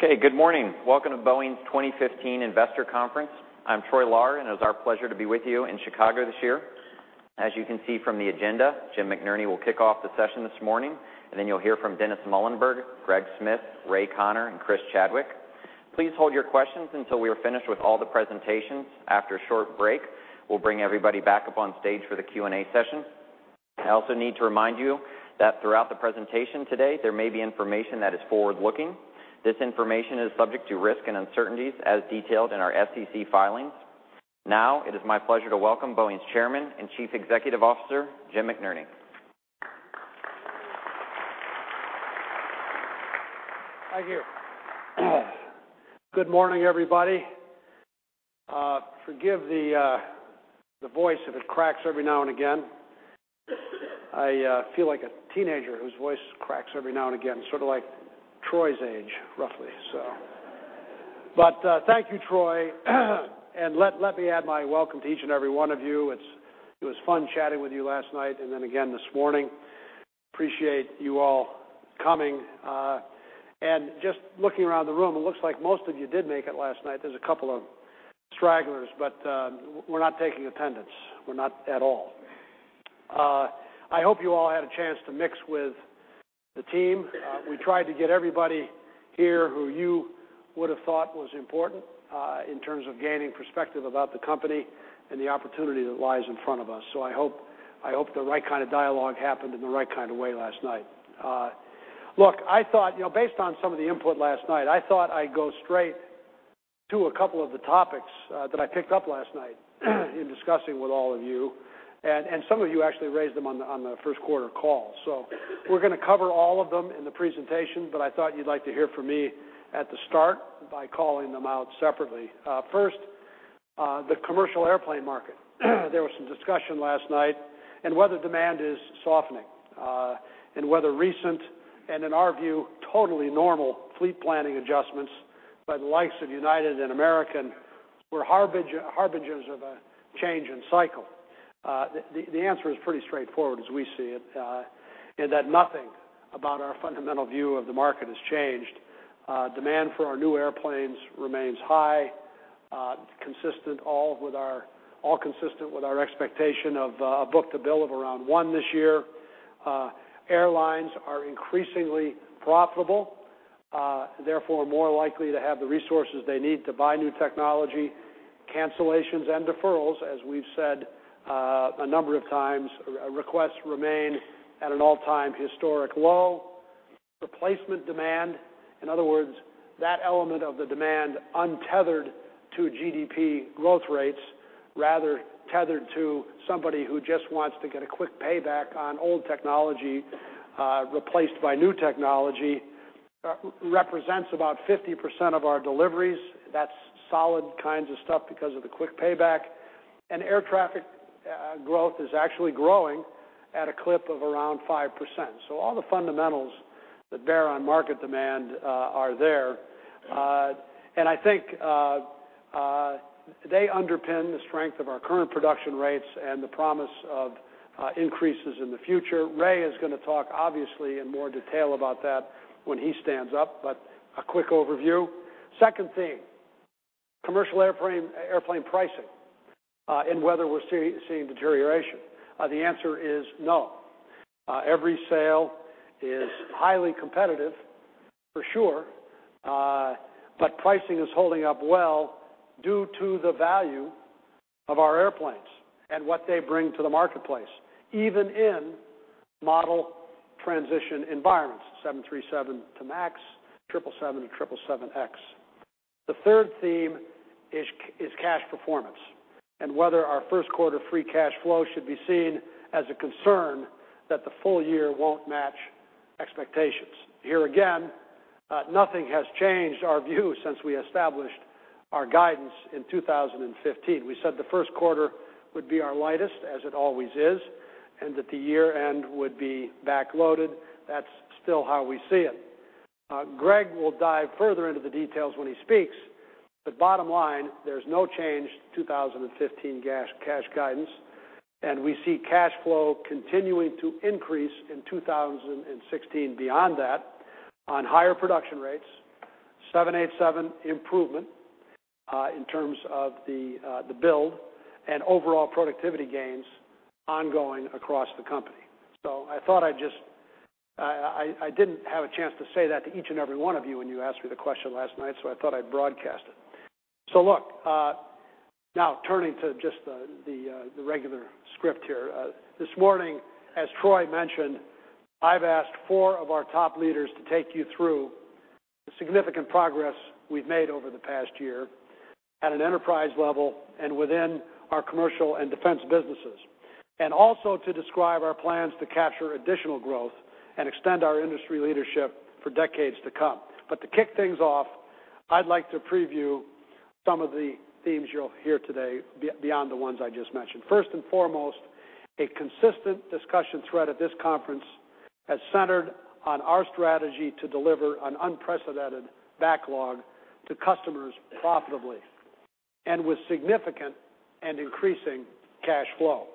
Good morning. Welcome to Boeing's 2015 Investor Conference. I'm Troy Lahr. It is our pleasure to be with you in Chicago this year. As you can see from the agenda, Jim McNerney will kick off the session this morning. Then you'll hear from Dennis Muilenburg, Greg Smith, Ray Conner, and Chris Chadwick. Please hold your questions until we are finished with all the presentations. After a short break, we'll bring everybody back up on stage for the Q&A session. I also need to remind you that throughout the presentation today, there may be information that is forward-looking. This information is subject to risks and uncertainties as detailed in our SEC filings. It is my pleasure to welcome Boeing's Chairman and Chief Executive Officer, Jim McNerney. Thank you. Good morning, everybody. Forgive the voice if it cracks every now and again. I feel like a teenager whose voice cracks every now and again, sort of like Troy's age, roughly. Thank you, Troy. Let me add my welcome to each and every one of you. It was fun chatting with you last night and then again this morning. Appreciate you all coming. Just looking around the room, it looks like most of you did make it last night. There's a couple of stragglers, but we're not taking attendance. We're not at all. I hope you all had a chance to mix with the team. We tried to get everybody here who you would've thought was important, in terms of gaining perspective about the company and the opportunity that lies in front of us. I hope the right kind of dialogue happened in the right kind of way last night. Look, based on some of the input last night, I thought I'd go straight to a couple of the topics that I picked up last night in discussing with all of you. Some of you actually raised them on the first quarter call. We're going to cover all of them in the presentation, but I thought you'd like to hear from me at the start by calling them out separately. First, the commercial airplane market. There was some discussion last night about whether demand is softening, and whether recent, and in our view, totally normal fleet planning adjustments by the likes of United and American were harbingers of a change in cycle. The answer is pretty straightforward as we see it, in that nothing about our fundamental view of the market has changed. Demand for our new airplanes remains high, all consistent with our expectation of a book to bill of around one this year. Airlines are increasingly profitable, therefore more likely to have the resources they need to buy new technology. Cancellations and deferrals, as we've said a number of times, requests remain at an all-time historic low. Replacement demand, in other words, that element of the demand untethered to GDP growth rates, rather tethered to somebody who just wants to get a quick payback on old technology, replaced by new technology, represents about 50% of our deliveries. That's solid kinds of stuff because of the quick payback. Air traffic growth is actually growing at a clip of around 5%. All the fundamentals that bear on market demand are there. I think, they underpin the strength of our current production rates and the promise of increases in the future. Ray is going to talk obviously in more detail about that when he stands up, but a quick overview. Second theme, commercial airplane pricing, and whether we're seeing deterioration. The answer is no. Every sale is highly competitive, for sure. Pricing is holding up well due to the value of our airplanes and what they bring to the marketplace, even in model transition environments, 737 to MAX, 777, and 777X. The third theme is cash performance, and whether our first quarter free cash flow should be seen as a concern that the full year won't match expectations. Here again, nothing has changed our view since we established our guidance in 2015. We said the first quarter would be our lightest, as it always is, and that the year-end would be back-loaded. That's still how we see it. Greg will dive further into the details when he speaks, bottom line, there's no change to 2015 cash guidance, and we see cash flow continuing to increase in 2016 beyond that on higher production rates, 787 improvement, in terms of the build, and overall productivity gains ongoing across the company. I didn't have a chance to say that to each and every one of you when you asked me the question last night, so I thought I'd broadcast it. Look, now turning to just the regular script here. This morning, as Troy mentioned, I've asked four of our top leaders to take you through the significant progress we've made over the past year at an enterprise level and within our commercial and defense businesses. Also to describe our plans to capture additional growth and extend our industry leadership for decades to come. To kick things off, I'd like to preview some of the themes you'll hear today beyond the ones I just mentioned. First and foremost, a consistent discussion thread at this conference has centered on our strategy to deliver an unprecedented backlog to customers profitably, and with significant and increasing cash flow.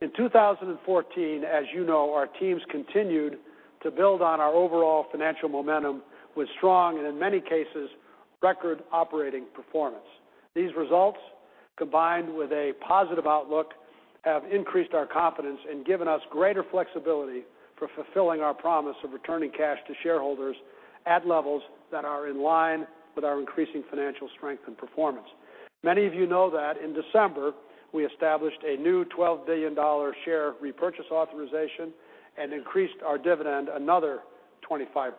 In 2014, as you know, our teams continued to build on our overall financial momentum with strong, and in many cases, record operating performance. These results, combined with a positive outlook, have increased our confidence and given us greater flexibility for fulfilling our promise of returning cash to shareholders at levels that are in line with our increasing financial strength and performance. Many of you know that in December, we established a new $12 billion share repurchase authorization and increased our dividend another 25%.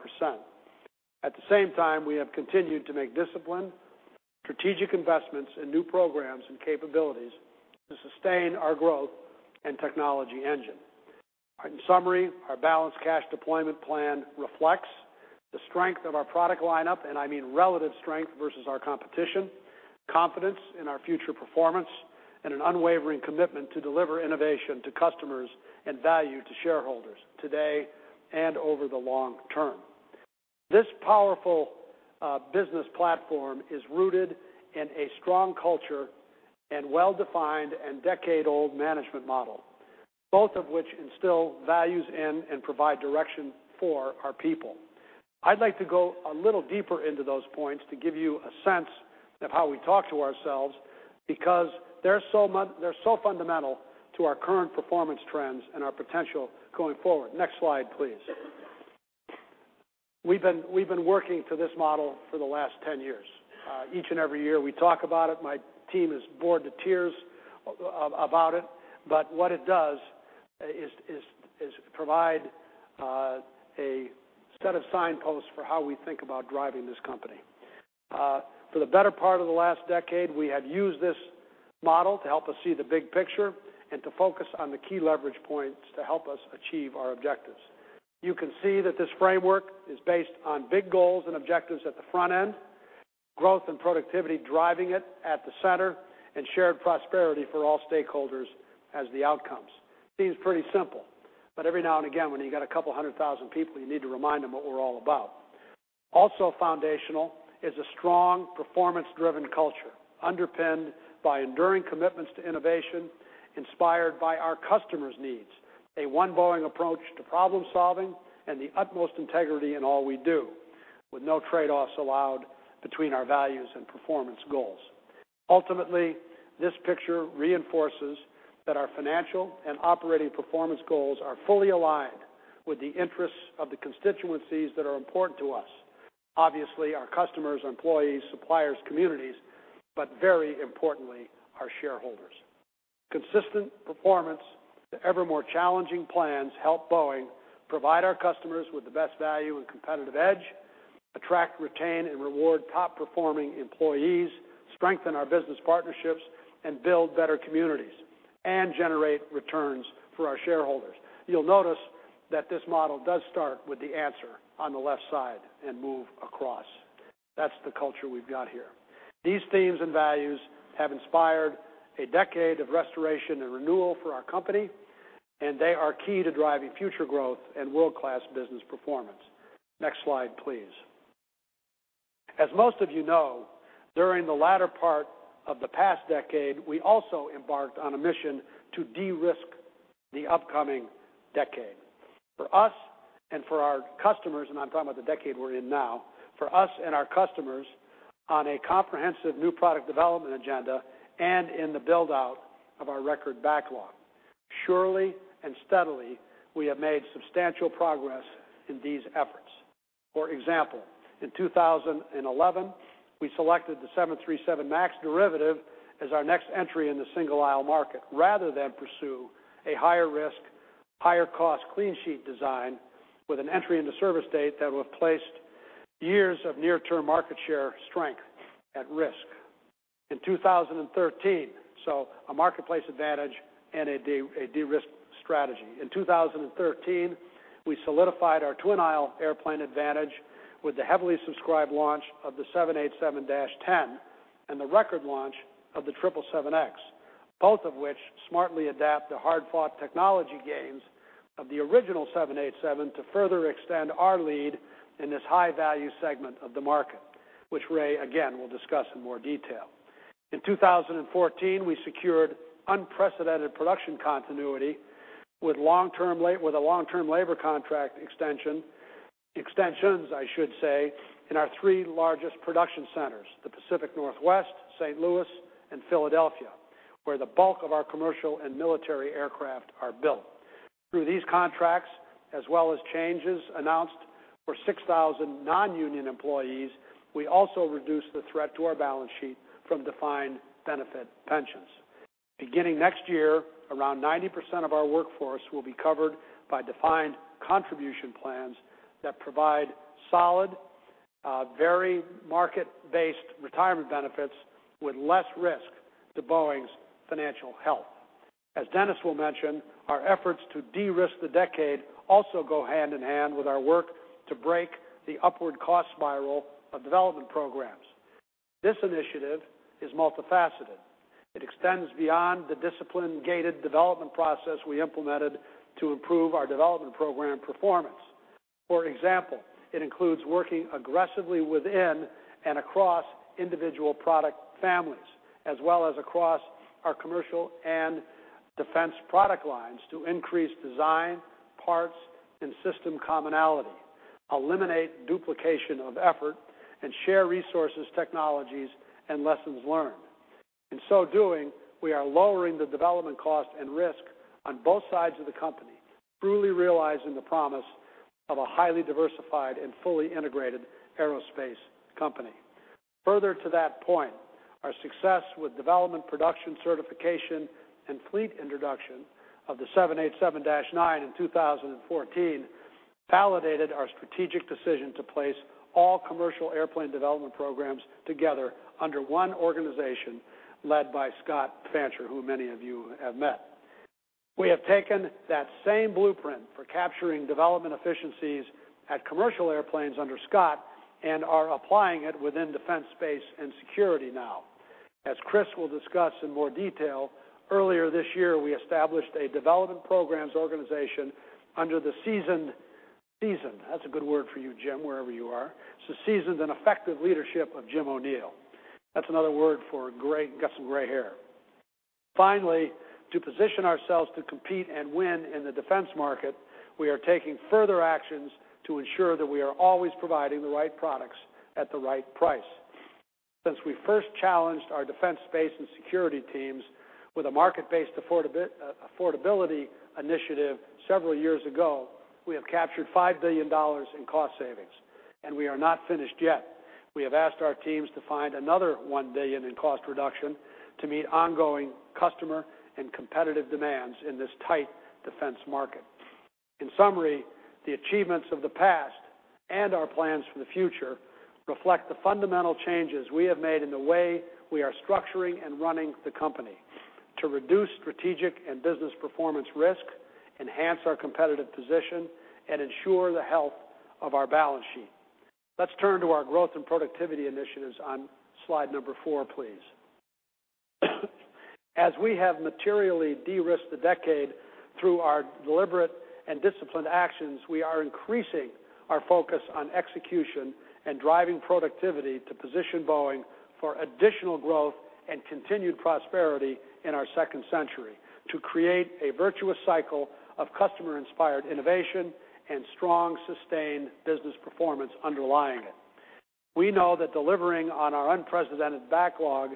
At the same time, we have continued to make disciplined strategic investments in new programs and capabilities to sustain our growth and technology engine. In summary, our balanced cash deployment plan reflects the strength of our product lineup, and I mean relative strength versus our competition, confidence in our future performance, and an unwavering commitment to deliver innovation to customers and value to shareholders today and over the long term. This powerful business platform is rooted in a strong culture and well-defined and decade-old management model, both of which instill values in and provide direction for our people. I'd like to go a little deeper into those points to give you a sense of how we talk to ourselves, because they're so fundamental to our current performance trends and our potential going forward. Next slide, please. We've been working to this model for the last 10 years. Each and every year, we talk about it. My team is bored to tears about it. What it does is provide a set of signposts for how we think about driving this company. For the better part of the last decade, we have used this model to help us see the big picture and to focus on the key leverage points to help us achieve our objectives. You can see that this framework is based on big goals and objectives at the front end, growth and productivity driving it at the center, and shared prosperity for all stakeholders as the outcomes. Seems pretty simple, but every now and again, when you've got a couple of hundred thousand people, you need to remind them what we're all about. Also foundational is a strong performance-driven culture underpinned by enduring commitments to innovation, inspired by our customers' needs, a One Boeing approach to problem-solving, and the utmost integrity in all we do, with no trade-offs allowed between our values and performance goals. Ultimately, this picture reinforces that our financial and operating performance goals are fully aligned with the interests of the constituencies that are important to us. Obviously, our customers, employees, suppliers, communities, but very importantly, our shareholders. Consistent performance to ever more challenging plans help Boeing provide our customers with the best value and competitive edge, attract, retain, and reward top-performing employees, strengthen our business partnerships, and build better communities, and generate returns for our shareholders. You'll notice that this model does start with the answer on the left side and move across. That's the culture we've got here. These themes and values have inspired a decade of restoration and renewal for our company. They are key to driving future growth and world-class business performance. Next slide, please. As most of you know, during the latter part of the past decade, we also embarked on a mission to de-risk the upcoming decade. For us and for our customers, and I'm talking about the decade we're in now, for us and our customers on a comprehensive new product development agenda and in the build-out of our record backlog. Surely and steadily, we have made substantial progress in these efforts. For example, in 2011, we selected the 737 MAX derivative as our next entry in the single-aisle market, rather than pursue a higher risk, higher cost clean sheet design with an entry into service date that would have placed years of near-term market share strength at risk. In 2013, a marketplace advantage and a de-risk strategy. In 2013, we solidified our twin-aisle airplane advantage with the heavily subscribed launch of the 787-10 and the record launch of the 777X, both of which smartly adapt the hard-fought technology gains of the original 787 to further extend our lead in this high-value segment of the market, which Ray, again, will discuss in more detail. In 2014, we secured unprecedented production continuity with a long-term labor contract extension. Extensions, I should say, in our three largest production centers, the Pacific Northwest, St. Louis, and Philadelphia, where the bulk of our commercial and military aircraft are built. Through these contracts, as well as changes announced for 6,000 non-union employees, we also reduced the threat to our balance sheet from defined benefit pensions. Beginning next year, around 90% of our workforce will be covered by defined contribution plans that provide solid, very market-based retirement benefits with less risk to Boeing's financial health. As Dennis will mention, our efforts to de-risk the decade also go hand in hand with our work to break the upward cost spiral of development programs. This initiative is multifaceted. It extends beyond the discipline gated development process we implemented to improve our development program performance. For example, it includes working aggressively within and across individual product families, as well as across our Commercial and Defense product lines to increase design, parts, and system commonality, eliminate duplication of effort, and share resources, technologies, and lessons learned. In so doing, we are lowering the development cost and risk on both sides of the company, truly realizing the promise of a highly diversified and fully integrated aerospace company. Further to that point, our success with development, production certification, and fleet introduction of the 787-9 in 2014 validated our strategic decision to place all Commercial Airplanes development programs together under one organization led by Scott Fancher, who many of you have met. We have taken that same blueprint for capturing development efficiencies at Commercial Airplanes under Scott and are applying it within Defense, Space & Security now. As Chris will discuss in more detail, earlier this year, we established a development programs organization under the seasoned, that's a good word for you, Jim, wherever you are, so seasoned and effective leadership of Jim O'Neill. That's another word for got some gray hair. Finally, to position ourselves to compete and win in the defense market, we are taking further actions to ensure that we are always providing the right products at the right price. Since we first challenged our Defense, Space & Security teams with a market-based affordability initiative several years ago, we have captured $5 billion in cost savings, and we are not finished yet. We have asked our teams to find another $1 billion in cost reduction to meet ongoing customer and competitive demands in this tight defense market. In summary, the achievements of the past and our plans for the future reflect the fundamental changes we have made in the way we are structuring and running the company to reduce strategic and business performance risk, enhance our competitive position, and ensure the health of our balance sheet. Let's turn to our growth and productivity initiatives on slide number four, please. As we have materially de-risked the decade through our deliberate and disciplined actions, we are increasing our focus on execution and driving productivity to position Boeing for additional growth and continued prosperity in our second century to create a virtuous cycle of customer-inspired innovation and strong, sustained business performance underlying it. We know that delivering on our unprecedented backlog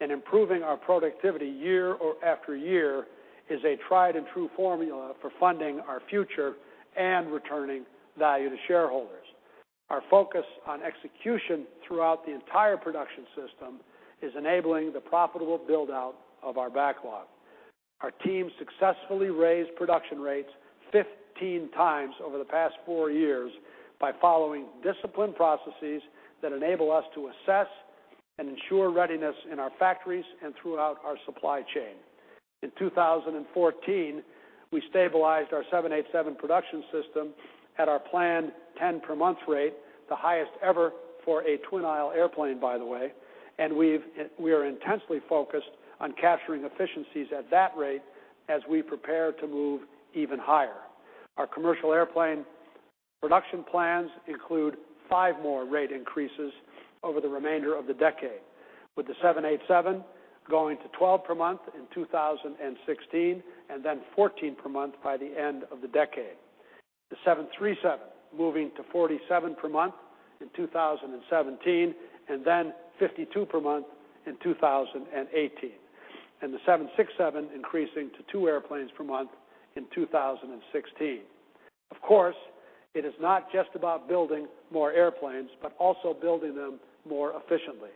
and improving our productivity year after year is a tried-and-true formula for funding our future and returning value to shareholders. Our focus on execution throughout the entire production system is enabling the profitable build-out of our backlog. Our team successfully raised production rates 15 times over the past four years by following disciplined processes that enable us to assess and ensure readiness in our factories and throughout our supply chain. In 2014, we stabilized our 787 production system at our planned 10 per month rate, the highest ever for a twin-aisle airplane, by the way, and we are intensely focused on capturing efficiencies at that rate as we prepare to move even higher. Our commercial airplane production plans include five more rate increases over the remainder of the decade, with the 787 going to 12 per month in 2016, and then 14 per month by the end of the decade. The 737 moving to 47 per month in 2017, and then 52 per month in 2018, and the 767 increasing to two airplanes per month in 2016. Of course, it is not just about building more airplanes, but also building them more efficiently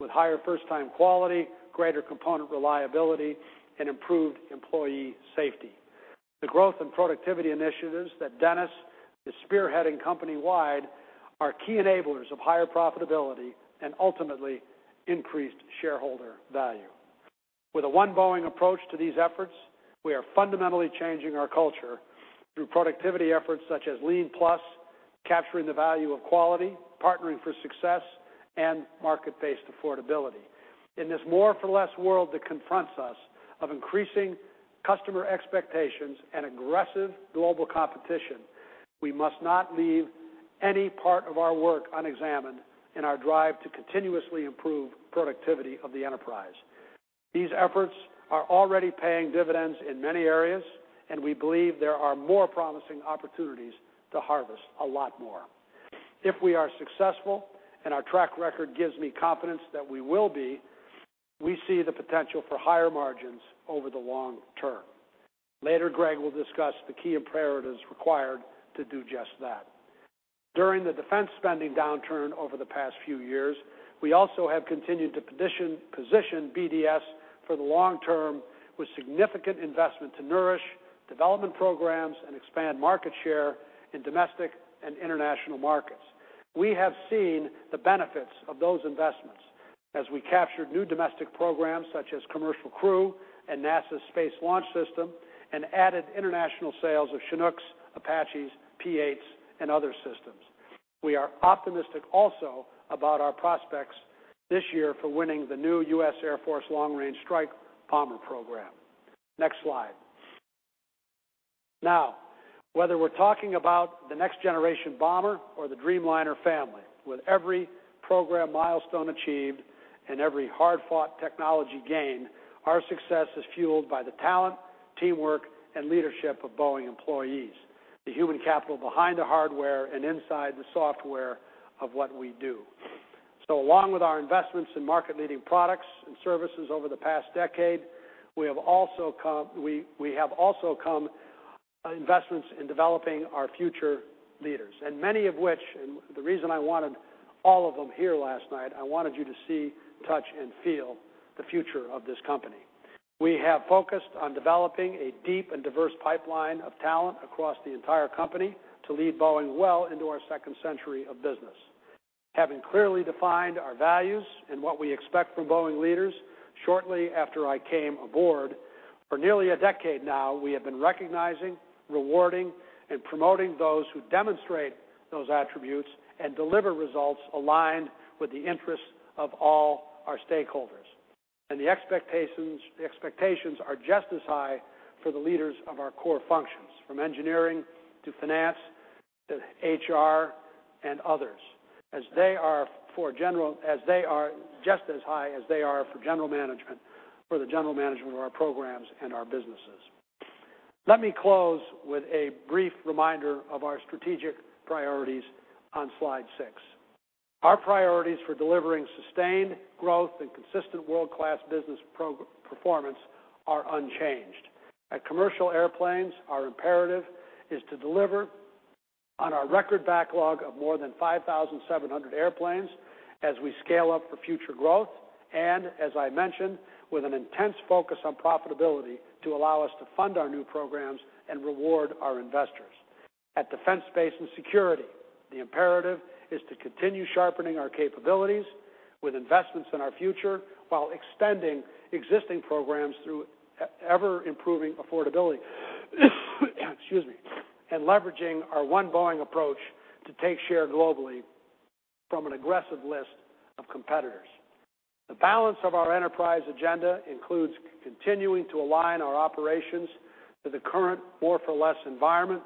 with higher first-time quality, greater component reliability, and improved employee safety. The growth and productivity initiatives that Dennis is spearheading company-wide are key enablers of higher profitability and ultimately increased shareholder value. With a One Boeing approach to these efforts, we are fundamentally changing our culture through productivity efforts such as Lean+, Capturing the Value of Quality, Partnering for Success, and market-based affordability. In this more for less world that confronts us of increasing customer expectations and aggressive global competition, we must not leave any part of our work unexamined in our drive to continuously improve productivity of the enterprise. These efforts are already paying dividends in many areas, and we believe there are more promising opportunities to harvest a lot more. If we are successful, and our track record gives me confidence that we will be, we see the potential for higher margins over the long term. Later, Greg will discuss the key imperatives required to do just that. During the defense spending downturn over the past few years, we also have continued to position BDS for the long term with significant investment to nourish development programs and expand market share in domestic and international markets. We have seen the benefits of those investments as we captured new domestic programs such as Commercial Crew and NASA's Space Launch System, and added international sales of Chinooks, Apaches, P-8s, and other systems. We are optimistic also about our prospects this year for winning the new U.S. Air Force Long Range Strike Bomber program. Next slide. Now, whether we're talking about the next generation bomber or the Dreamliner family, with every program milestone achieved and every hard-fought technology gained, our success is fueled by the talent, teamwork, and leadership of Boeing employees, the human capital behind the hardware and inside the software of what we do. Along with our investments in market-leading products and services over the past decade, we have also investments in developing our future leaders, many of which, and the reason I wanted all of them here last night, I wanted you to see, touch, and feel the future of this company. We have focused on developing a deep and diverse pipeline of talent across the entire company to lead Boeing well into our second century of business. Having clearly defined our values and what we expect from Boeing leaders, shortly after I came aboard, for nearly a decade now, we have been recognizing, rewarding, and promoting those who demonstrate those attributes and deliver results aligned with the interests of all our stakeholders. The expectations are just as high for the leaders of our core functions, from engineering to finance to HR and others, as they are just as high as they are for general management, for the general management of our programs and our businesses. Let me close with a brief reminder of our strategic priorities on slide six. Our priorities for delivering sustained growth and consistent world-class business performance are unchanged. At Commercial Airplanes, our imperative is to deliver on our record backlog of more than 5,700 airplanes as we scale up for future growth, and, as I mentioned, with an intense focus on profitability to allow us to fund our new programs and reward our investors. At Defense, Space & Security, the imperative is to continue sharpening our capabilities with investments in our future while extending existing programs through ever-improving affordability. Excuse me. Leveraging our One Boeing approach to take share globally from an aggressive list of competitors. The balance of our enterprise agenda includes continuing to align our operations to the current more-for-less environment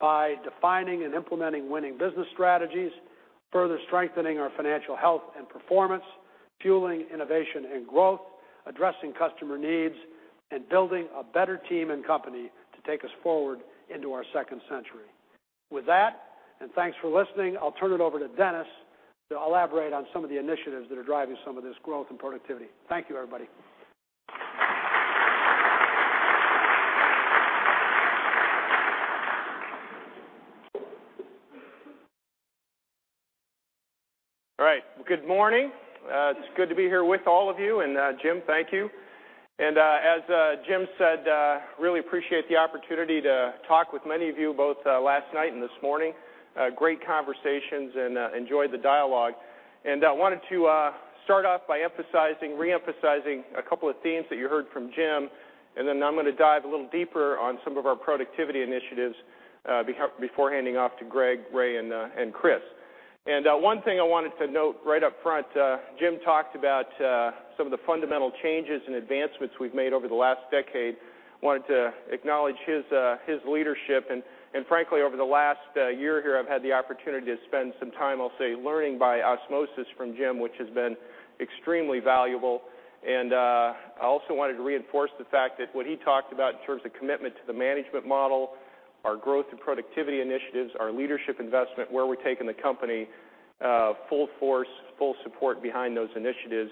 by defining and implementing winning business strategies, further strengthening our financial health and performance, fueling innovation and growth, addressing customer needs, and building a better team and company to take us forward into our second century. With that, and thanks for listening, I'll turn it over to Dennis to elaborate on some of the initiatives that are driving some of this growth and productivity. Thank you, everybody. All right. Good morning. It's good to be here with all of you. Jim, thank you. As Jim said, really appreciate the opportunity to talk with many of you, both last night and this morning. Great conversations and enjoyed the dialogue. I wanted to start off by emphasizing, re-emphasizing a couple of themes that you heard from Jim, then I'm going to dive a little deeper on some of our productivity initiatives, before handing off to Greg, Ray, and Chris. One thing I wanted to note right up front, Jim talked about some of the fundamental changes and advancements we've made over the last decade. Wanted to acknowledge his leadership and, frankly, over the last year here, I've had the opportunity to spend some time, I'll say, learning by osmosis from Jim, which has been extremely valuable. I also wanted to reinforce the fact that what he talked about in terms of commitment to the management model, our growth and productivity initiatives, our leadership investment, where we're taking the company, full force, full support behind those initiatives.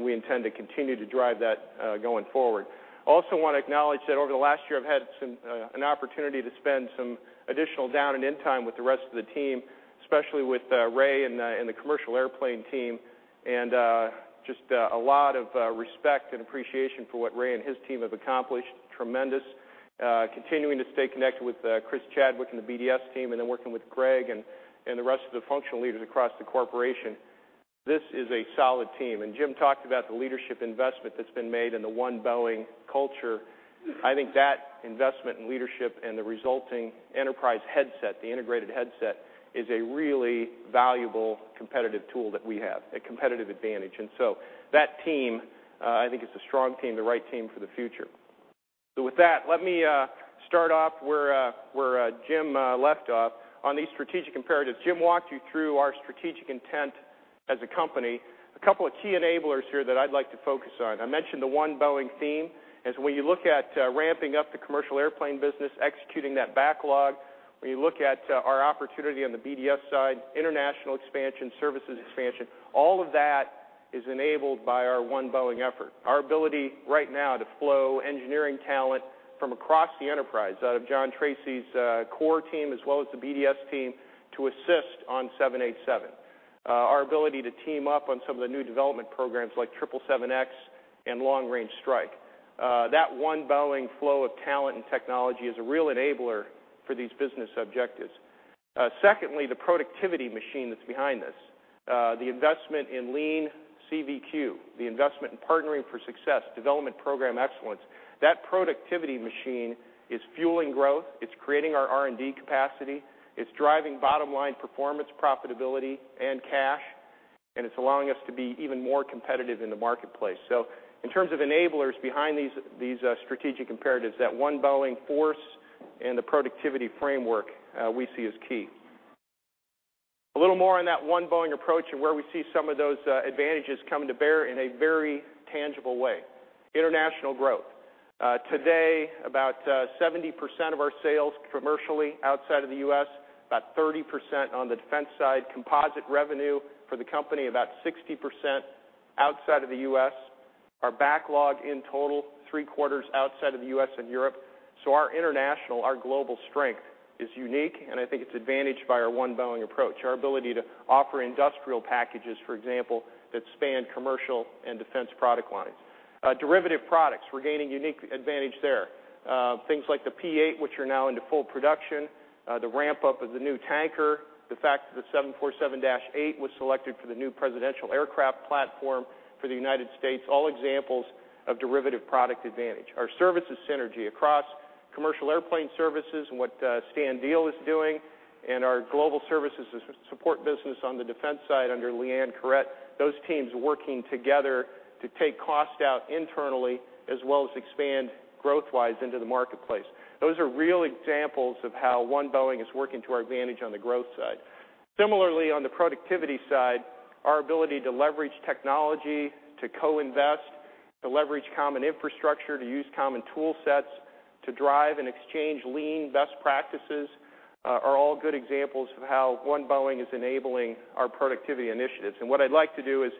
We intend to continue to drive that going forward. I also want to acknowledge that over the last year, I've had an opportunity to spend some additional down and in time with the rest of the team, especially with Ray and the Commercial Airplanes team. Just a lot of respect and appreciation for what Ray and his team have accomplished. Tremendous. Continuing to stay connected with Chris Chadwick and the BDS team, then working with Greg and the rest of the functional leaders across the corporation. This is a solid team, Jim talked about the leadership investment that's been made and the One Boeing culture. I think that investment in leadership and the resulting enterprise headset, the integrated headset, is a really valuable competitive tool that we have, a competitive advantage. That team, I think it's a strong team, the right team for the future. With that, let me start off where Jim left off on these strategic imperatives. Jim walked you through our strategic intent as a company. A couple of key enablers here that I'd like to focus on. I mentioned the One Boeing theme, as when you look at ramping up the Commercial Airplanes business, executing that backlog. When you look at our opportunity on the BDS side, international expansion, services expansion, all of that is enabled by our One Boeing effort. Our ability right now to flow engineering talent from across the enterprise, out of John Tracy's core team, as well as the BDS team, to assist on 787. Our ability to team up on some of the new development programs like 777X and Long Range Strike. That One Boeing flow of talent and technology is a real enabler for these business objectives. Secondly, the productivity machine that's behind this. The investment in Lean+/CVQ, the investment in Partnering for Success, Development Program Excellence, that productivity machine is fueling growth, it's creating our R&D capacity, it's driving bottom-line performance, profitability, and cash, and it's allowing us to be even more competitive in the marketplace. In terms of enablers behind these strategic imperatives, that One Boeing force and the productivity framework we see as key. A little more on that One Boeing approach and where we see some of those advantages come to bear in a very tangible way. International growth. Today, about 70% of our sales commercially outside of the U.S., about 30% on the defense side, composite revenue for the company, about 60% outside of the U.S. Our backlog in total, three-quarters outside of the U.S. and Europe. Our international, our global strength is unique, and I think it's advantaged by our One Boeing approach, our ability to offer industrial packages, for example, that span commercial and defense product lines. Derivative products, we're gaining unique advantage there. Things like the P-8, which are now into full production, the ramp-up of the new tanker, the fact that the 747-8 was selected for the new presidential aircraft platform for the United States, all examples of derivative product advantage. Our services synergy across commercial airplane services and what Stan Deal is doing, our Global Services & Support business on the defense side under Leanne Caret, those teams working together to take cost out internally as well as expand growth-wise into the marketplace. Those are real examples of how One Boeing is working to our advantage on the growth side. Similarly, on the productivity side, our ability to leverage technology, to co-invest, to leverage common infrastructure, to use common tool sets, to drive and exchange Lean+ best practices, are all good examples of how One Boeing is enabling our productivity initiatives. What I'd like to do is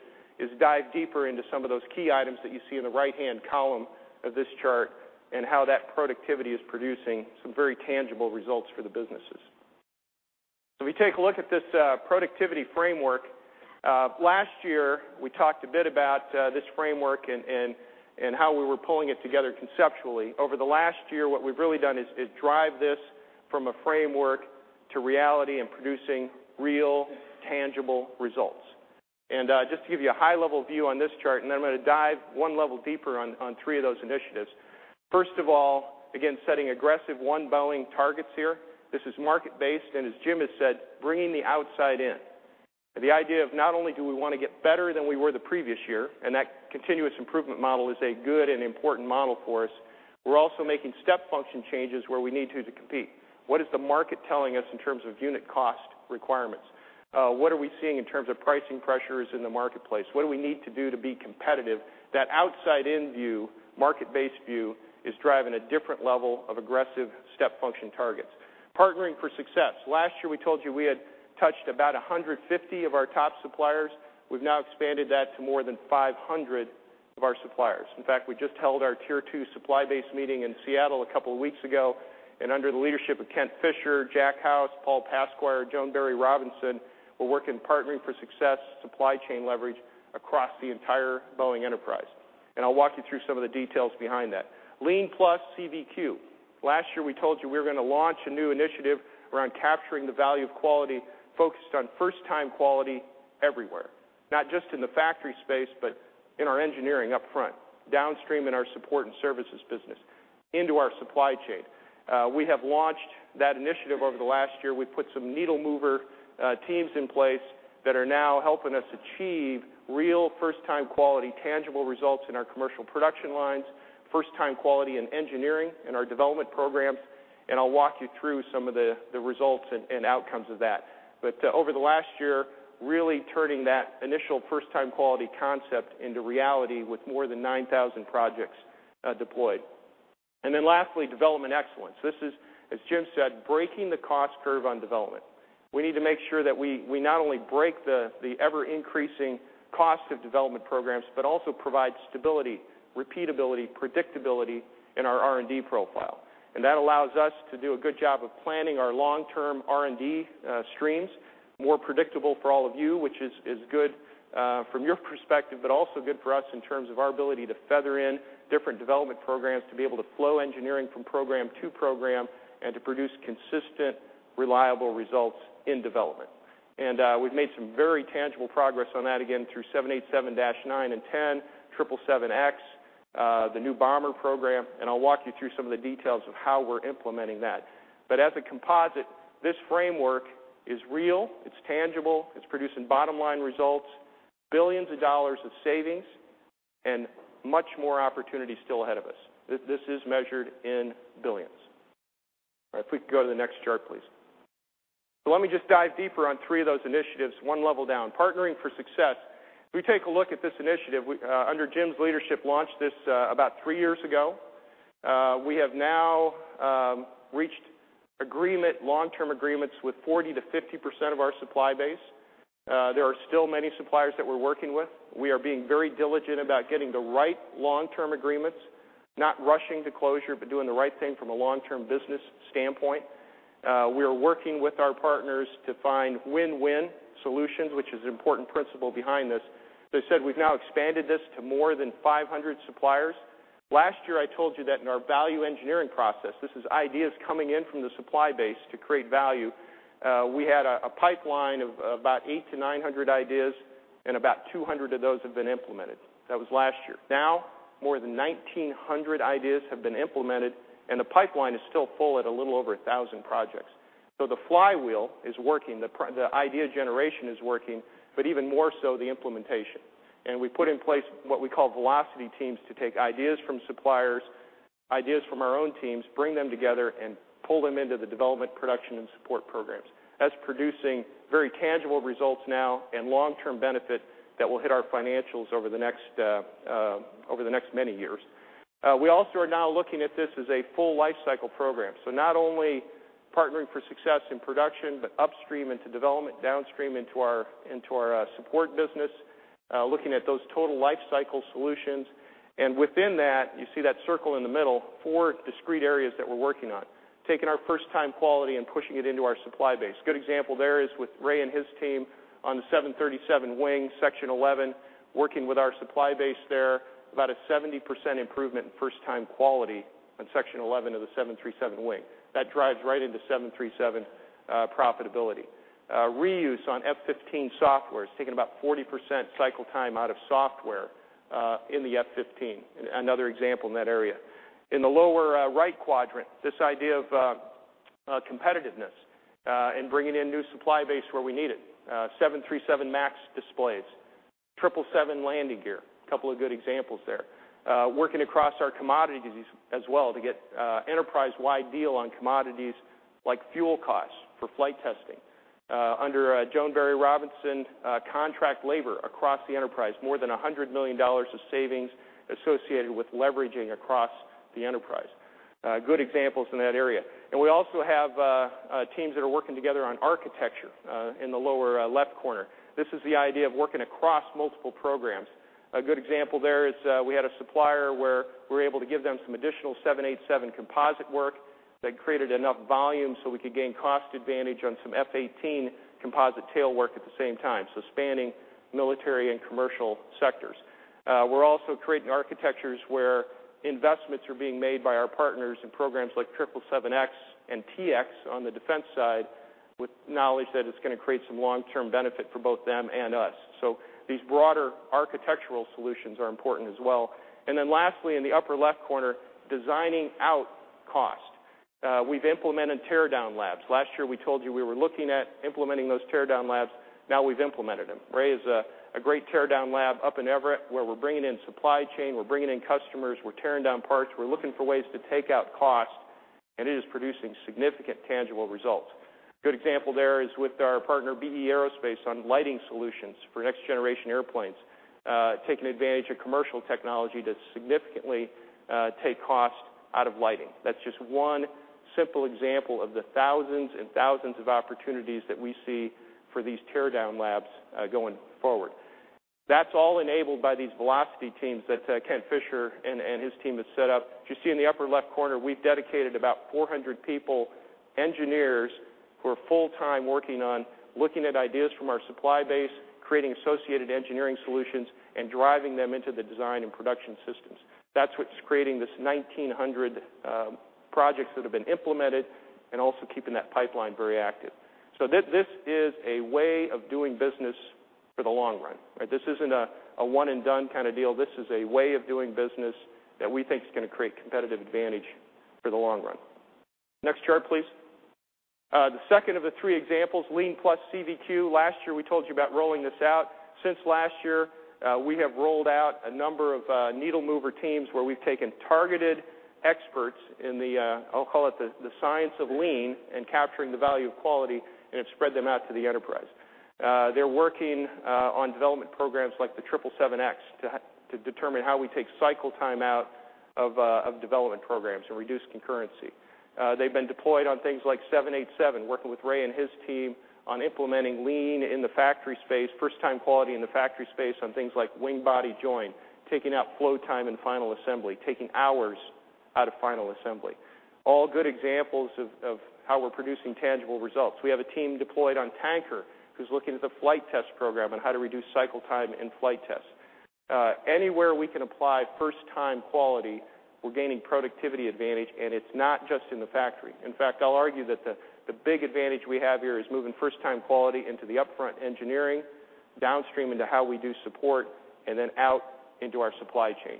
dive deeper into some of those key items that you see in the right-hand column of this chart and how that productivity is producing some very tangible results for the businesses. We take a look at this productivity framework. Last year, we talked a bit about this framework and how we were pulling it together conceptually. Over the last year, what we've really done is drive this from a framework to reality and producing real, tangible results. Just to give you a high-level view on this chart, then I'm going to dive one level deeper on three of those initiatives. First of all, again, setting aggressive One Boeing targets here. This is market-based, and as Jim has said, bringing the outside in. The idea of not only do we want to get better than we were the previous year, and that continuous improvement model is a good and important model for us, we're also making step function changes where we need to compete. What is the market telling us in terms of unit cost requirements? What are we seeing in terms of pricing pressures in the marketplace? What do we need to do to be competitive? That outside-in view, market-based view, is driving a different level of aggressive step function targets. Partnering for Success. Last year, we told you we had touched about 150 of our top suppliers. We've now expanded that to more than 500 of our suppliers. In fact, we just held our tier 2 supply base meeting in Seattle a couple of weeks ago, under the leadership of Kent Fisher, Jack House, Paul Pascarella, Joan Robinson-Berry, we're working Partnering for Success supply chain leverage across the entire Boeing enterprise. I'll walk you through some of the details behind that. Lean+/CVQ. Last year, we told you we were going to launch a new initiative around Capturing the Value of Quality focused on first-time quality everywhere, not just in the factory space, but in our engineering up front, downstream in our support and services business, into our supply chain. We have launched that initiative over the last year. We put some needle mover teams in place that are now helping us achieve real first-time quality, tangible results in our commercial production lines, first-time quality in engineering in our development programs, I'll walk you through some of the results and outcomes of that. Over the last year, really turning that initial first-time quality concept into reality with more than 9,000 projects deployed. Then lastly, Development Excellence. This is, as Jim said, breaking the cost curve on development. We need to make sure that we not only break the ever-increasing cost of development programs, but also provide stability, repeatability, predictability in our R&D profile. That allows us to do a good job of planning our long-term R&D streams, more predictable for all of you, which is good from your perspective, but also good for us in terms of our ability to feather in different development programs, to be able to flow engineering from program to program, and to produce consistent, reliable results in development. We've made some very tangible progress on that, again, through 787-9 and 787-10, 777X, the new bomber program, and I'll walk you through some of the details of how we're implementing that. As a composite, this framework is real, it's tangible, it's producing bottom-line results, $ billions of savings, and much more opportunity still ahead of us. This is measured in $ billions. If we could go to the next chart, please. Let me just dive deeper on three of those initiatives, one level down. Partnering for Success. If we take a look at this initiative, under Jim's leadership, launched this about three years ago. We have now reached long-term agreements with 40%-50% of our supply base. There are still many suppliers that we're working with. We are being very diligent about getting the right long-term agreements, not rushing to closure, but doing the right thing from a long-term business standpoint. We are working with our partners to find win-win solutions, which is an important principle behind this. As I said, we've now expanded this to more than 500 suppliers. Last year, I told you that in our value engineering process, this is ideas coming in from the supply base to create value, we had a pipeline of about 800-900 ideas, and about 200 of those have been implemented. That was last year. Now, more than 1,900 ideas have been implemented, and the pipeline is still full at a little over 1,000 projects. The flywheel is working, the idea generation is working, but even more so, the implementation. We put in place what we call velocity teams to take ideas from suppliers, ideas from our own teams, bring them together, and pull them into the development, production, and support programs. That's producing very tangible results now and long-term benefit that will hit our financials over the next many years. We also are now looking at this as a full lifecycle program. Not only Partnering for Success in production, but upstream into development, downstream into our support business, looking at those total lifecycle solutions. Within that, you see that circle in the middle, four discrete areas that we're working on. Taking our first-time quality and pushing it into our supply base. Good example there is with Ray and his team on the 737 wing, section 11, working with our supply base there, about a 70% improvement in first-time quality on section 11 of the 737 wing. That drives right into 737 profitability. Reuse on F-15 software. It's taking about 40% cycle time out of software in the F-15, another example in that area. In the lower right quadrant, this idea of competitiveness and bringing in new supply base where we need it. 737 MAX displays, 777 landing gear, a couple of good examples there. Working across our commodities as well to get enterprise-wide deal on commodities like fuel costs for flight testing. Under Joan Robinson-Berry, contract labor across the enterprise, more than $100 million of savings associated with leveraging across the enterprise. Good examples in that area. We also have teams that are working together on architecture in the lower left corner. This is the idea of working across multiple programs. A good example there is we had a supplier where we were able to give them some additional 787 composite work that created enough volume so we could gain cost advantage on some F-18 composite tail work at the same time, spanning military and commercial sectors. We're also creating architectures where investments are being made by our partners in programs like 777X and TX on the defense side with knowledge that it's going to create some long-term benefit for both them and us. These broader architectural solutions are important as well. Lastly, in the upper left corner, designing out cost. We've implemented teardown labs. Last year, we told you we were looking at implementing those teardown labs. Now we've implemented them. Ray has a great teardown lab up in Everett where we're bringing in supply chain, we're bringing in customers, we're tearing down parts, we're looking for ways to take out cost, and it is producing significant tangible results. Good example there is with our partner, B/E Aerospace, on lighting solutions for next generation airplanes, taking advantage of commercial technology to significantly take cost out of lighting. That's just one simple example of the thousands and thousands of opportunities that we see for these teardown labs going forward. That's all enabled by these velocity teams that Kent Fisher and his team have set up. If you see in the upper left corner, we've dedicated about 400 people, engineers, who are full-time working on looking at ideas from our supply base, creating associated engineering solutions, and driving them into the design and production systems. That's what's creating this 1,900 projects that have been implemented and also keeping that pipeline very active. This is a way of doing business for the long run. This isn't a one and done kind of deal. This is a way of doing business that we think is going to create competitive advantage for the long run. Next chart, please. The second of the three examples, Lean+/CVQ. Last year, we told you about rolling this out. Since last year, we have rolled out a number of needle mover teams where we've taken targeted experts in the, I'll call it, the science of lean and capturing the value of quality and have spread them out to the enterprise. They're working on development programs like the 777X to determine how we take cycle time out of development programs and reduce concurrency. They've been deployed on things like 787, working with Ray and his team on implementing lean in the factory space, first-time quality in the factory space on things like wing body join, taking out flow time and final assembly, taking hours out of final assembly. All good examples of how we're producing tangible results. We have a team deployed on Tanker who's looking at the flight test program on how to reduce cycle time in flight tests. Anywhere we can apply first-time quality, we're gaining productivity advantage, and it's not just in the factory. In fact, I'll argue that the big advantage we have here is moving first-time quality into the upfront engineering, downstream into how we do support, and then out into our supply chain.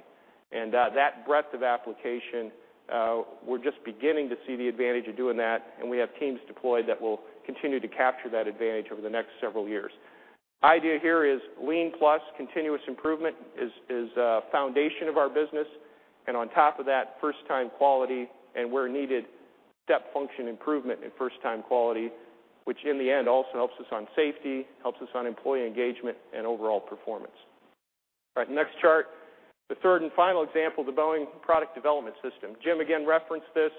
That breadth of application, we're just beginning to see the advantage of doing that, and we have teams deployed that will continue to capture that advantage over the next several years. Idea here is Lean+ continuous improvement is a foundation of our business, and on top of that, first-time quality, and where needed, step function improvement in first-time quality, which in the end also helps us on safety, helps us on employee engagement, and overall performance. All right, next chart. The third and final example, the Boeing Product Development System. Jim, again, referenced this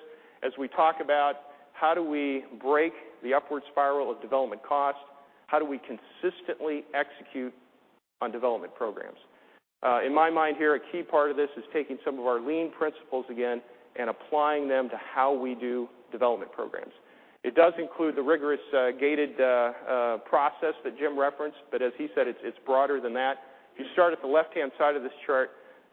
as we talk about how do we break the upward spiral of development cost, how do we consistently execute on development programs. In my mind here, a key part of this is taking some of our lean principles again and applying them to how we do development programs. It does include the rigorous gated process that Jim referenced, but as he said, it's broader than that. If you start at the left-hand side of this chart.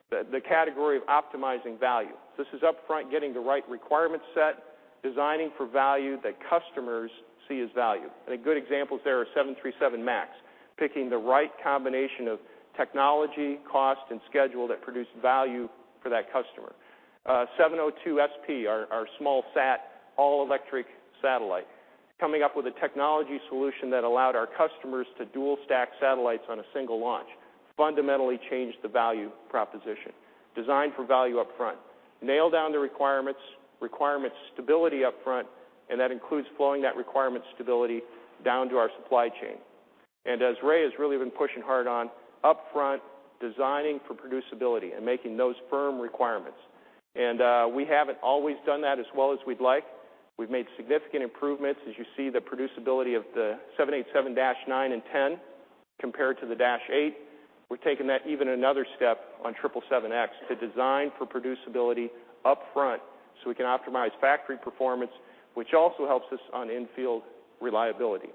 The category of optimizing value. This is upfront getting the right requirement set, designing for value that customers see as value. A good example there is 737 MAX, picking the right combination of technology, cost, and schedule that produce value for that customer. 702SP, our small sat, all-electric satellite, coming up with a technology solution that allowed our customers to dual-stack satellites on a single launch, fundamentally changed the value proposition. Design for value up front. Nail down the requirements stability up front, and that includes flowing that requirement stability down to our supply chain. As Ray has really been pushing hard on, upfront designing for producibility and making those firm requirements. We haven't always done that as well as we'd like. We've made significant improvements. As you see, the producibility of the 787-9 and 10 compared to the-8. We've taken that even another step on 777X to design for producibility upfront so we can optimize factory performance, which also helps us on in-field reliability.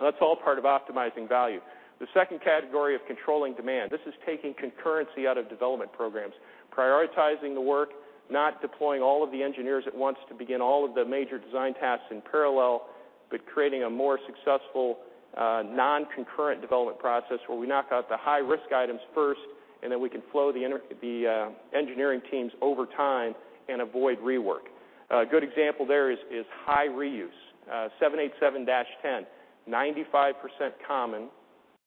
That's all part of optimizing value. The second category of controlling demand. This is taking concurrency out of development programs, prioritizing the work, not deploying all of the engineers at once to begin all of the major design tasks in parallel, but creating a more successful, non-concurrent development process where we knock out the high-risk items first, and then we can flow the engineering teams over time and avoid rework. A good example there is high reuse. 787-10, 95% common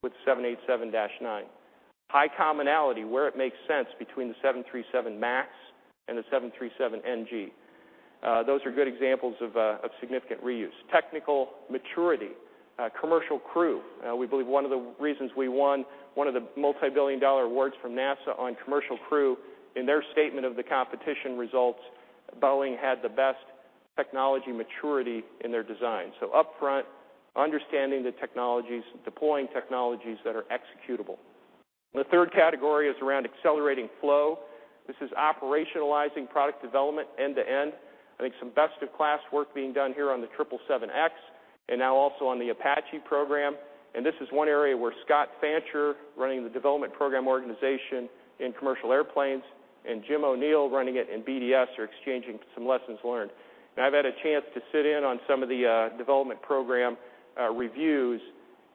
with 787-9. High commonality, where it makes sense, between the 737 MAX and the 737 NG. Those are good examples of significant reuse. Technical maturity. Commercial crew. We believe one of the reasons we won one of the multibillion-dollar awards from NASA on commercial crew, in their statement of the competition results, Boeing had the best technology maturity in their design. Upfront, understanding the technologies, deploying technologies that are executable. The third category is around accelerating flow. This is operationalizing product development end to end. I think some best-in-class work being done here on the 777X, and now also on the Apache program. This is one area where Scott Fancher, running the Development Program organization in Commercial Airplanes, and Jim O'Neill, running it in BDS, are exchanging some lessons learned. I have had a chance to sit in on some of the Development Program reviews,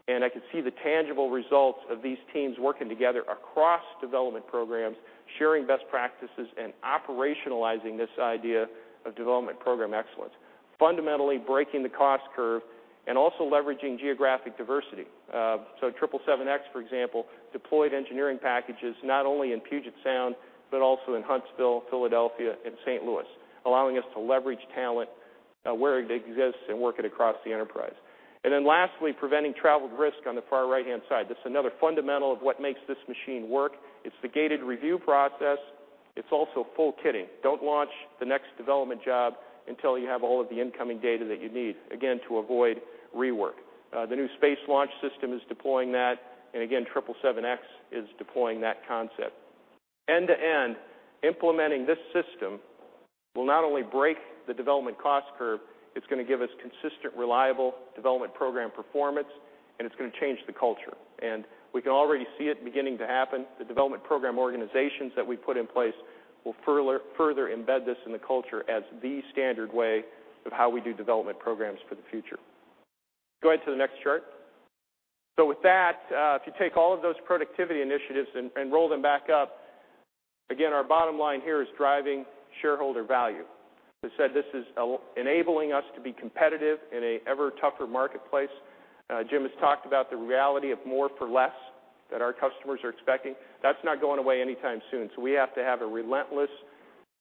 and I can see the tangible results of these teams working together across Development Programs, sharing best practices, and operationalizing this idea of Development Program Excellence, fundamentally breaking the cost curve, and also leveraging geographic diversity. The 777X, for example, deployed engineering packages not only in Puget Sound, but also in Huntsville, Philadelphia, and St. Louis, allowing us to leverage talent where it exists and work it across the enterprise. Lastly, preventing traveled risk on the far right-hand side. This is another fundamental of what makes this machine work. It's the gated review process. It's also full kitting. Do not launch the next development job until you have all of the incoming data that you need, again, to avoid rework. The new Space Launch System is deploying that, and again, 777X is deploying that concept. End to end, implementing this system will not only break the development cost curve, it's going to give us consistent, reliable Development Program performance, and it's going to change the culture. We can already see it beginning to happen. The Development Program organizations that we put in place will further embed this in the culture as the standard way of how we do Development Programs for the future. Go ahead to the next chart. With that, if you take all of those productivity initiatives and roll them back up, again, our bottom line here is driving shareholder value. As I said, this is enabling us to be competitive in an ever tougher marketplace. Jim has talked about the reality of more for less that our customers are expecting. That's not going away anytime soon, so we have to have a relentless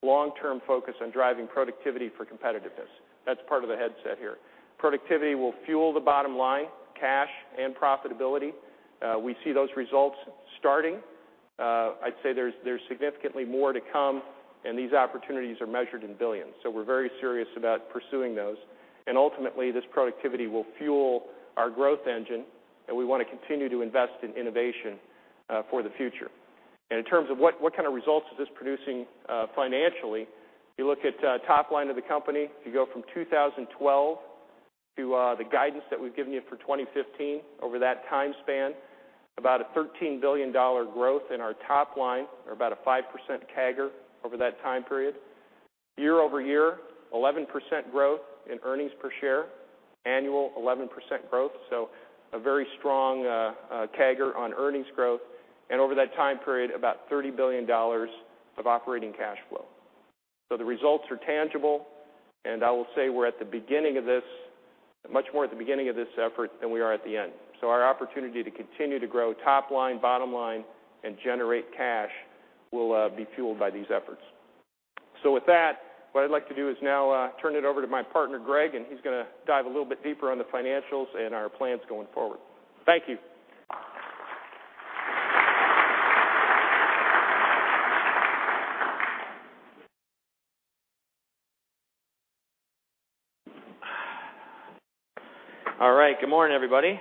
long-term focus on driving productivity for competitiveness. That's part of the mindset here. Productivity will fuel the bottom line, cash, and profitability. We see those results starting. I would say there's significantly more to come, and these opportunities are measured in billions, so we're very serious about pursuing those. Ultimately, this productivity will fuel our growth engine, and we want to continue to invest in innovation for the future. In terms of what kind of results is this producing financially, you look at top line of the company. If you go from 2012 to the guidance that we've given you for 2015, over that time span, about a $13 billion growth in our top line, or about a 5% CAGR over that time period. Year-over-year, 11% growth in earnings per share. Annual 11% growth, so a very strong CAGR on earnings growth. Over that time period, about $30 billion of operating cash flow. The results are tangible, and I will say we're at the beginning of this, much more at the beginning of this effort than we are at the end. Our opportunity to continue to grow top line, bottom line, and generate cash will be fueled by these efforts. With that, what I'd like to do is now turn it over to my partner, Greg, and he's going to dive a little bit deeper on the financials and our plans going forward. Thank you. All right. Good morning, everybody.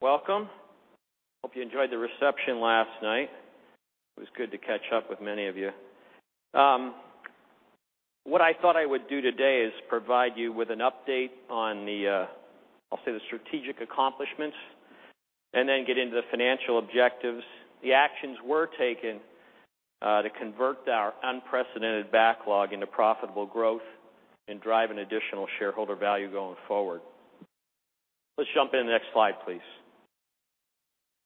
Welcome. Hope you enjoyed the reception last night. It was good to catch up with many of you. What I thought I would do today is provide you with an update on the, I'll say, the strategic accomplishments, and then get into the financial objectives, the actions we're taking to convert our unprecedented backlog into profitable growth and drive an additional shareholder value going forward. Let's jump in. Next slide, please.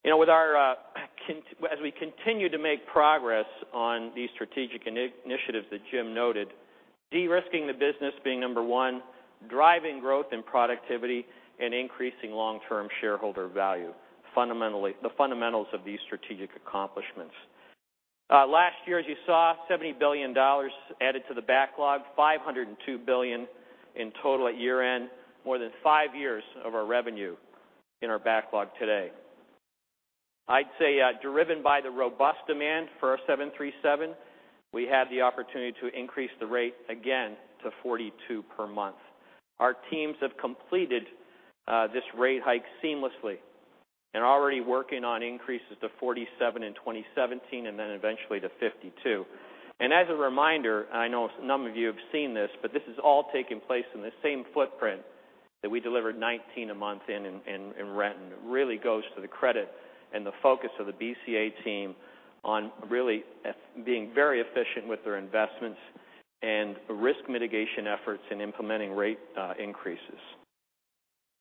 As we continue to make progress on these strategic initiatives that Jim noted, de-risking the business being number 1, driving growth and productivity, and increasing long-term shareholder value, the fundamentals of these strategic accomplishments. Last year, as you saw, $70 billion added to the backlog, $502 billion in total at year-end, more than 5 years of our revenue in our backlog today. I'd say, driven by the robust demand for our 737, we had the opportunity to increase the rate again to 42 per month. Our teams have completed this rate hike seamlessly and are already working on increases to 47 in 2017 and then eventually to 52. As a reminder, I know a number of you have seen this, but this is all taking place in the same footprint that we delivered 19 a month in Renton. It really goes to the credit and the focus of the BCA team on really being very efficient with their investments and the risk mitigation efforts in implementing rate increases.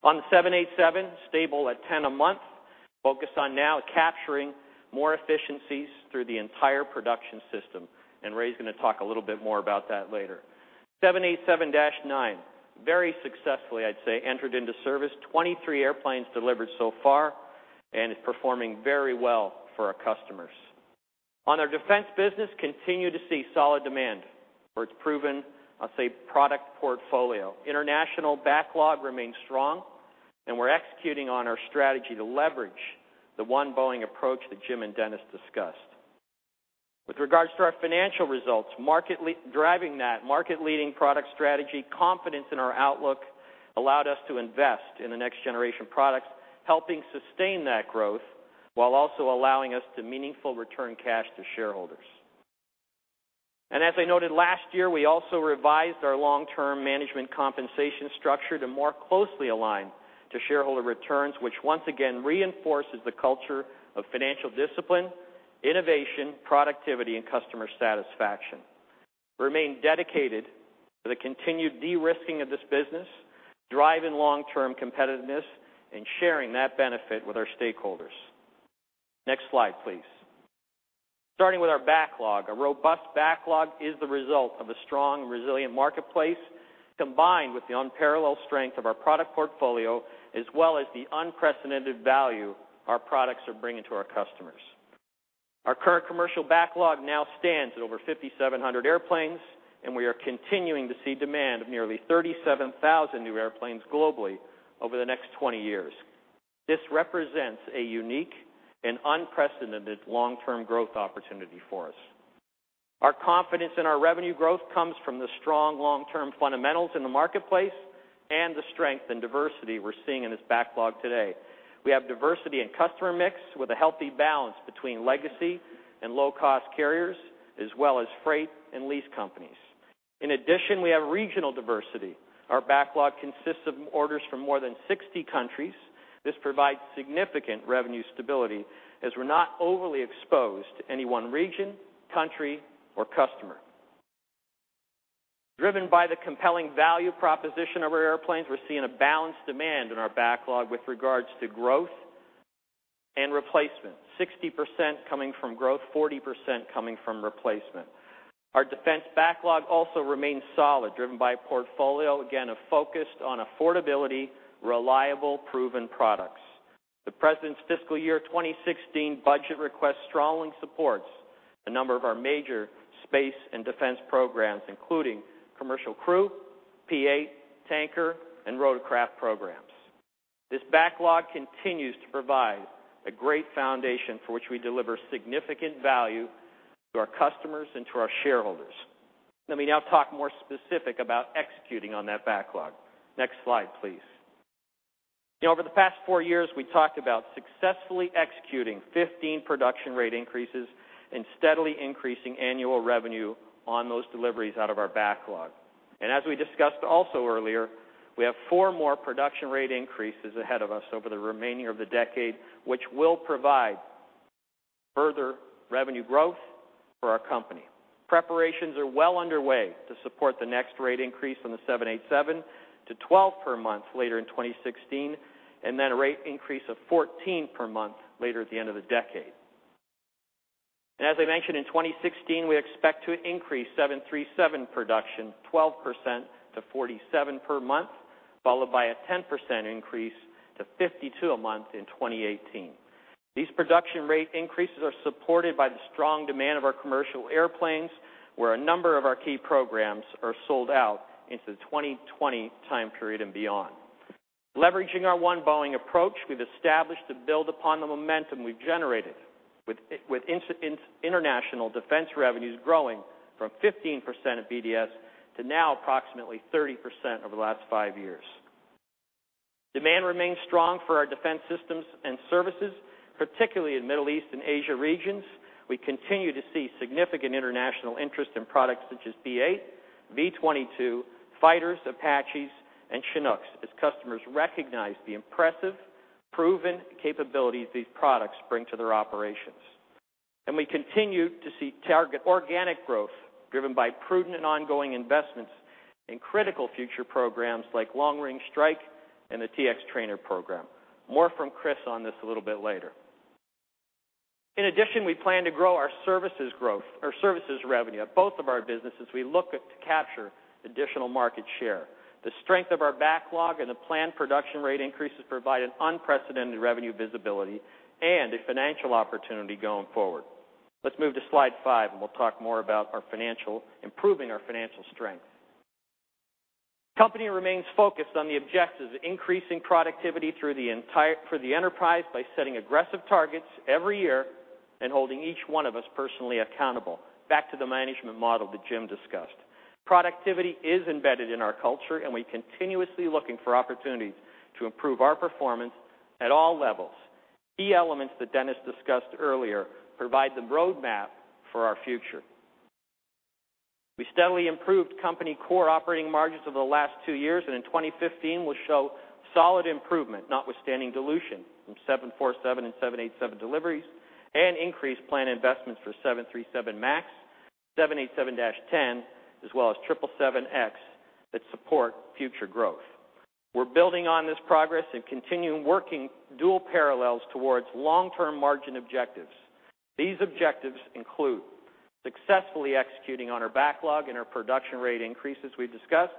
On the 787, stable at 10 a month. Focused on now capturing more efficiencies through the entire production system, and Ray's going to talk a little bit more about that later. 787-9, very successfully, I'll say, entered into service. 23 airplanes delivered so far and is performing very well for our customers. On our Defense business, continue to see solid demand for its proven, I'll say, product portfolio. International backlog remains strong, and we're executing on our strategy to leverage the One Boeing approach that Jim and Dennis discussed. With regards to our financial results, driving that market-leading product strategy, confidence in our outlook allowed us to invest in the next-generation products, helping sustain that growth while also allowing us to meaningful return cash to shareholders. As I noted last year, we also revised our long-term management compensation structure to more closely align to shareholder returns, which once again reinforces the culture of financial discipline, innovation, productivity, and customer satisfaction. Remain dedicated to the continued de-risking of this business, driving long-term competitiveness, and sharing that benefit with our stakeholders. Next slide, please. Starting with our backlog. A robust backlog is the result of a strong, resilient marketplace, combined with the unparalleled strength of our product portfolio, as well as the unprecedented value our products are bringing to our customers. Our current commercial backlog now stands at over 5,700 airplanes, and we are continuing to see demand of nearly 37,000 new airplanes globally over the next 20 years. This represents a unique and unprecedented long-term growth opportunity for us. Our confidence in our revenue growth comes from the strong long-term fundamentals in the marketplace and the strength and diversity we are seeing in this backlog today. We have diversity in customer mix with a healthy balance between legacy and low-cost carriers, as well as freight and lease companies. In addition, we have regional diversity. Our backlog consists of orders from more than 60 countries. This provides significant revenue stability as we are not overly exposed to any one region, country, or customer. Driven by the compelling value proposition of our airplanes, we are seeing a balanced demand in our backlog with regards to growth and replacement, 60% coming from growth, 40% coming from replacement. Our defense backlog also remains solid, driven by a portfolio, again, focused on affordability, reliable, proven products. The President's fiscal year 2016 budget request strongly supports a number of our major space and defense programs, including Commercial Crew, P-8, tanker, and rotorcraft programs. This backlog continues to provide a great foundation for which we deliver significant value to our customers and to our shareholders. Let me now talk more specific about executing on that backlog. Next slide, please. Over the past four years, we talked about successfully executing 15 production rate increases and steadily increasing annual revenue on those deliveries out of our backlog. As we discussed also earlier, we have four more production rate increases ahead of us over the remaining of the decade, which will provide further revenue growth for our company. Preparations are well underway to support the next rate increase on the 787 to 12 per month later in 2016, and then a rate increase of 14 per month later at the end of the decade. As I mentioned, in 2016, we expect to increase 737 production 12% to 47 per month, followed by a 10% increase to 52 a month in 2018. These production rate increases are supported by the strong demand of our commercial airplanes, where a number of our key programs are sold out into the 2020 time period and beyond. Leveraging our One Boeing approach, we have established to build upon the momentum we have generated, with international defense revenues growing from 15% of BDS to now approximately 30% over the last five years. Demand remains strong for our defense systems and services, particularly in Middle East and Asia regions. We continue to see significant international interest in products such as P-8, V-22, Fighters, Apaches, and Chinooks, as customers recognize the impressive proven capabilities these products bring to their operations. We continue to see target organic growth driven by prudent and ongoing investments in critical future programs like Long Range Strike and the T-X Trainer program. More from Chris on this a little bit later. We plan to grow our services revenue at both of our businesses we look to capture additional market share. The strength of our backlog and the planned production rate increases provide an unprecedented revenue visibility and a financial opportunity going forward. Let's move to slide five, and we'll talk more about improving our financial strength. Company remains focused on the objectives of increasing productivity for the enterprise by setting aggressive targets every year and holding each one of us personally accountable. Back to the management model that Jim discussed. Productivity is embedded in our culture, and we're continuously looking for opportunities to improve our performance at all levels. Key elements that Dennis discussed earlier provide the roadmap for our future. We steadily improved company core operating margins over the last two years, and in 2015, we'll show solid improvement, notwithstanding dilution from 747 and 787 deliveries and increased planned investments for 737 MAX, 787-10, as well as 777X that support future growth. We're building on this progress and continuing working dual parallels towards long-term margin objectives. These objectives include successfully executing on our backlog and our production rate increases we've discussed,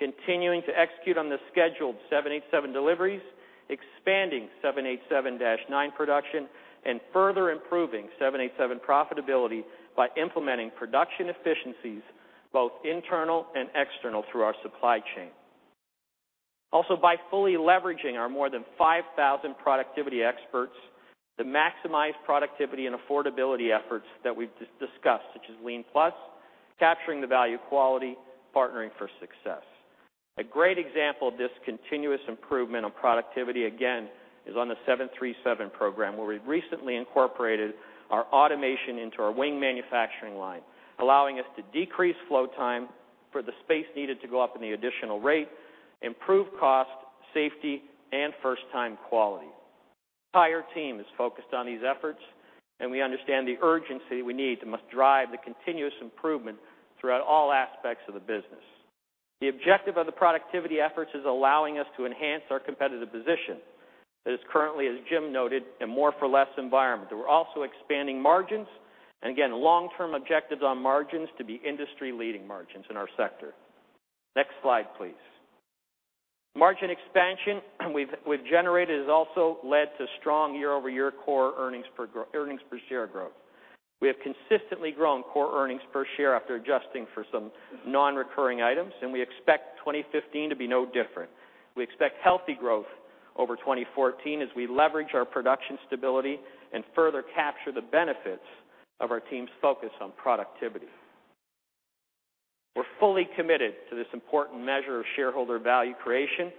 continuing to execute on the scheduled 787 deliveries, expanding 787-9 production, and further improving 787 profitability by implementing production efficiencies, both internal and external, through our supply chain. Also, by fully leveraging our more than 5,000 productivity experts to maximize productivity and affordability efforts that we've discussed, such as Lean+, capturing the value quality, Partnering for Success. A great example of this continuous improvement on productivity, again, is on the 737 program, where we've recently incorporated our automation into our wing manufacturing line, allowing us to decrease flow time for the space needed to go up in the additional rate, improve cost, safety, and first-time quality. Entire team is focused on these efforts, we understand the urgency we need to must drive the continuous improvement throughout all aspects of the business. The objective of the productivity efforts is allowing us to enhance our competitive position that is currently, as Jim noted, a more for less environment. Long-term objectives on margins to be industry leading margins in our sector. Next slide, please. Margin expansion we've generated has also led to strong year-over-year core earnings per share growth. We have consistently grown core earnings per share after adjusting for some non-recurring items, we expect 2015 to be no different. We expect healthy growth over 2014 as we leverage our production stability and further capture the benefits of our team's focus on productivity. We're fully committed to this important measure of shareholder value creation,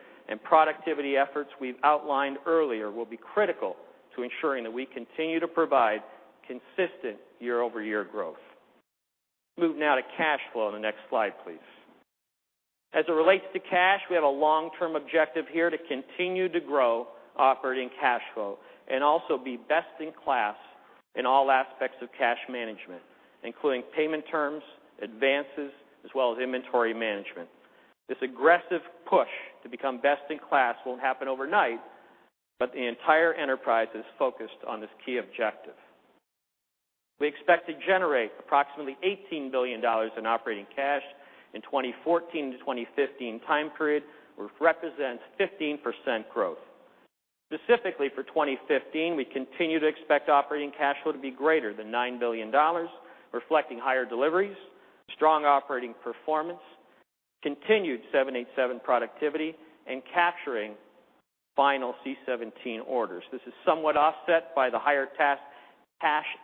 productivity efforts we've outlined earlier will be critical to ensuring that we continue to provide consistent year-over-year growth. Moving now to cash flow in the next slide, please. As it relates to cash, we have a long-term objective here to continue to grow operating cash flow and also be best in class in all aspects of cash management, including payment terms, advances, as well as inventory management. This aggressive push to become best in class won't happen overnight, but the entire enterprise is focused on this key objective. We expect to generate approximately $18 billion in operating cash in 2014 to 2015 time period, which represents 15% growth. Specifically for 2015, we continue to expect operating cash flow to be greater than $9 billion, reflecting higher deliveries, strong operating performance, continued 787 productivity, and capturing final C-17 orders. This is somewhat offset by the higher cash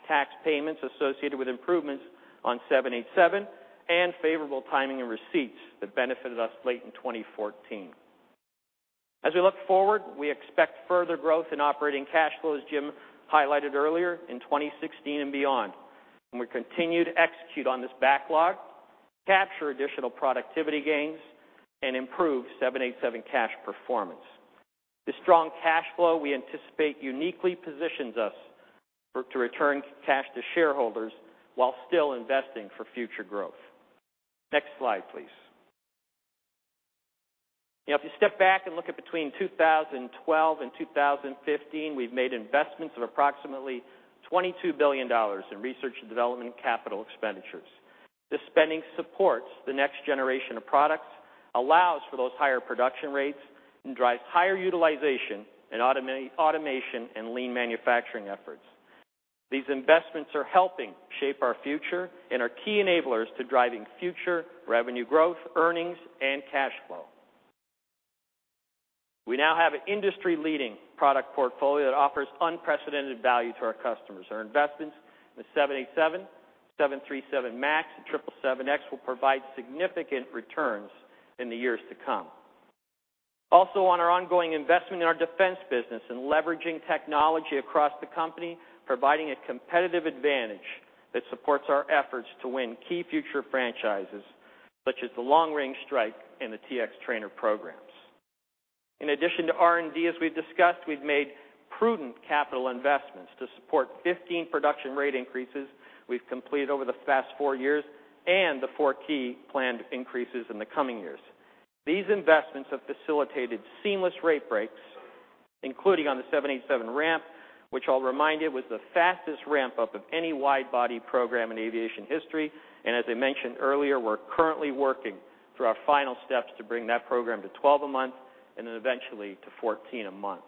tax payments associated with improvements on 787 and favorable timing and receipts that benefited us late in 2014. As we look forward, we expect further growth in operating cash flow, as Jim highlighted earlier, in 2016 and beyond, and we continue to execute on this backlog, capture additional productivity gains, and improve 787 cash performance. The strong cash flow we anticipate uniquely positions us to return cash to shareholders while still investing for future growth. Next slide, please. If you step back and look at between 2012 and 2015, we've made investments of approximately $22 billion in research and development capital expenditures. This spending supports the next generation of products, allows for those higher production rates, and drives higher utilization and automation in lean manufacturing efforts. These investments are helping shape our future and are key enablers to driving future revenue growth, earnings, and cash flow. We now have an industry-leading product portfolio that offers unprecedented value to our customers. Our investments in the 787, 737 MAX and 777X will provide significant returns in the years to come. Also, on our ongoing investment in our defense business and leveraging technology across the company, providing a competitive advantage that supports our efforts to win key future franchises, such as the long-range strike and the T-X Trainer programs. In addition to R&D, as we've discussed, we've made prudent capital investments to support 15 production rate increases we've completed over the past four years and the four key planned increases in the coming years. These investments have facilitated seamless rate breaks, including on the 787 ramp, which I'll remind you, was the fastest ramp-up of any wide-body program in aviation history. As I mentioned earlier, we're currently working through our final steps to bring that program to 12 a month and then eventually to 14 a month.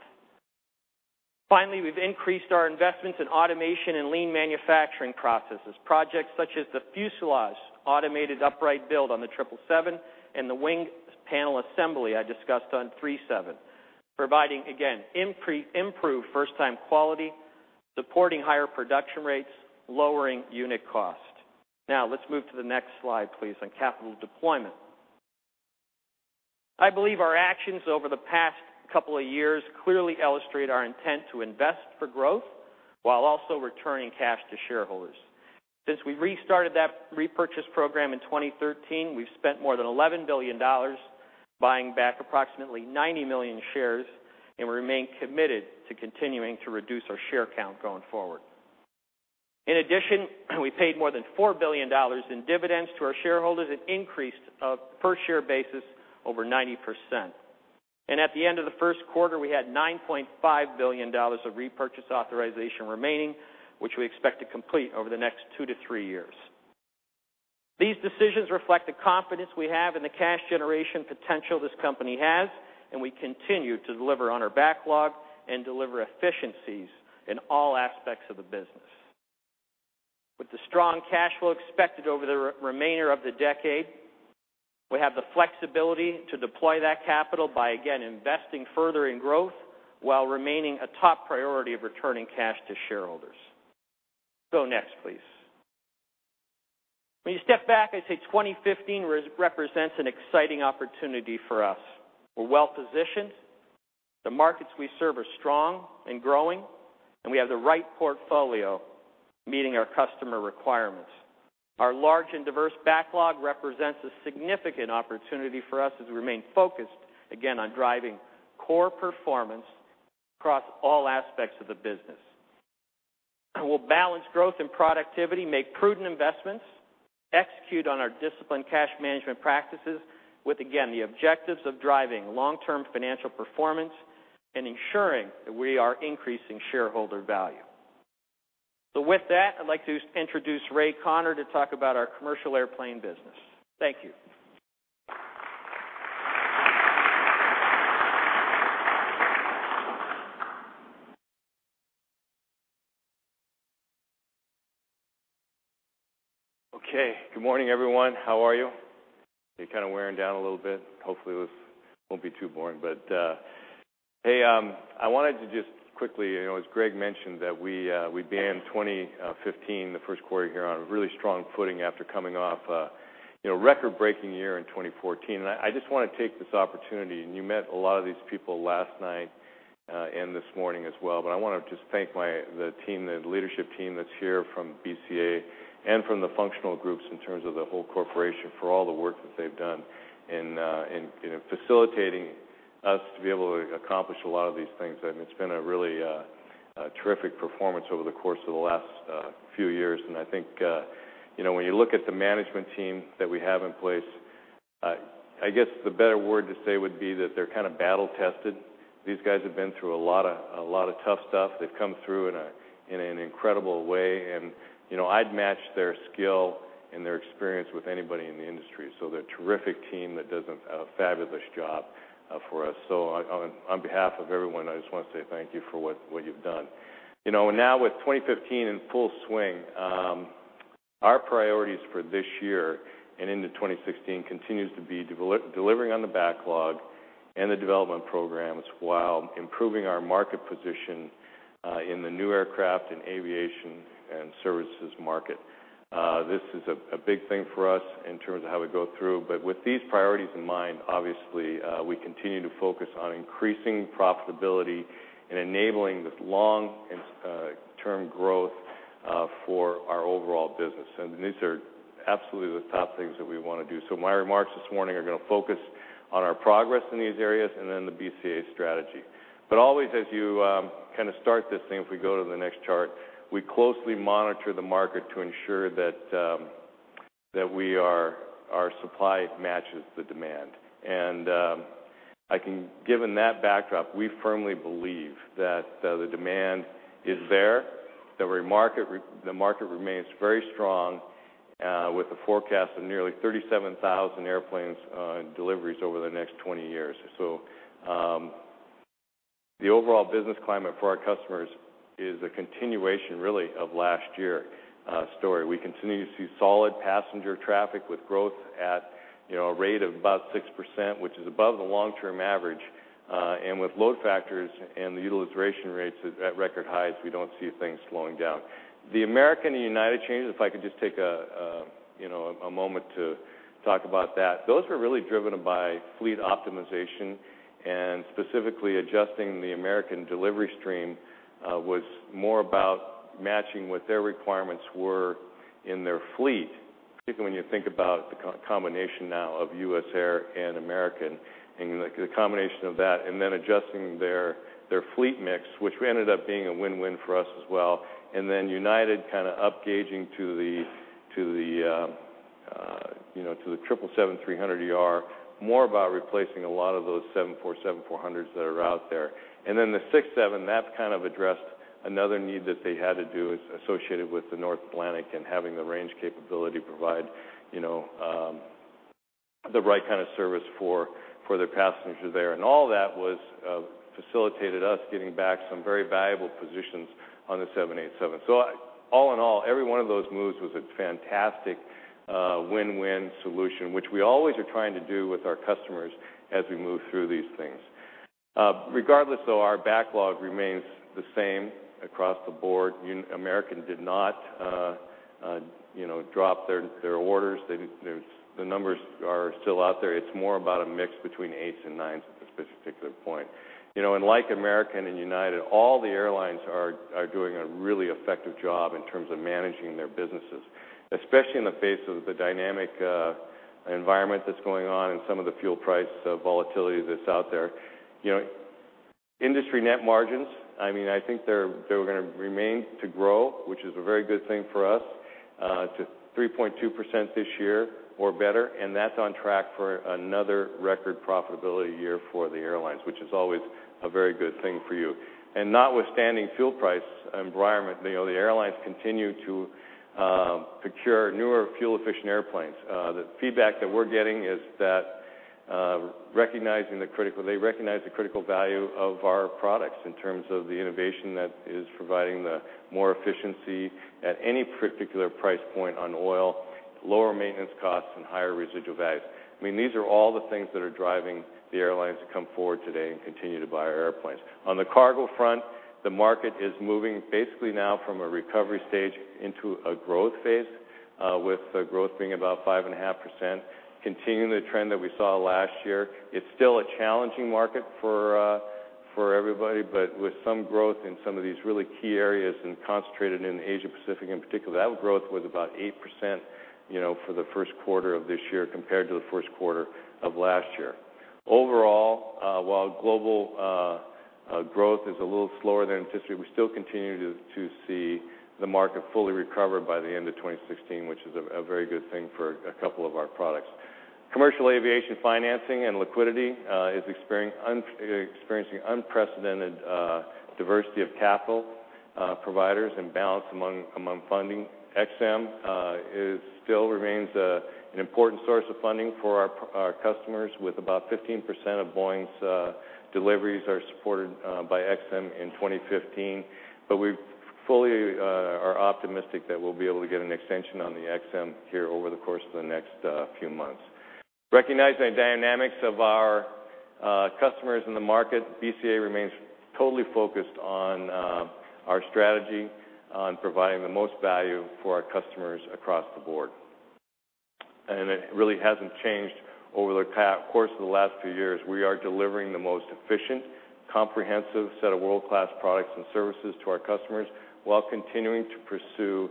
Finally, we've increased our investments in automation and lean manufacturing processes, projects such as the fuselage automated upright build on the 777 and the wing panel assembly I discussed on 737, providing, again, improved first-time quality, supporting higher production rates, lowering unit cost. Let's move to the next slide, please, on capital deployment. I believe our actions over the past couple of years clearly illustrate our intent to invest for growth while also returning cash to shareholders. Since we restarted that repurchase program in 2013, we've spent more than $11 billion buying back approximately 90 million shares. We remain committed to continuing to reduce our share count going forward. In addition, we paid more than $4 billion in dividends to our shareholders, an increase of per share basis over 90%. At the end of the first quarter, we had $9.5 billion of repurchase authorization remaining, which we expect to complete over the next two to three years. These decisions reflect the confidence we have in the cash generation potential this company has. We continue to deliver on our backlog and deliver efficiencies in all aspects of the business. With the strong cash flow expected over the remainder of the decade, we have the flexibility to deploy that capital by, again, investing further in growth while remaining a top priority of returning cash to shareholders. Go next, please. When you step back, I'd say 2015 represents an exciting opportunity for us. We're well positioned. The markets we serve are strong and growing, and we have the right portfolio meeting our customer requirements. Our large and diverse backlog represents a significant opportunity for us as we remain focused, again, on driving core performance across all aspects of the business. We'll balance growth and productivity, make prudent investments, execute on our disciplined cash management practices with, again, the objectives of driving long-term financial performance and ensuring that we are increasing shareholder value. With that, I'd like to introduce Ray Conner to talk about our commercial airplane business. Thank you. Okay. Good morning, everyone. How are you? Are you kind of wearing down a little bit? Hopefully, this won't be too boring. Hey, I wanted to just quickly, as Greg mentioned, that we began 2015, the first quarter here, on a really strong footing after coming off a record-breaking year in 2014. I just want to take this opportunity, and you met a lot of these people last night and this morning as well, but I want to just thank the leadership team that's here from BCA and from the functional groups in terms of the whole corporation for all the work that they've done in facilitating us to be able to accomplish a lot of these things. It's been a really terrific performance over the course of the last few years. I think, when you look at the management team that we have in place, I guess the better word to say would be that they're kind of battle-tested. These guys have been through a lot of tough stuff. They've come through in an incredible way, and I'd match their skill and their experience with anybody in the industry. They're a terrific team that does a fabulous job for us. On behalf of everyone, I just want to say thank you for what you've done. Now with 2015 in full swing, our priorities for this year and into 2016 continues to be delivering on the backlog and the development programs while improving our market position in the new aircraft and aviation and services market. This is a big thing for us in terms of how we go through. With these priorities in mind, obviously, we continue to focus on increasing profitability and enabling this long-term growth for our overall business. These are absolutely the top things that we want to do. My remarks this morning are going to focus on our progress in these areas and then the BCA strategy. Always as you kind of start this thing, if we go to the next chart, we closely monitor the market to ensure that our supply matches the demand. Given that backdrop, we firmly believe that the demand is there, the market remains very strong, with the forecast of nearly 37,000 airplanes deliveries over the next 20 years. The overall business climate for our customers is a continuation, really, of last year's story. We continue to see solid passenger traffic with growth at a rate of about 6%, which is above the long-term average. With load factors and the utilization rates at record highs, we don't see things slowing down. The American and United changes, if I could just take a moment to talk about that. Those were really driven by fleet optimization and specifically adjusting the American delivery stream, was more about matching what their requirements were in their fleet. Particularly when you think about the combination now of US Airways and American, and the combination of that, then adjusting their fleet mix, which ended up being a win-win for us as well. United upgauging to the 777-300ER, more about replacing a lot of those 747-400s that are out there. The 767, that addressed another need that they had to do associated with the North Atlantic and having the range capability provide the right kind of service for their passengers there. All that facilitated us getting back some very valuable positions on the 787. All in all, every one of those moves was a fantastic win-win solution, which we always are trying to do with our customers as we move through these things. Regardless though, our backlog remains the same across the board. American did not drop their orders. The numbers are still out there. It's more about a mix between eights and nines at this particular point. Like American and United, all the airlines are doing a really effective job in terms of managing their businesses, especially in the face of the dynamic environment that's going on and some of the fuel price volatility that's out there. Industry net margins, I think they were going to remain to grow, which is a very good thing for us, to 3.2% this year or better, and that's on track for another record profitability year for the airlines, which is always a very good thing for you. Notwithstanding fuel price environment, the airlines continue to procure newer fuel-efficient airplanes. The feedback that we're getting is that they recognize the critical value of our products in terms of the innovation that is providing more efficiency at any particular price point on oil, lower maintenance costs, and higher residual values. These are all the things that are driving the airlines to come forward today and continue to buy our airplanes. On the cargo front, the market is moving basically now from a recovery stage into a growth phase, with growth being about 5.5%, continuing the trend that we saw last year. It's still a challenging market for everybody, but with some growth in some of these really key areas and concentrated in Asia-Pacific in particular. That growth was about 8% for the first quarter of this year compared to the first quarter of last year. Overall, while global growth is a little slower than industry, we still continue to see the market fully recover by the end of 2016, which is a very good thing for a couple of our products. Commercial aviation financing and liquidity is experiencing unprecedented diversity of capital providers and balance among funding. Ex-Im still remains an important source of funding for our customers, with about 15% of Boeing's deliveries are supported by Ex-Im in 2015. We fully are optimistic that we'll be able to get an extension on the Ex-Im here over the course of the next few months. Recognizing the dynamics of our customers in the market, BCA remains totally focused on our strategy on providing the most value for our customers across the board. It really hasn't changed over the course of the last few years. We are delivering the most efficient, comprehensive set of world-class products and services to our customers while continuing to pursue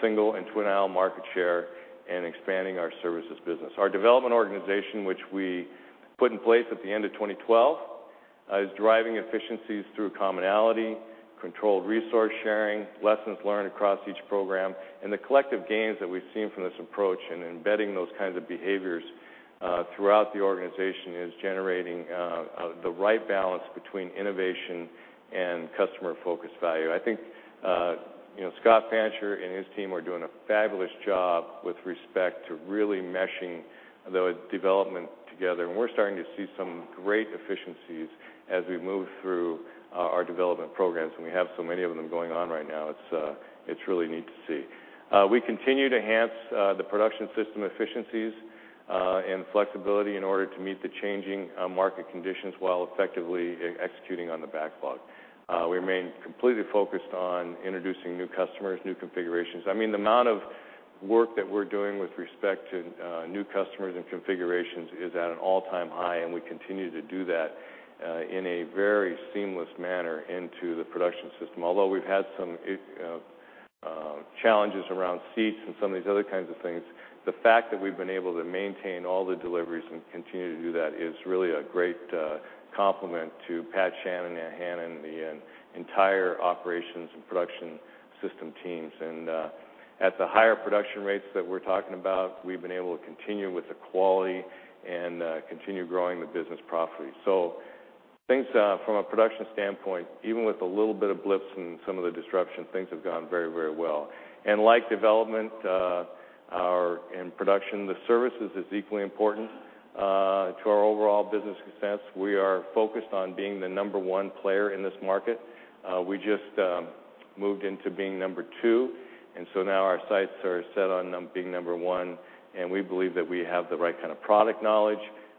single and twin-aisle market share and expanding our services business. Our development organization, which we put in place at the end of 2012, is driving efficiencies through commonality, controlled resource sharing, lessons learned across each program, the collective gains that we've seen from this approach and embedding those kinds of behaviors throughout the organization is generating the right balance between innovation and customer focus value. I think Scott Fancher and his team are doing a fabulous job with respect to really meshing the development together. We're starting to see some great efficiencies as we move through our development programs. We have so many of them going on right now. It's really neat to see. We continue to enhance the production system efficiencies and flexibility in order to meet the changing market conditions, while effectively executing on the backlog. We remain completely focused on introducing new customers, new configurations. The amount of work that we're doing with respect to new customers and configurations is at an all-time high. We continue to do that in a very seamless manner into the production system. Although we've had some challenges around seats and some of these other kinds of things, the fact that we've been able to maintain all the deliveries and continue to do that is really a great compliment to Pat Shanahan and the entire operations and production system teams. At the higher production rates that we're talking about, we've been able to continue with the quality and continue growing the business profitably. Things from a production standpoint, even with a little bit of blips and some of the disruption, things have gone very, very well. Like development and production, the services is equally important to our overall business success. We are focused on being the number one player in this market. We just moved into being number two. Now our sights are set on being number one. We believe that we have the right kind of product knowledge,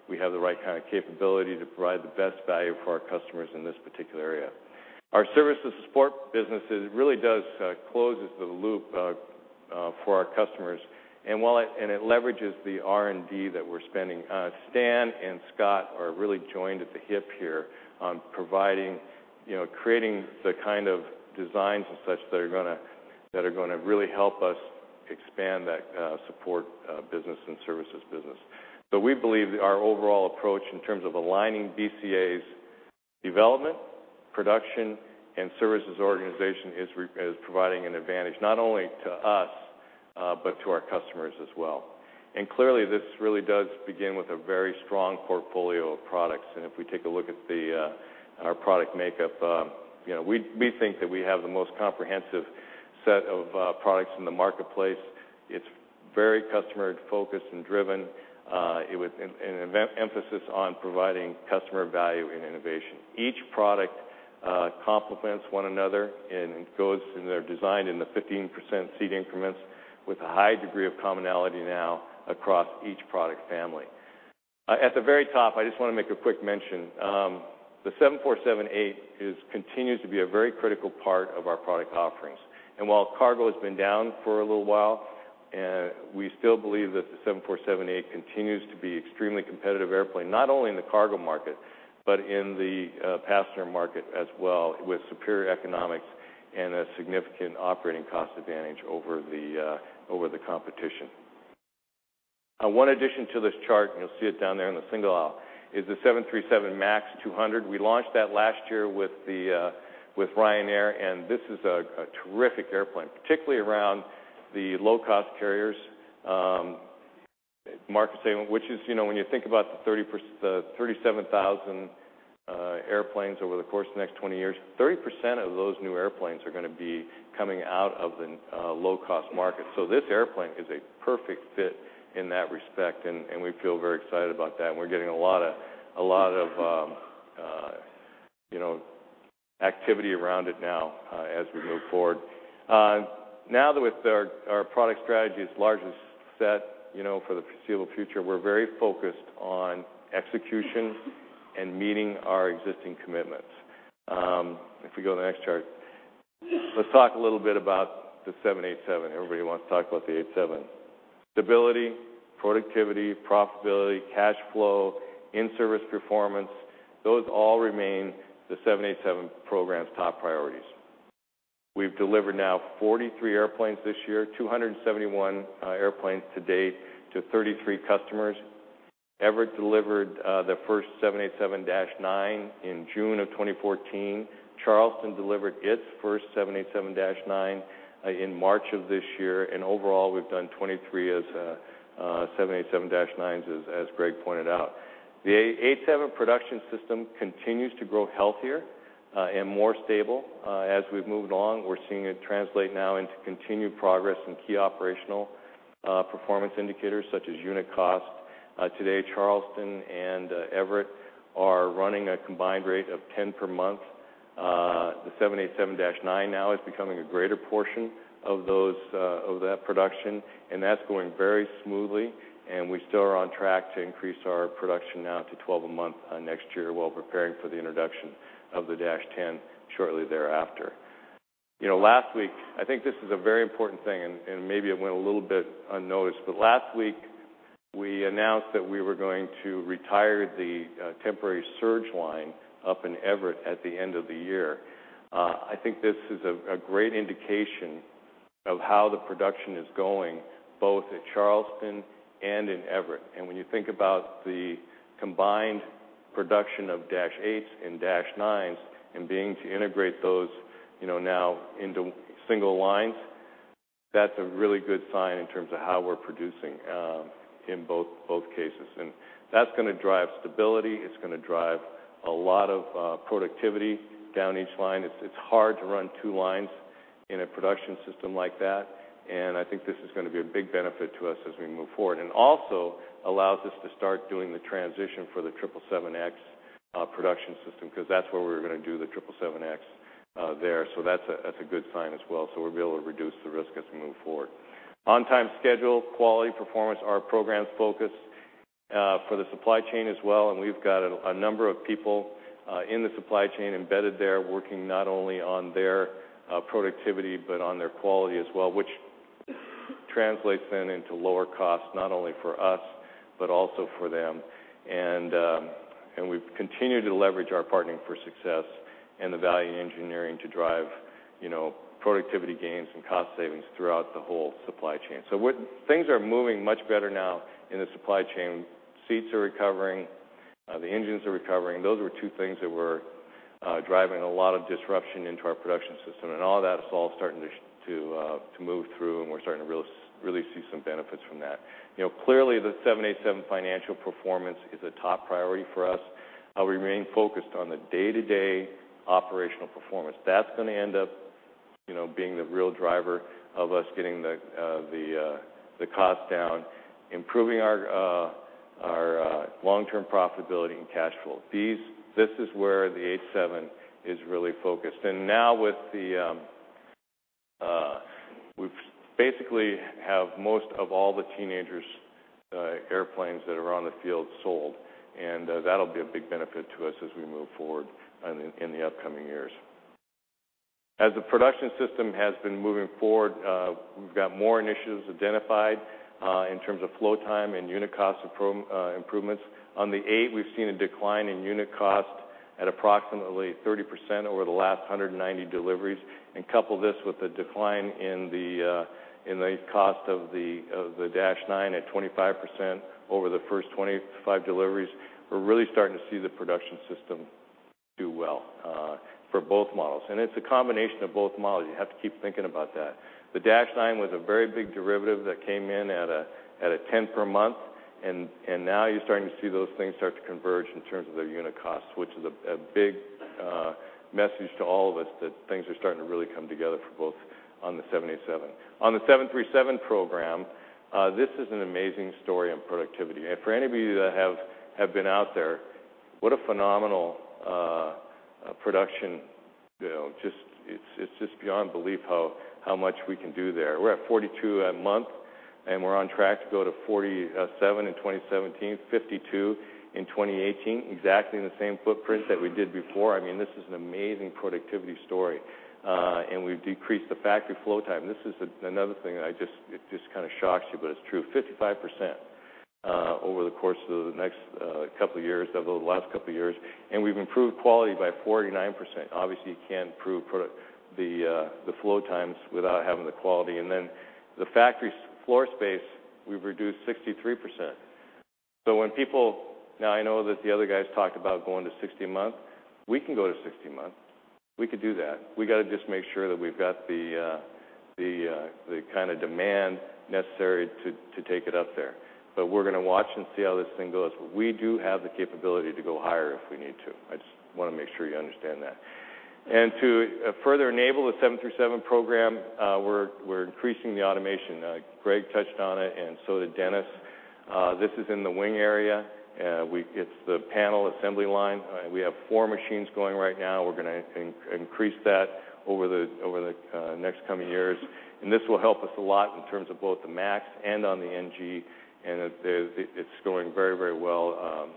we have the right kind of capability to provide the best value for our customers in this particular area. Our services support businesses really does close the loop for our customers. It leverages the R&D that we're spending. Stan and Scott are really joined at the hip here on creating the kind of designs and such that are going to really help us expand that support business and services business. We believe our overall approach in terms of aligning BCA's development, production, and services organization is providing an advantage not only to us, but to our customers as well. Clearly, this really does begin with a very strong portfolio of products. If we take a look at our product makeup, we think that we have the most comprehensive set of products in the marketplace. It is very customer focused and driven, with an emphasis on providing customer value and innovation. Each product complements one another, and they are designed in the 15% seat increments with a high degree of commonality now across each product family. At the very top, I just want to make a quick mention. The 747-8 continues to be a very critical part of our product offerings. While cargo has been down for a little while, we still believe that the 747-8 continues to be extremely competitive airplane, not only in the cargo market, but in the passenger market as well, with superior economics and a significant operating cost advantage over the competition. One addition to this chart, and you will see it down there in the single aisle, is the 737 MAX 200. We launched that last year with Ryanair, and this is a terrific airplane, particularly around the low-cost carriers market segment, which is, when you think about the 37,000 airplanes over the course of the next 20 years, 30% of those new airplanes are going to be coming out of the low-cost market. So this airplane is a perfect fit in that respect, and we feel very excited about that, and we are getting a lot of activity around it now as we move forward. Now with our product strategy as large as set for the foreseeable future, we are very focused on execution and meeting our existing commitments. If we go to the next chart, let us talk a little bit about the 787. Everybody wants to talk about the 87. Stability, productivity, profitability, cash flow, in-service performance, those all remain the 787 program's top priorities. We have delivered now 43 airplanes this year, 271 airplanes to date to 33 customers. Everett delivered the first 787-9 in June of 2014. Charleston delivered its first 787-9 in March of this year. Overall, we have done 23 as 787-9s, as Greg pointed out. The 87 production system continues to grow healthier and more stable. As we have moved along, we are seeing it translate now into continued progress in key operational performance indicators such as unit cost. Today, Charleston and Everett are running a combined rate of 10 per month. The 787-9 now is becoming a greater portion of that production, and that is going very smoothly, and we still are on track to increase our production now to 12 a month next year while preparing for the introduction of the -10 shortly thereafter. Last week, I think this is a very important thing, and maybe it went a little bit unnoticed, but last week, we announced that we were going to retire the temporary surge line up in Everett at the end of the year. I think this is a great indication of how the production is going, both at Charleston and in Everett. When you think about the combined production of -8s and -9s and being to integrate those now into single lines, that is a really good sign in terms of how we are producing in both cases. That is going to drive stability. It is going to drive a lot of productivity down each line. It's hard to run two lines in a production system like that. I think this is going to be a big benefit to us as we move forward, also allows us to start doing the transition for the 777X production system because that's where we're going to do the 777X there. That's a good sign as well. We'll be able to reduce the risk as we move forward. On-time schedule, quality performance are our program's focus for the supply chain as well, and we've got a number of people in the supply chain embedded there, working not only on their productivity but on their quality as well, which translates then into lower cost, not only for us, but also for them. We've continued to leverage our Partnering for Success and the value in engineering to drive productivity gains and cost savings throughout the whole supply chain. Things are moving much better now in the supply chain. Seats are recovering. The engines are recovering. Those were two things that were driving a lot of disruption into our production system. All that is all starting to move through, and we're starting to really see some benefits from that. Clearly, the 787 financial performance is a top priority for us. We remain focused on the day-to-day operational performance. That's going to end up being the real driver of us getting the cost down, improving our long-term profitability and cash flow. This is where the 87 is really focused. Now with the Basically, have most of all the teenagers airplanes that are on the field sold, that'll be a big benefit to us as we move forward in the upcoming years. As the production system has been moving forward, we've got more initiatives identified in terms of flow time and unit cost improvements. On the eight, we've seen a decline in unit cost at approximately 30% over the last 190 deliveries. Couple this with the decline in the cost of the Dash 9 at 25% over the first 25 deliveries. We're really starting to see the production system do well for both models. It's a combination of both models. You have to keep thinking about that. The Dash 9 was a very big derivative that came in at a 10 per month. Now you're starting to see those things start to converge in terms of their unit cost, which is a big message to all of us that things are starting to really come together for both on the 787. On the 737 program, this is an amazing story in productivity. For any of you that have been out there, what a phenomenal production. It's just beyond belief how much we can do there. We're at 42 a month, we're on track to go to 47 in 2017, 52 in 2018, exactly in the same footprint that we did before. This is an amazing productivity story. We've decreased the factory flow time. This is another thing, it just shocks you, but it's true, 55% over the course of the last couple of years, and we've improved quality by 49%. Obviously, you can't improve the flow times without having the quality. The factory floor space, we've reduced 63%. When people now I know that the other guys talked about going to 60 a month. We can go to 60 a month. We could do that. We got to just make sure that we've got the kind of demand necessary to take it up there. We're going to watch and see how this thing goes. We do have the capability to go higher if we need to. I just want to make sure you understand that. To further enable the 737 program, we're increasing the automation. Greg touched on it, and so did Dennis. This is in the wing area. It's the panel assembly line. We have four machines going right now. We're going to increase that over the next coming years. This will help us a lot in terms of both the MAX and on the NG, and it's going very well.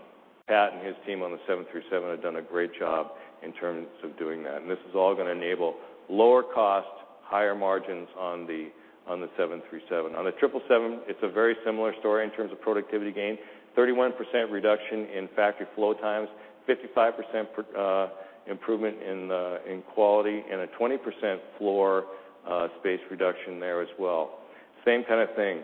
Pat and his team on the 737 have done a great job in terms of doing that. This is all going to enable lower cost, higher margins on the 737. On the 777, it's a very similar story in terms of productivity gain, 31% reduction in factory flow times, 55% improvement in quality, and a 20% floor space reduction there as well. Same kind of thing.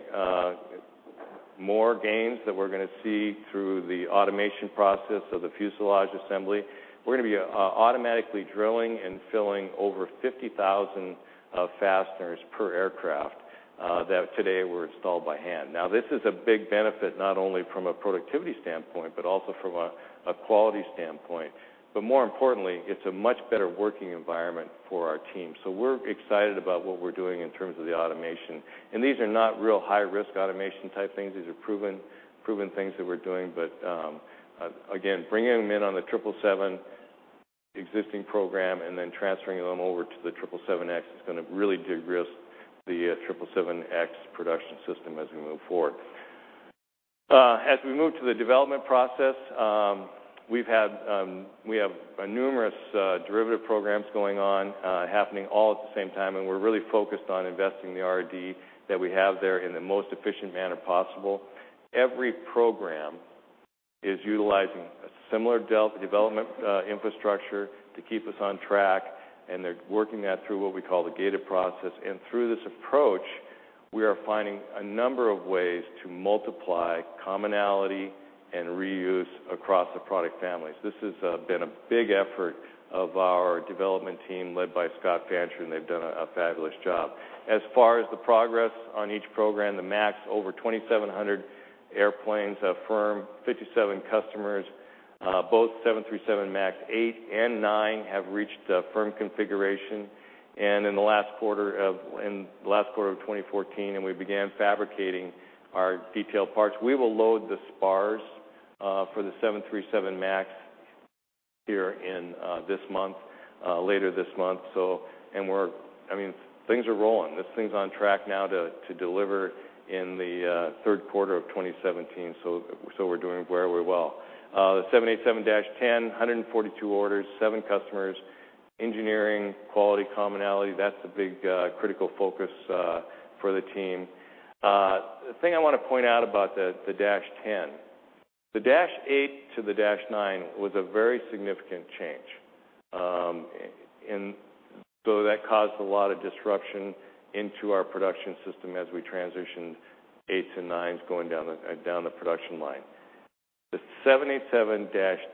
More gains that we're going to see through the automation process of the fuselage assembly. We're going to be automatically drilling and filling over 50,000 fasteners per aircraft that today were installed by hand. This is a big benefit not only from a productivity standpoint, but also from a quality standpoint. More importantly, it's a much better working environment for our team. We're excited about what we're doing in terms of the automation. These are not real high-risk automation type things. These are proven things that we're doing. Again, bringing them in on the 777 existing program and then transferring them over to the 777X is going to really de-risk the 777X production system as we move forward. As we move to the development process, we have numerous derivative programs going on, happening all at the same time, and we're really focused on investing the R&D that we have there in the most efficient manner possible. Every program is utilizing a similar development infrastructure to keep us on track, and they're working that through what we call the gated process. Through this approach, we are finding a number of ways to multiply commonality and reuse across the product families. This has been a big effort of our development team led by Scott Fancher, and they've done a fabulous job. As far as the progress on each program, the MAX, over 2,700 airplanes firm, 57 customers, both 737 MAX 8 and 9 have reached a firm configuration. In the last quarter of 2014, we began fabricating our detailed parts. We will load the spars for the 737 MAX here later this month. Things are rolling. This thing's on track now to deliver in the third quarter of 2017. We're doing very well. The 787-10, 142 orders, seven customers. Engineering, quality, commonality, that's the big, critical focus for the team. The thing I want to point out about the -10. The -8 to the -9 was a very significant change. That caused a lot of disruption into our production system as we transitioned eights and nines going down the production line. The 787-10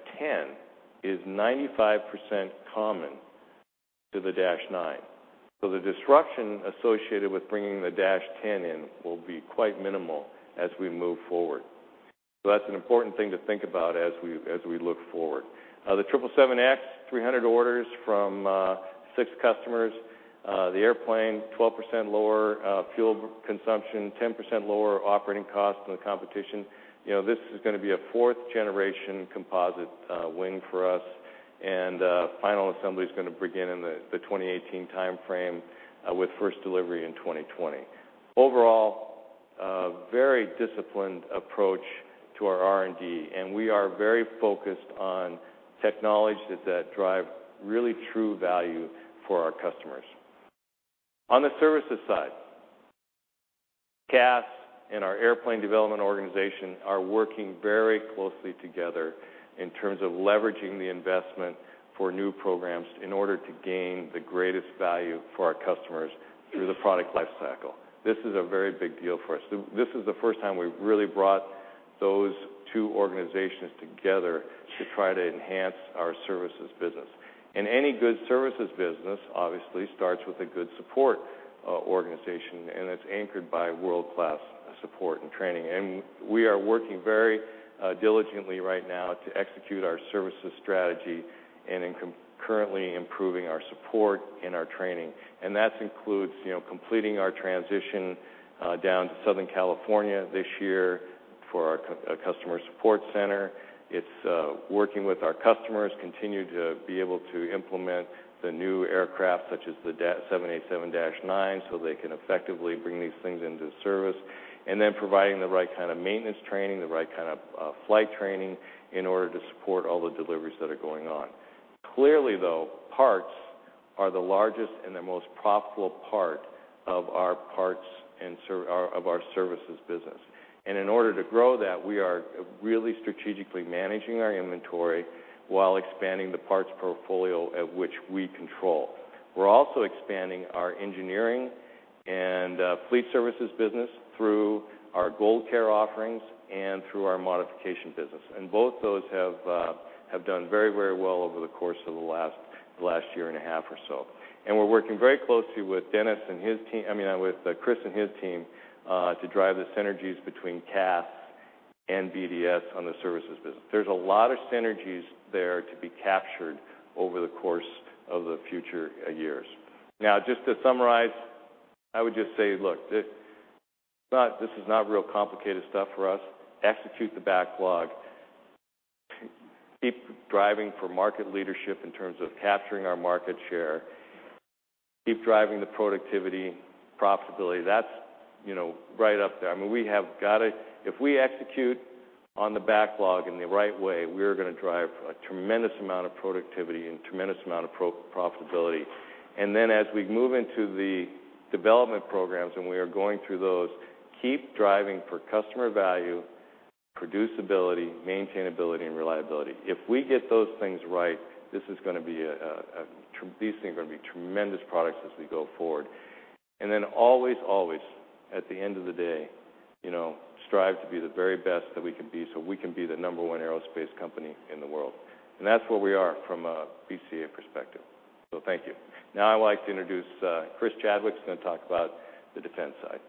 is 95% common to the -9. The disruption associated with bringing the -10 in will be quite minimal as we move forward. That's an important thing to think about as we look forward. The 777X, 300 orders from six customers. The airplane, 12% lower fuel consumption, 10% lower operating cost than the competition. This is going to be a fourth generation composite wing for us. Final assembly is going to begin in the 2018 timeframe, with first delivery in 2020. Overall, a very disciplined approach to our R&D, and we are very focused on technologies that drive really true value for our customers. On the services side, CAS and our airplane development organization are working very closely together in terms of leveraging the investment for new programs in order to gain the greatest value for our customers through the product life cycle. This is a very big deal for us. This is the first time we've really brought those two organizations together to try to enhance our services business. Any good services business, obviously, starts with a good support organization, and it's anchored by world-class support and training. We are working very diligently right now to execute our services strategy and in concurrently improving our support and our training. That includes completing our transition down to Southern California this year for our customer support center. It's working with our customers, continue to be able to implement the new aircraft, such as the 787-9, so they can effectively bring these things into service, and then providing the right kind of maintenance training, the right kind of flight training in order to support all the deliveries that are going on. Clearly, though, parts are the largest and the most profitable part of our services business. In order to grow that, we are really strategically managing our inventory while expanding the parts portfolio at which we control. We're also expanding our engineering and fleet services business through our GoldCare offerings and through our modification business. Both those have done very well over the course of the last year and a half or so. We're working very closely with Chris and his team to drive the synergies between CAS and BDS on the services business. There's a lot of synergies there to be captured over the course of the future years. Just to summarize, I would just say, look, this is not real complicated stuff for us. Execute the backlog. Keep driving for market leadership in terms of capturing our market share. Keep driving the productivity, profitability. That's right up there. If we execute on the backlog in the right way, we are going to drive a tremendous amount of productivity and tremendous amount of profitability. As we move into the development programs, and we are going through those, keep driving for customer value, producibility, maintainability, and reliability. If we get those things right, these things are going to be tremendous products as we go forward. At the end of the day, strive to be the very best that we can be so we can be the number one aerospace company in the world. That's where we are from a BCA perspective. Thank you. Now I'd like to introduce Chris Chadwick, who's going to talk about the defense side.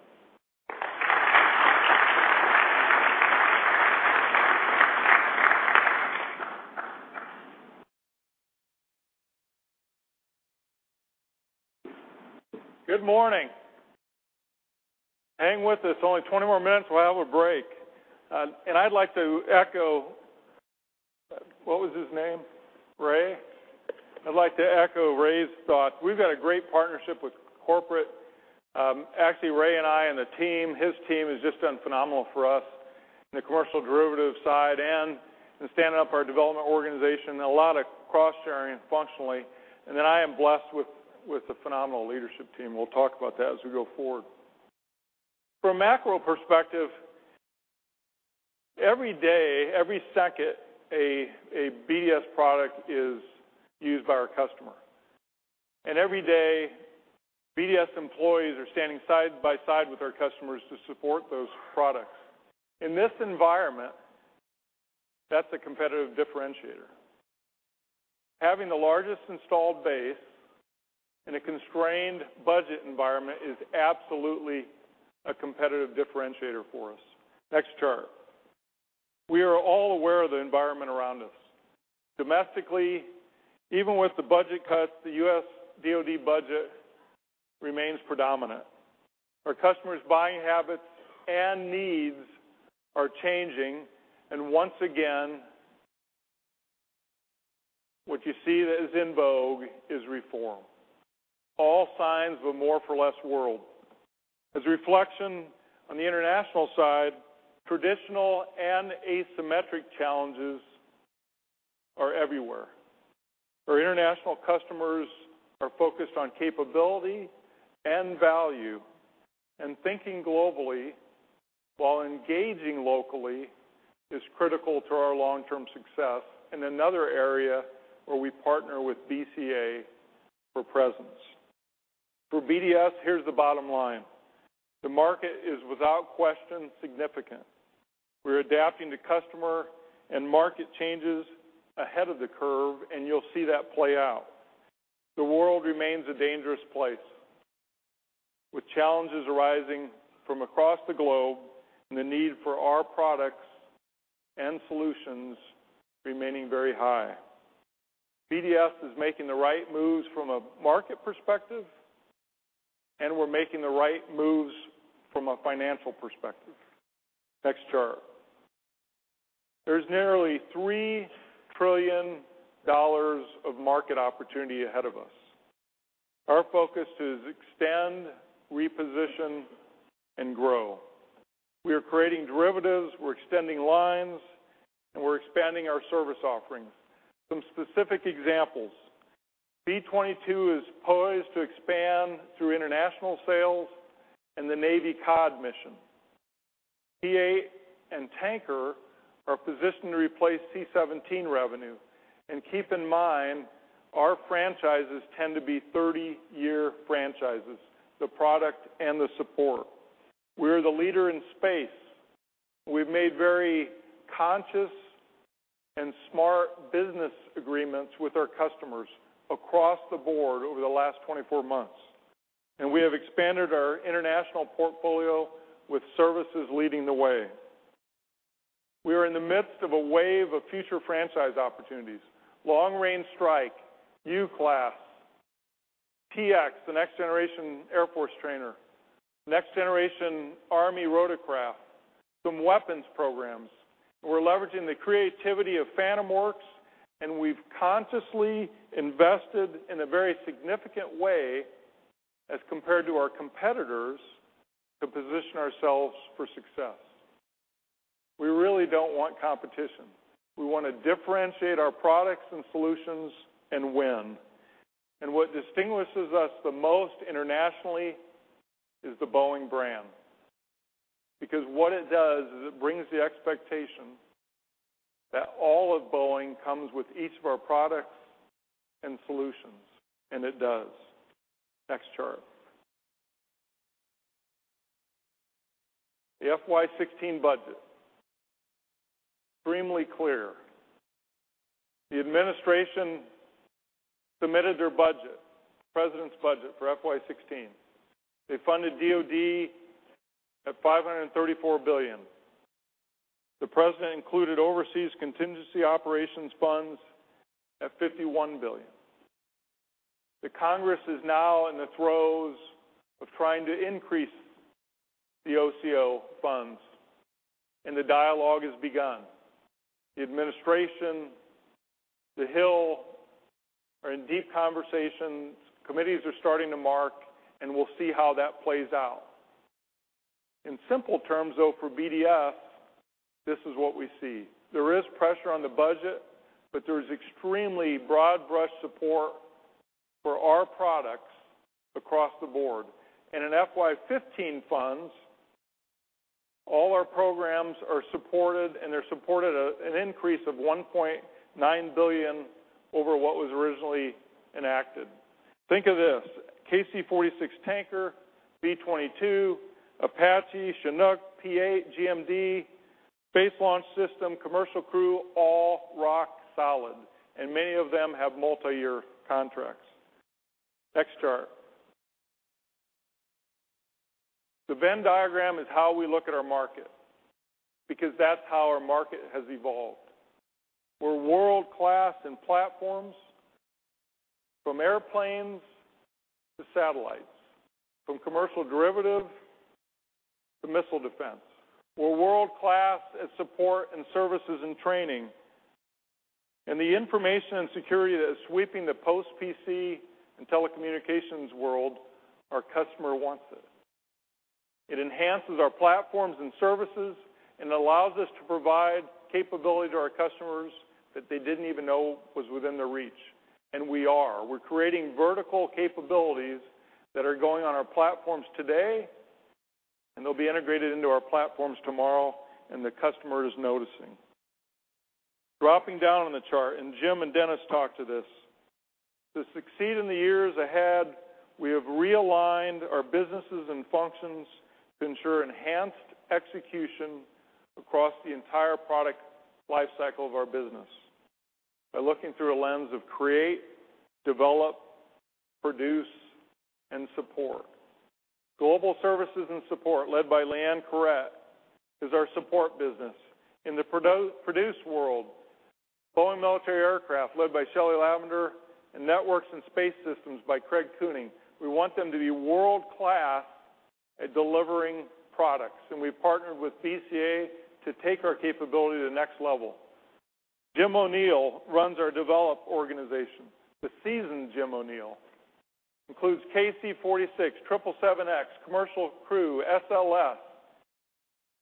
Good morning. Hang with us, only 20 more minutes, we'll have a break. I'd like to echo What was his name? Ray? I'd like to echo Ray's thoughts. We've got a great partnership with corporate. Actually, Ray and I and the team, his team, has just done phenomenal for us in the commercial derivative side and in standing up our development organization, and a lot of cross sharing functionally. I am blessed with a phenomenal leadership team. We'll talk about that as we go forward. From a macro perspective, every day, every second, a BDS product is used by our customer. Every day, BDS employees are standing side by side with our customers to support those products. In this environment, that's a competitive differentiator. Having the largest installed base in a constrained budget environment is absolutely a competitive differentiator for us. Next chart. We are all aware of the environment around us. Domestically, even with the budget cuts, the U.S. DoD budget remains predominant. Our customers' buying habits and needs are changing, and once again, what you see that is in vogue is reform. All signs of a more for less world. As a reflection on the international side, traditional and asymmetric challenges are everywhere. Our international customers are focused on capability and value, and thinking globally while engaging locally is critical to our long-term success, and another area where we partner with BCA for presence. For BDS, here's the bottom line. The market is, without question, significant. We're adapting to customer and market changes ahead of the curve, and you'll see that play out. The world remains a dangerous place, with challenges arising from across the globe and the need for our products and solutions remaining very high. BDS is making the right moves from a market perspective. We're making the right moves from a financial perspective. Next chart. There's nearly $3 trillion of market opportunity ahead of us. Our focus is extend, reposition, and grow. We are creating derivatives, we're extending lines, and we're expanding our service offerings. Some specific examples. V-22 is poised to expand through international sales and the Navy COD mission. P-8 and Tanker are positioned to replace C-17 revenue. Keep in mind, our franchises tend to be 30-year franchises, the product and the support. We're the leader in space. We've made very conscious and smart business agreements with our customers across the board over the last 24 months, and we have expanded our international portfolio with services leading the way. We are in the midst of a wave of future franchise opportunities. Long Range Strike, U-Class, T-X, the next generation Air Force trainer, next generation Army rotorcraft, some weapons programs. We're leveraging the creativity of Phantom Works, and we've consciously invested in a very significant way, as compared to our competitors, to position ourselves for success. We really don't want competition. We want to differentiate our products and solutions and win. What distinguishes us the most internationally is the Boeing brand. Because what it does is it brings the expectation that all of Boeing comes with each of our products and solutions, and it does. Next chart. The FY 2016 budget. Extremely clear. The administration submitted their budget, the president's budget for FY 2016. They funded DOD at $534 billion. The president included overseas contingency operations funds at $51 billion. The Congress is now in the throes of trying to increase the OCO funds, and the dialogue has begun. The administration, the Hill, are in deep conversations. Committees are starting to mark, and we'll see how that plays out. In simple terms, though, for BDS, this is what we see. There is pressure on the budget, but there's extremely broad brush support for our products across the board. And in FY 2015 funds, all our programs are supported, and they're supported at an increase of $1.9 billion over what was originally enacted. Think of this, KC-46 Tanker, V-22, Apache, Chinook, P-8, GMD, Space Launch System, Commercial Crew, all rock solid, and many of them have multi-year contracts. Next chart. The Venn diagram is how we look at our market, because that's how our market has evolved. We're world-class in platforms from airplanes to satellites, from commercial derivative to missile defense. We're world-class at support and services and training. The information and security that is sweeping the post-PC and telecommunications world, our customer wants it. It enhances our platforms and services and allows us to provide capability to our customers that they didn't even know was within their reach, and we are. We're creating vertical capabilities that are going on our platforms today, and they'll be integrated into our platforms tomorrow, and the customer is noticing. Dropping down on the chart, and Jim and Dennis talked to this, to succeed in the years ahead, we have realigned our businesses and functions to ensure enhanced execution across the entire product life cycle of our business by looking through a lens of create, develop, produce, and support. Global Services and Support, led by Leanne Caret, is our support business. In the produce world, Boeing Military Aircraft, led by Shelley Lavender, and Network and Space Systems by Craig Cooney. We want them to be world-class at delivering products, and we've partnered with BCA to take our capability to the next level. Jim O'Neill runs our develop organization. The seasoned Jim O'Neill includes KC-46, 777X, Commercial Crew, SLS.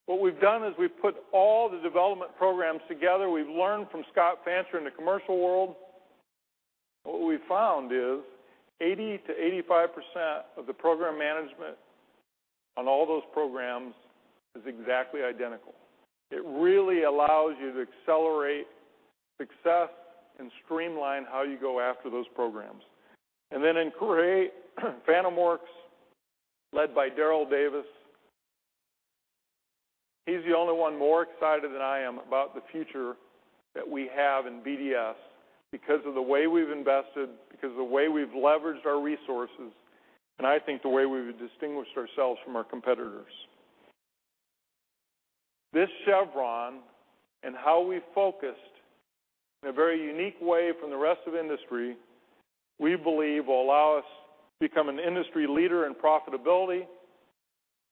What we've done is we've put all the development programs together. We've learned from Scott Fancher in the commercial world. What we've found is 80 to 85% of the program management on all those programs is exactly identical. It really allows you to accelerate success and streamline how you go after those programs. And then in create, Phantom Works, led by Darryl Davis, he's the only one more excited than I am about the future that we have in BDS because of the way we've invested, because of the way we've leveraged our resources, and I think the way we've distinguished ourselves from our competitors. This chevron and how we've focused in a very unique way from the rest of the industry, we believe, will allow us to become an industry leader in profitability,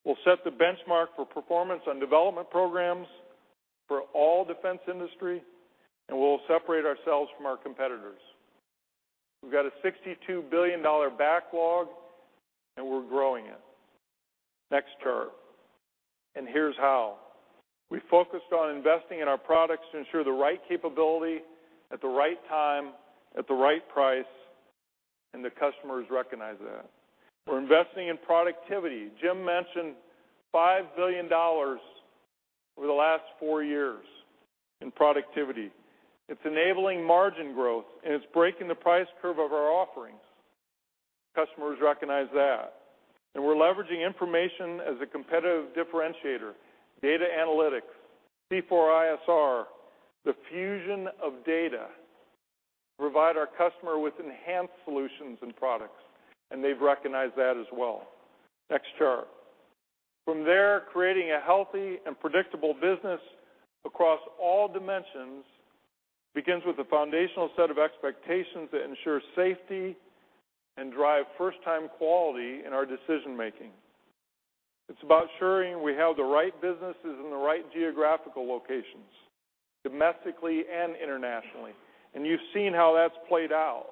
will set the benchmark for performance on development programs for all defense industry, and will separate ourselves from our competitors. We've got a $62 billion backlog, and we're growing it. Next chart. Here's how. We've focused on investing in our products to ensure the right capability at the right time, at the right price, and the customers recognize that. We're investing in productivity. Jim mentioned $5 billion over the last four years in productivity. It's enabling margin growth, and it's breaking the price curve of our offerings. Customers recognize that. We're leveraging information as a competitive differentiator, data analytics, C4ISR, the fusion of data to provide our customer with enhanced solutions and products, they've recognized that as well. Next chart. From there, creating a healthy and predictable business across all dimensions begins with a foundational set of expectations that ensure safety and drive first-time quality in our decision-making. It's about ensuring we have the right businesses in the right geographical locations, domestically and internationally. You've seen how that's played out,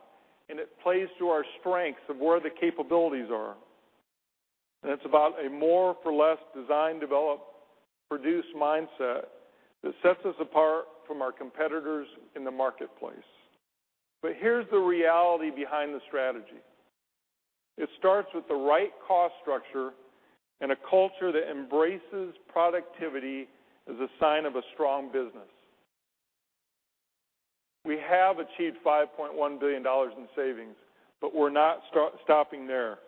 it plays to our strengths of where the capabilities are. It's about a more-for-less design, develop, produce mindset that sets us apart from our competitors in the marketplace. Here's the reality behind the strategy. It starts with the right cost structure and a culture that embraces productivity as a sign of a strong business. We have achieved $5.1 billion in savings, we're not stopping there.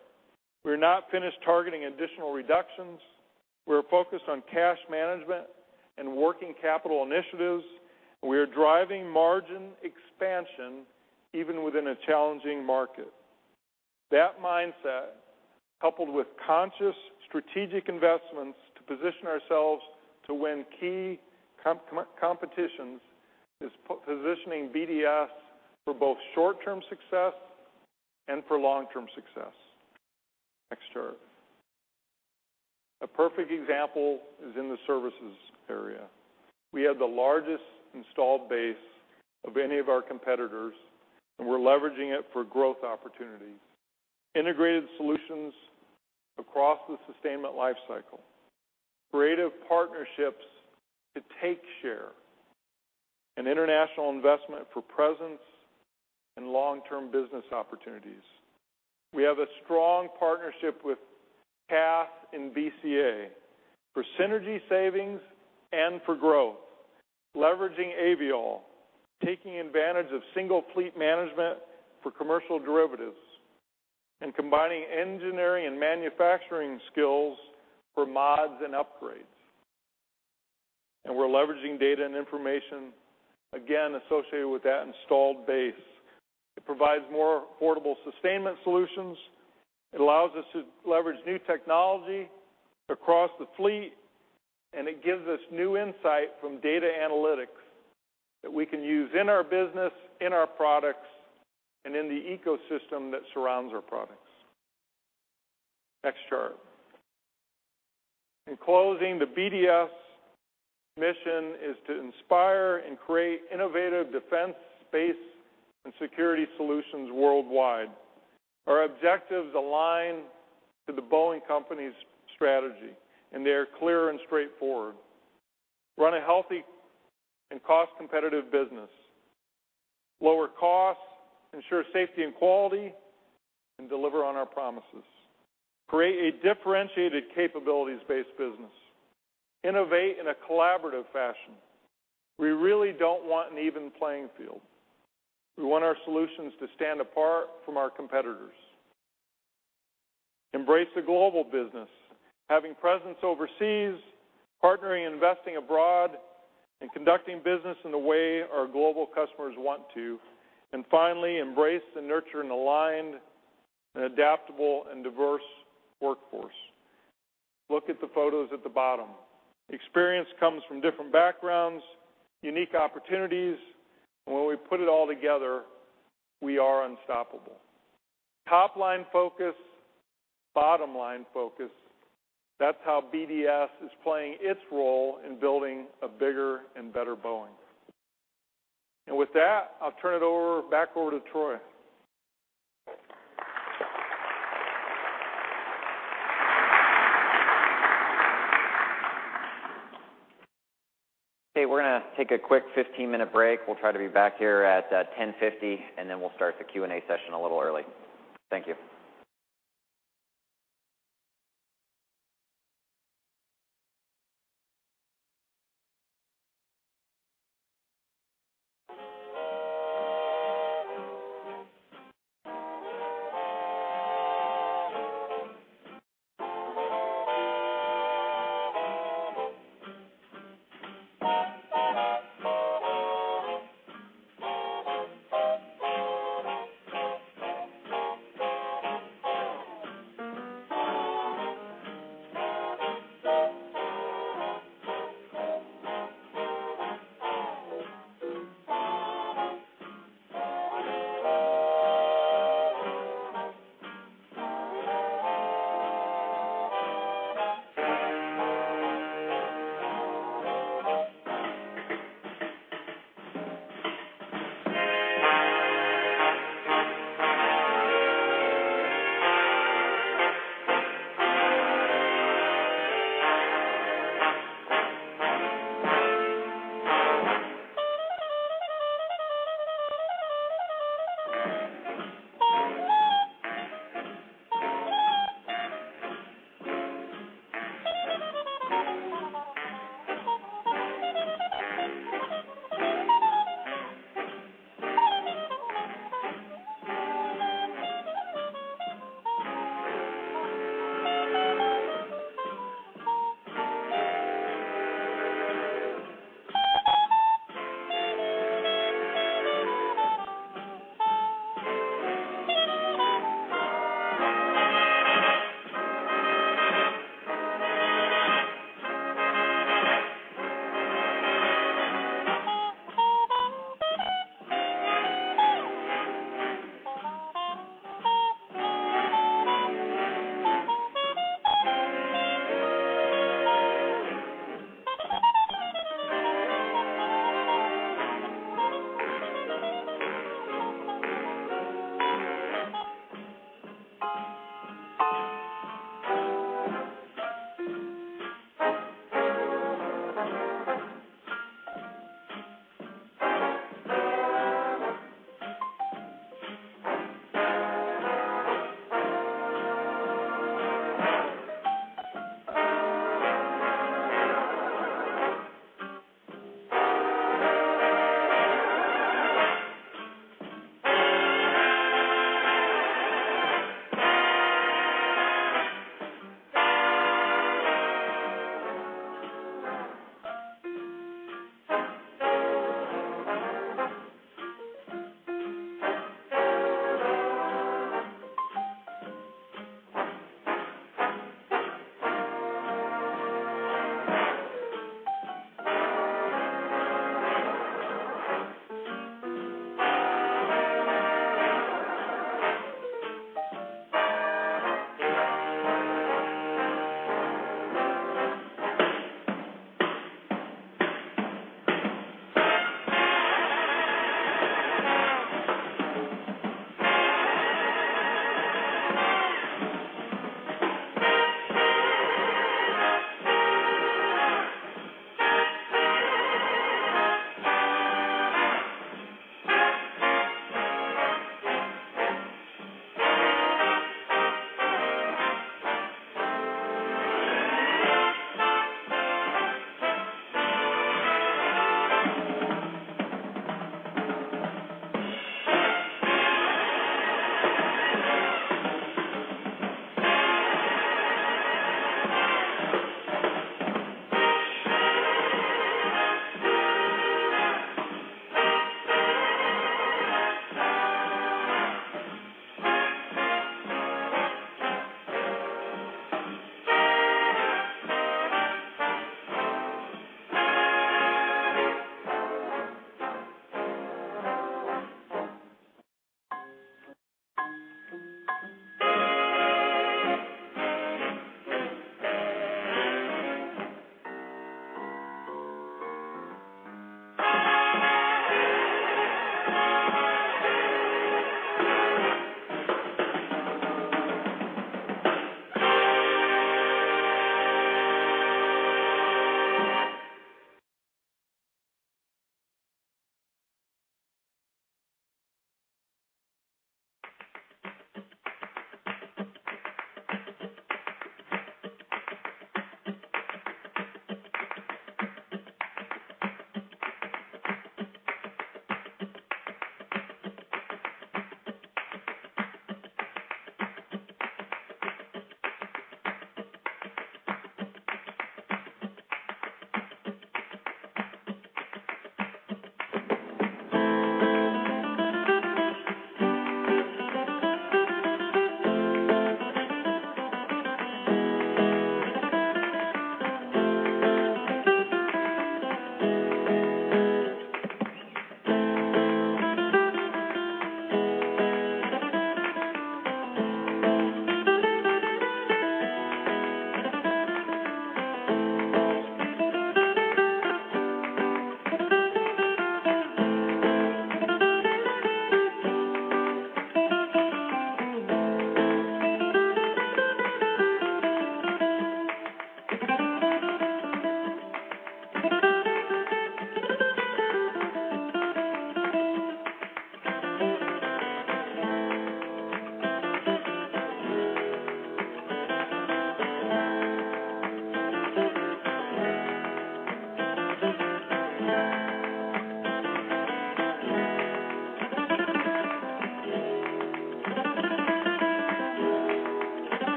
We're not finished targeting additional reductions. We're focused on cash management and working capital initiatives. We are driving margin expansion, even within a challenging market. That mindset, coupled with conscious strategic investments to position ourselves to win key competitions, is positioning BDS for both short-term success and for long-term success. Next chart. A perfect example is in the services area. We have the largest installed base of any of our competitors, we're leveraging it for growth opportunities. Integrated solutions across the sustainment life cycle, creative partnerships to take share, international investment for presence and long-term business opportunities. We have a strong partnership with CAS and BCA for synergy savings and for growth, leveraging Aviall, taking advantage of single fleet management for commercial derivatives, combining engineering and manufacturing skills for mods and upgrades. We're leveraging data and information, again, associated with that installed base. It provides more affordable sustainment solutions. It allows us to leverage new technology across the fleet, it gives us new insight from data analytics that we can use in our business, in our products, and in the ecosystem that surrounds our products. Next chart. In closing, the BDS mission is to inspire and create innovative defense, space, and security solutions worldwide. Our objectives align to The Boeing Company's strategy, they are clear and straightforward. Run a healthy and cost-competitive business. Lower costs, ensure safety and quality, deliver on our promises. Create a differentiated capabilities-based business. Innovate in a collaborative fashion. We really don't want an even playing field. We want our solutions to stand apart from our competitors. Embrace a global business, having presence overseas, partnering and investing abroad, conducting business in the way our global customers want to. Finally, embrace and nurture an aligned and adaptable and diverse workforce. Look at the photos at the bottom. Experience comes from different backgrounds, unique opportunities, and when we put it all together, we are unstoppable. Top-line focus, bottom-line focus. That's how BDS is playing its role in building a bigger and better Boeing. With that, I'll turn it back over to Troy. We're going to take a quick 15-minute break. We'll try to be back here at 10:50, then we'll start the Q&A session a little early. Thank you.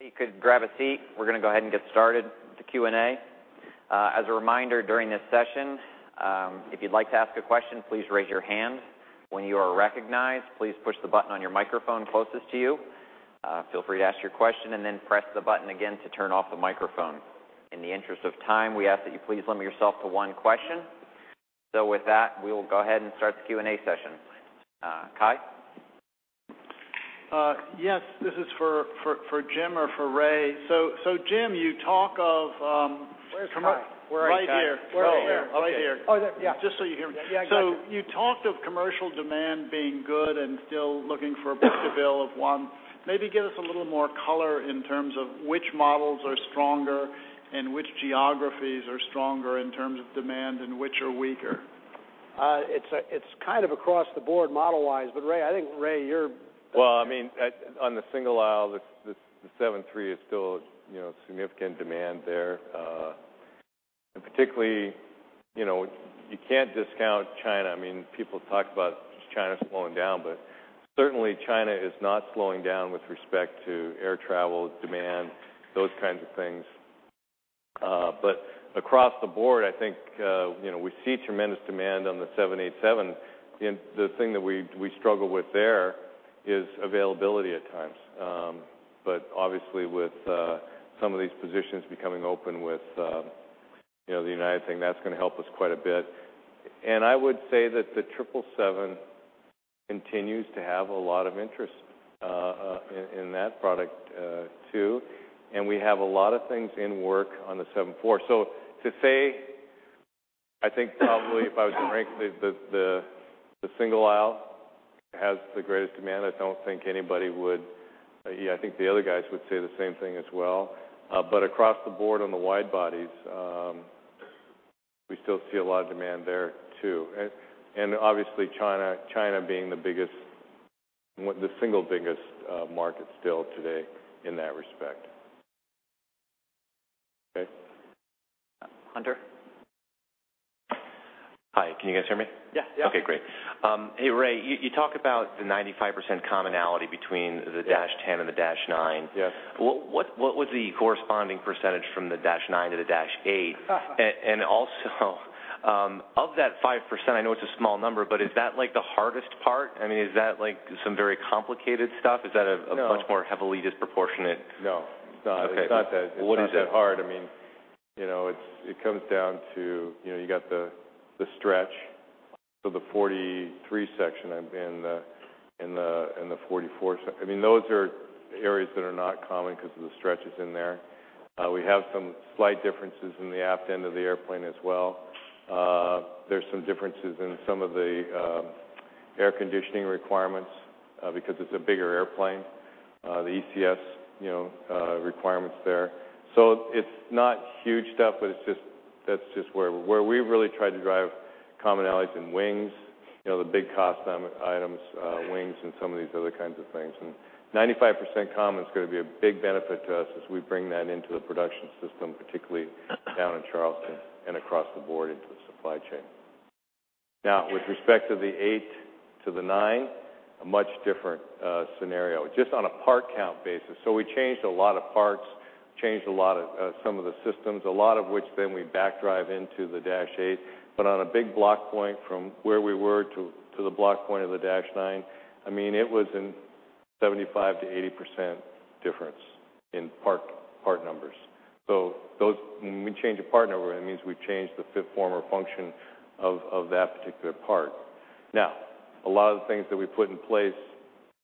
You could grab a seat. We're going to go ahead and get started with the Q&A. As a reminder, during this session, if you'd like to ask a question, please raise your hand. When you are recognized, please push the button on your microphone closest to you. Feel free to ask your question, then press the button again to turn off the microphone. In the interest of time, we ask that you please limit yourself to one question. With that, we will go ahead and start the Q&A session. Cai? This is for Jim or for Ray. Jim, you talk. Where's Cai? Where are you, Cai? Right here. Oh, here. Right here. Oh, there, yeah. Just so you hear me. Yeah, got you. You talked of commercial demand being good and still looking for a book-to-bill of one. Maybe give us a little more color in terms of which models are stronger and which geographies are stronger in terms of demand, and which are weaker. It's kind of across the board model-wise, Ray, I think, Ray. On the single aisle, the 737 is still significant demand there. Particularly, you can't discount China. People talk about China slowing down, certainly China is not slowing down with respect to air travel, demand, those kinds of things. Across the board, I think we see tremendous demand on the 787. The thing that we struggle with there is availability at times. Obviously with some of these positions becoming open with the United thing, that's going to help us quite a bit. I would say that the 777 continues to have a lot of interest in that product, too, and we have a lot of things in work on the 747. To say, I think probably if I was to rank, the single aisle has the greatest demand. I think the other guys would say the same thing as well. Across the board on the wide bodies, we still see a lot of demand there, too, and obviously China being the single biggest market still today in that respect. Okay. Hunter? Hi, can you guys hear me? Yeah. Okay, great. Hey, Ray, you talk about the 95% commonality between the Dash 10 and the Dash 9. Yes. What was the corresponding percentage from the Dash 9 to the Dash 8? Also, of that 5%, I know it's a small number, but is that the hardest part? I mean, is that some very complicated stuff? Is that No much more heavily disproportionate? No. It's not that hard. Okay. What is it? It comes down to, you got the stretch, the 43 section and the 44 section. Those are areas that are not common because of the stretches in there. We have some slight differences in the aft end of the airplane as well. There's some differences in some of the air conditioning requirements, because it's a bigger airplane. The ECS requirements there. It's not huge stuff, but that's just where we really tried to drive commonalities in wings, the big cost items, wings, and some of these other kinds of things. 95% common is going to be a big benefit to us as we bring that into the production system, particularly down in Charleston and across the board into the supply chain. With respect to the eight to the nine, a much different scenario, just on a part count basis. We changed a lot of parts, changed some of the systems, a lot of which then we back drive into the Dash 8. On a big block point from where we were to the block point of the Dash 9, it was a 75%-80% difference in part numbers. When we change a part number, it means we've changed the fit, form, or function of that particular part. A lot of the things that we put in place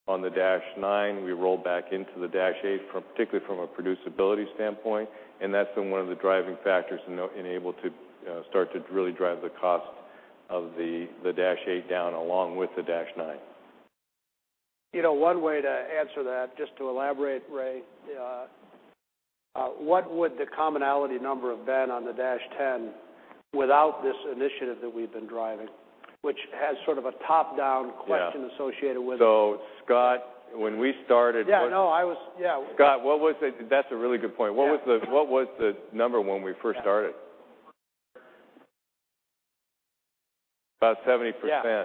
on the Dash 9, we rolled back into the Dash 8, particularly from a producibility standpoint, that's been one of the driving factors in able to start to really drive the cost of the Dash 8 down, along with the Dash 9. One way to answer that, just to elaborate, Ray, what would the commonality number have been on the Dash 10 without this initiative that we've been driving, which has sort of a top-down question associated with it. Yeah. Scott, when we started Yeah, no. Yeah. Scott, that's a really good point. Yeah. What was the number when we first started? About 70%. Yeah.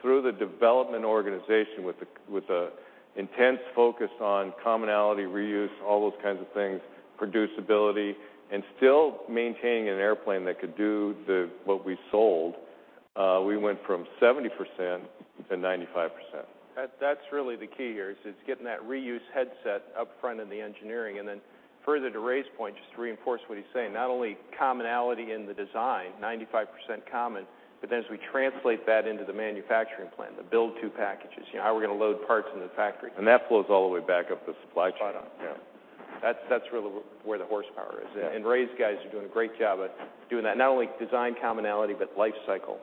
Through the development organization with an intense focus on commonality, reuse, all those kinds of things, producibility, and still maintaining an airplane that could do what we sold, we went from 70% to 95%. That's really the key here, is getting that reuse headset up front in the engineering. Further to Ray's point, just to reinforce what he's saying, not only commonality in the design, 95% common, but as we translate that into the manufacturing plan, the build-to packages how we're going to load parts into the factory. That flows all the way back up the supply chain. Right on. Yeah. That's really where the horsepower is. Yeah. Ray's guys are doing a great job at doing that, not only design commonality, but life cycle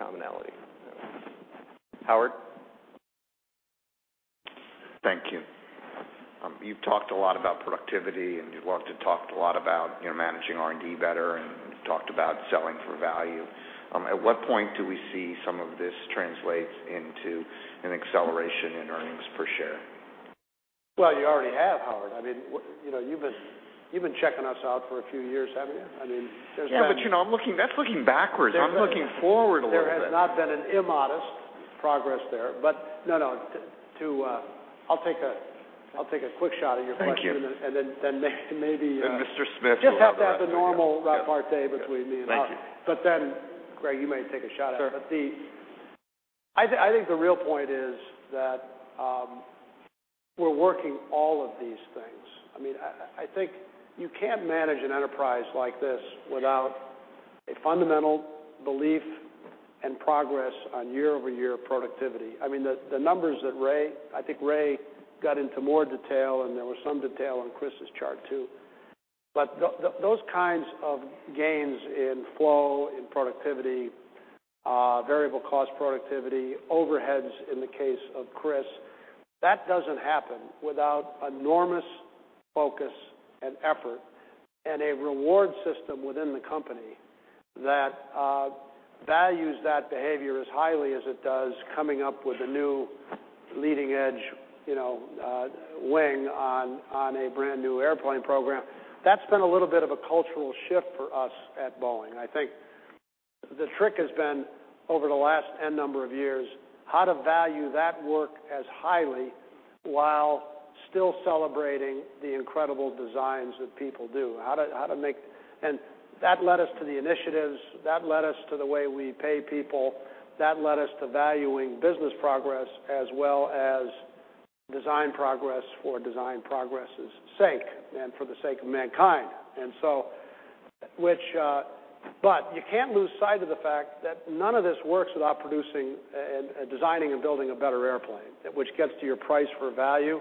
commonality. Yeah. Howard? Thank you. You've talked a lot about productivity, and you've also talked a lot about managing R&D better, and you've talked about selling for value. At what point do we see some of this translate into an acceleration in earnings per share? Well, you already have, Howard. I mean, you've been checking us out for a few years, haven't you? I mean, That's looking backwards. I'm looking forward a little bit. There has not been an immodest progress there. No, no, I'll take a quick shot at your question. Thank you. Maybe. Yeah. Mr. Smith will have to have the normal repartee between me and Howard. Thank you. Greg, you may take a shot at it. Sure. I think the real point is that we're working all of these things. I think you can't manage an enterprise like this without a fundamental belief and progress on year-over-year productivity. The numbers that, I think Ray got into more detail, and there was some detail on Chris's chart, too. Those kinds of gains in flow, in productivity, variable cost productivity, overheads, in the case of Chris, that doesn't happen without enormous focus and effort and a reward system within the company that values that behavior as highly as it does coming up with a new leading edge wing on a brand new airplane program. That's been a little bit of a cultural shift for us at Boeing. I think the trick has been, over the last N number of years, how to value that work as highly, while still celebrating the incredible designs that people do. That led us to the initiatives, that led us to the way we pay people, that led us to value business progress as well as design progress for design progress' sake and for the sake of mankind. You can't lose sight of the fact that none of this works without producing and designing and building a better airplane, which gets to your price for value.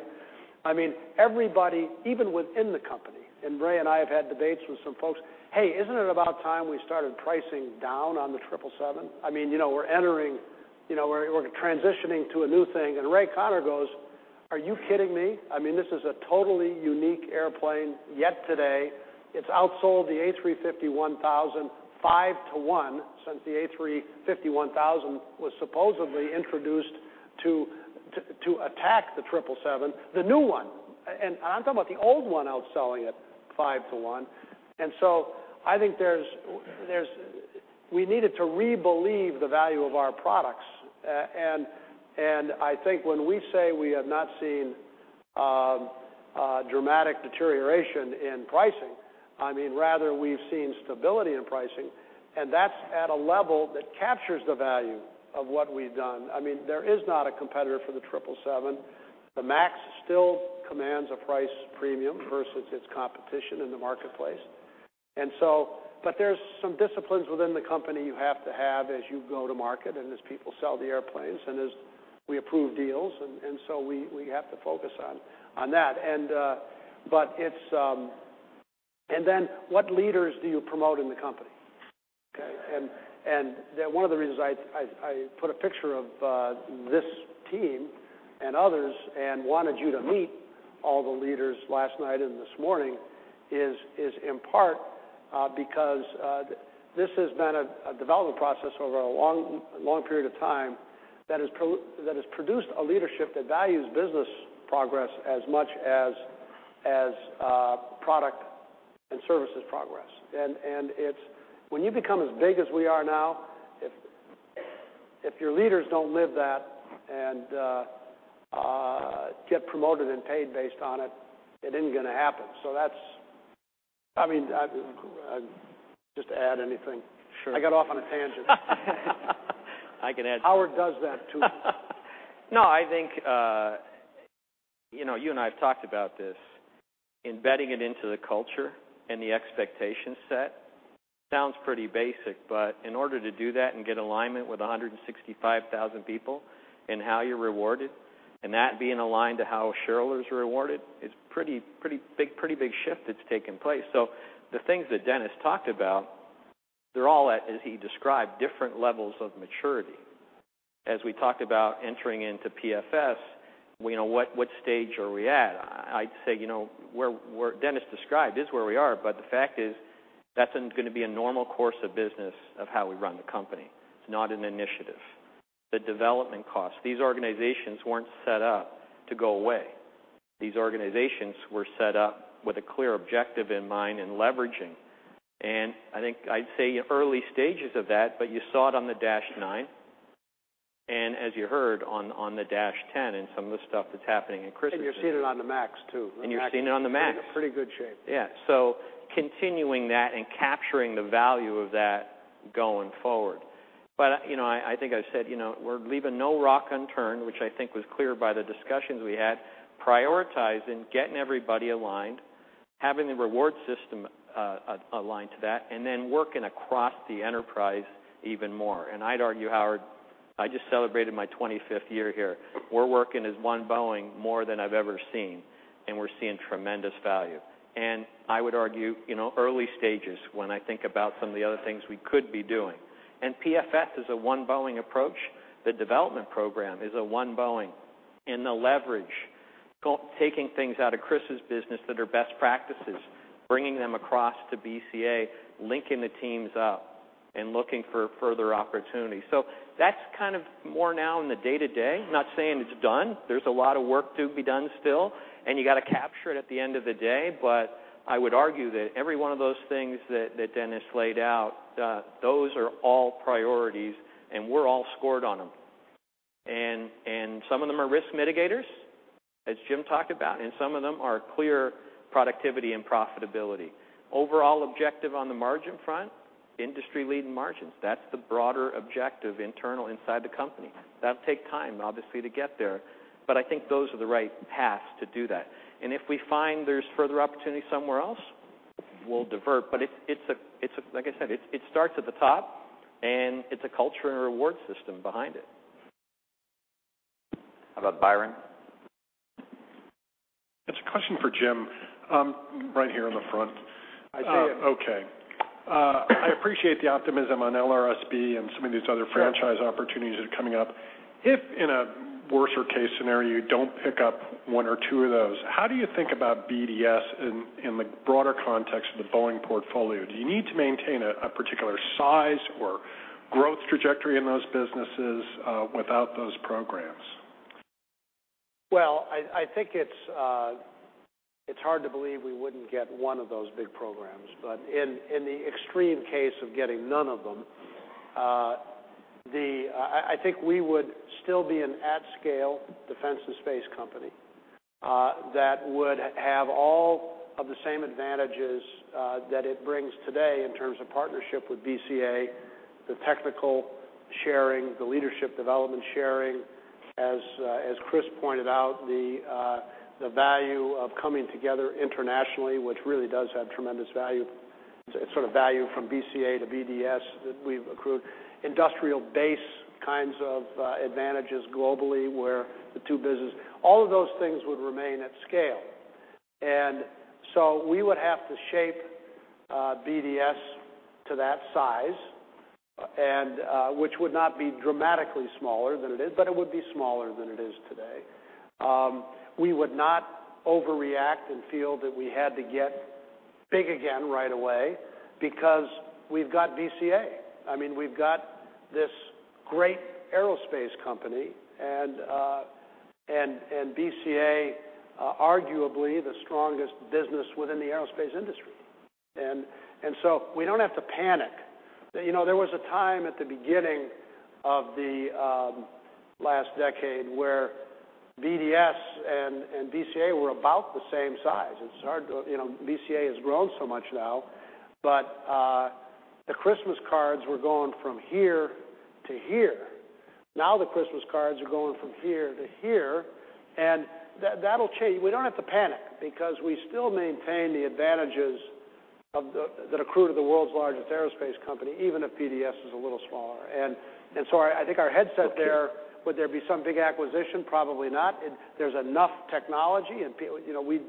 Everybody, even within the company, and Ray and I have had debates with some folks, "Hey, isn't it about time we started pricing down on the 777? We're transitioning to a new thing." Ray Conner goes, "Are you kidding me? This is a totally unique airplane, yet today it's outsold the A350-1000 five to one since the A350-1000 was supposedly introduced to attack the 777, the new one." I'm talking about the old one outselling it five to one. I think we needed to re-believe the value of our products. I think when we say we have not seen dramatic deterioration in pricing, rather we've seen stability in pricing, and that's at a level that captures the value of what we've done. There is not a competitor for the 777. The MAX still commands a price premium versus its competition in the marketplace. There's some disciplines within the company you have to have as you go to market and as people sell the airplanes and as we approve deals, we have to focus on that. What leaders do you promote in the company? Okay. One of the reasons I put a picture of this team and others and wanted you to meet all the leaders last night and this morning is, in part, because this has been a development process over a long period of time that has produced a leadership that values business progress as much as product and services progress. When you become as big as we are now, if your leaders don't live that and get promoted and paid based on it isn't going to happen. Just to add anything. Sure. I got off on a tangent. I can add- Howard does that, too. I think, you and I have talked about this, embedding it into the culture and the expectation set sounds pretty basic, but in order to do that and get alignment with 165,000 people and how you're rewarded, and that being aligned to how shareholders are rewarded, it's a pretty big shift that's taken place. The things that Dennis talked about, they're all at, as he described, different levels of maturity. As we talked about entering into PFS, what stage are we at? I'd say, where Dennis described is where we are, the fact is, that's going to be a normal course of business of how we run the company. It's not an initiative. The development costs, these organizations weren't set up to go away. These organizations were set up with a clear objective in mind in leveraging, I think I'd say early stages of that, You saw it on the -9, As you heard, on the -10 and some of the stuff that's happening in Chris's- You're seeing it on the MAX, too. You're seeing it on the MAX. In pretty good shape. Continuing that and capturing the value of that going forward. I think I've said, we're leaving no rock unturned, which I think was clear by the discussions we had, prioritizing, getting everybody aligned, having the reward system aligned to that, and then working across the enterprise even more. I'd argue, Howard, I just celebrated my 25th year here. We're working as One Boeing more than I've ever seen, and we're seeing tremendous value. I would argue, early stages when I think about some of the other things we could be doing. PFS is a One Boeing approach. The Development Program is a One Boeing, and the leverage, taking things out of Chris's business that are best practices, bringing them across to BCA, linking the teams up, and looking for further opportunities. That's more now in the day-to-day. Not saying it's done. There's a lot of work to be done still, and you got to capture it at the end of the day, but I would argue that every one of those things that Dennis laid out, those are all priorities, and we're all scored on them. Some of them are risk mitigators, as Jim talked about, and some of them are clear productivity and profitability. Overall objective on the margin front, industry-leading margins. That's the broader objective internal inside the company. That'll take time, obviously, to get there, but I think those are the right paths to do that. If we find there's further opportunity somewhere else, we'll divert. Like I said, it starts at the top, and it's a culture and reward system behind it. How about Byron? It's a question for Jim. Right here in the front. I see you. Okay. I appreciate the optimism on LRSB and some of these other franchise opportunities that are coming up. If, in a worser case scenario, you don't pick up one or two of those, how do you think about BDS in the broader context of the Boeing portfolio? Do you need to maintain a particular size or growth trajectory in those businesses without those programs? I think it's hard to believe we wouldn't get one of those big programs. In the extreme case of getting none of them, I think we would still be an at-scale Defense and Space company. That would have all of the same advantages that it brings today in terms of partnership with BCA, the technical sharing, the leadership development sharing. As Chris pointed out, the value of coming together internationally, which really does have tremendous value, sort of value from BCA to BDS that we've accrued, industrial base kinds of advantages globally where All of those things would remain at scale. We would have to shape BDS to that size, which would not be dramatically smaller than it is, but it would be smaller than it is today. We would not overreact and feel that we had to get big again right away because we've got BCA. We've got this great aerospace company, and BCA, arguably the strongest business within the aerospace industry. We don't have to panic. There was a time at the beginning of the last decade where BDS and BCA were about the same size. BCA has grown so much now, but the Christmas cards were going from here to here. Now the Christmas cards are going from here to here, and that'll change. We don't have to panic because we still maintain the advantages that accrue to the world's largest aerospace company, even if BDS is a little smaller. I think our headset there, would there be some big acquisition? Probably not. There's enough technology, and we'd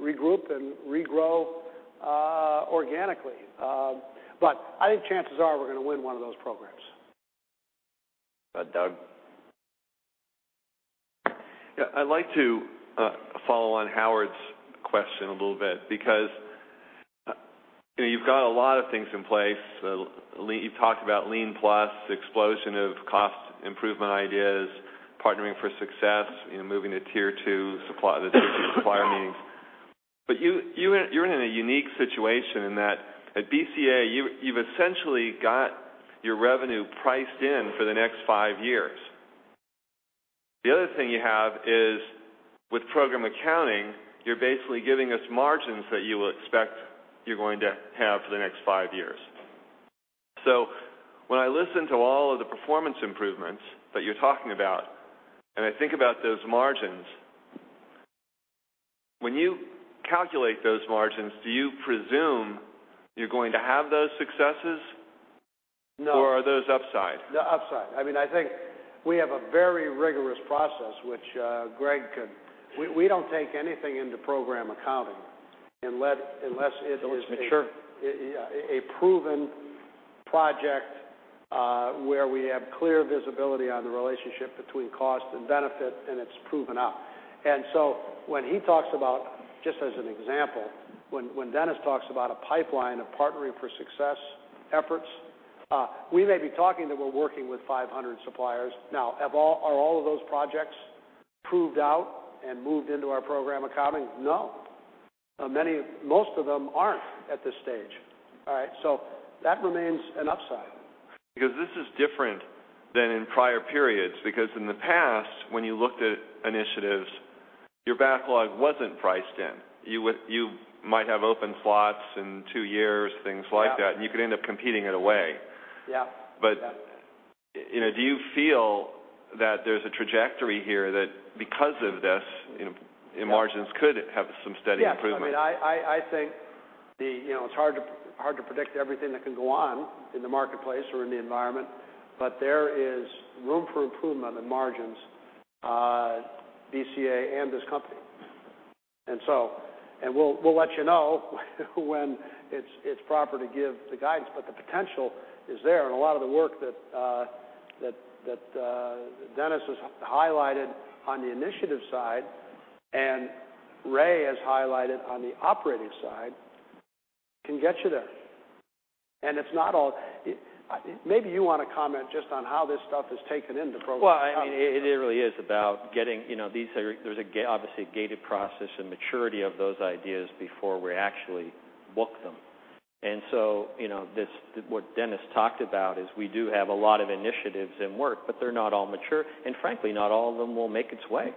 regroup and regrow organically. I think chances are we're going to win one of those programs. Doug. I'd like to follow on Howard's question a little bit, because you've got a lot of things in place. You talked about Lean+, explosion of cost improvement ideas, Partnering for Success, moving to tier 2 supplier meetings. But you're in a unique situation in that at BCA, you've essentially got your revenue priced in for the next 5 years. The other thing you have is with program accounting, you're basically giving us margins that you expect you're going to have for the next 5 years. When I listen to all of the performance improvements that you're talking about, and I think about those margins, when you calculate those margins, do you presume you're going to have those successes? No. Are those upside? They're upside. I think we have a very rigorous process. We don't take anything into program accounting unless it is. Until it's mature. A proven project, where we have clear visibility on the relationship between cost and benefit, and it's proven up. When he talks about, just as an example, when Dennis Muilenburg talks about a pipeline of Partnering for Success efforts, we may be talking that we're working with 500 suppliers. Are all of those projects proved out and moved into our program accounting? No. Most of them aren't at this stage. All right, that remains an upside. This is different than in prior periods, because in the past, when you looked at initiatives, your backlog wasn't priced in. You might have open slots in two years, things like that. Yeah. You could end up competing it away. Yeah. Do you feel that there's a trajectory here that because of this, margins could have some steady improvement? Yes. I think it's hard to predict everything that can go on in the marketplace or in the environment, but there is room for improvement in margins, BCA and this company. We'll let you know when it's proper to give the guidance, but the potential is there, and a lot of the work that Dennis has highlighted on the initiative side, and Ray has highlighted on the operating side, can get you there. Maybe you want to comment just on how this stuff is taken into program accounting. Well, it really is about getting, there's obviously a gated process and maturity of those ideas before we actually book them. What Dennis talked about is we do have a lot of initiatives in work, but they're not all mature, and frankly, not all of them will make its way.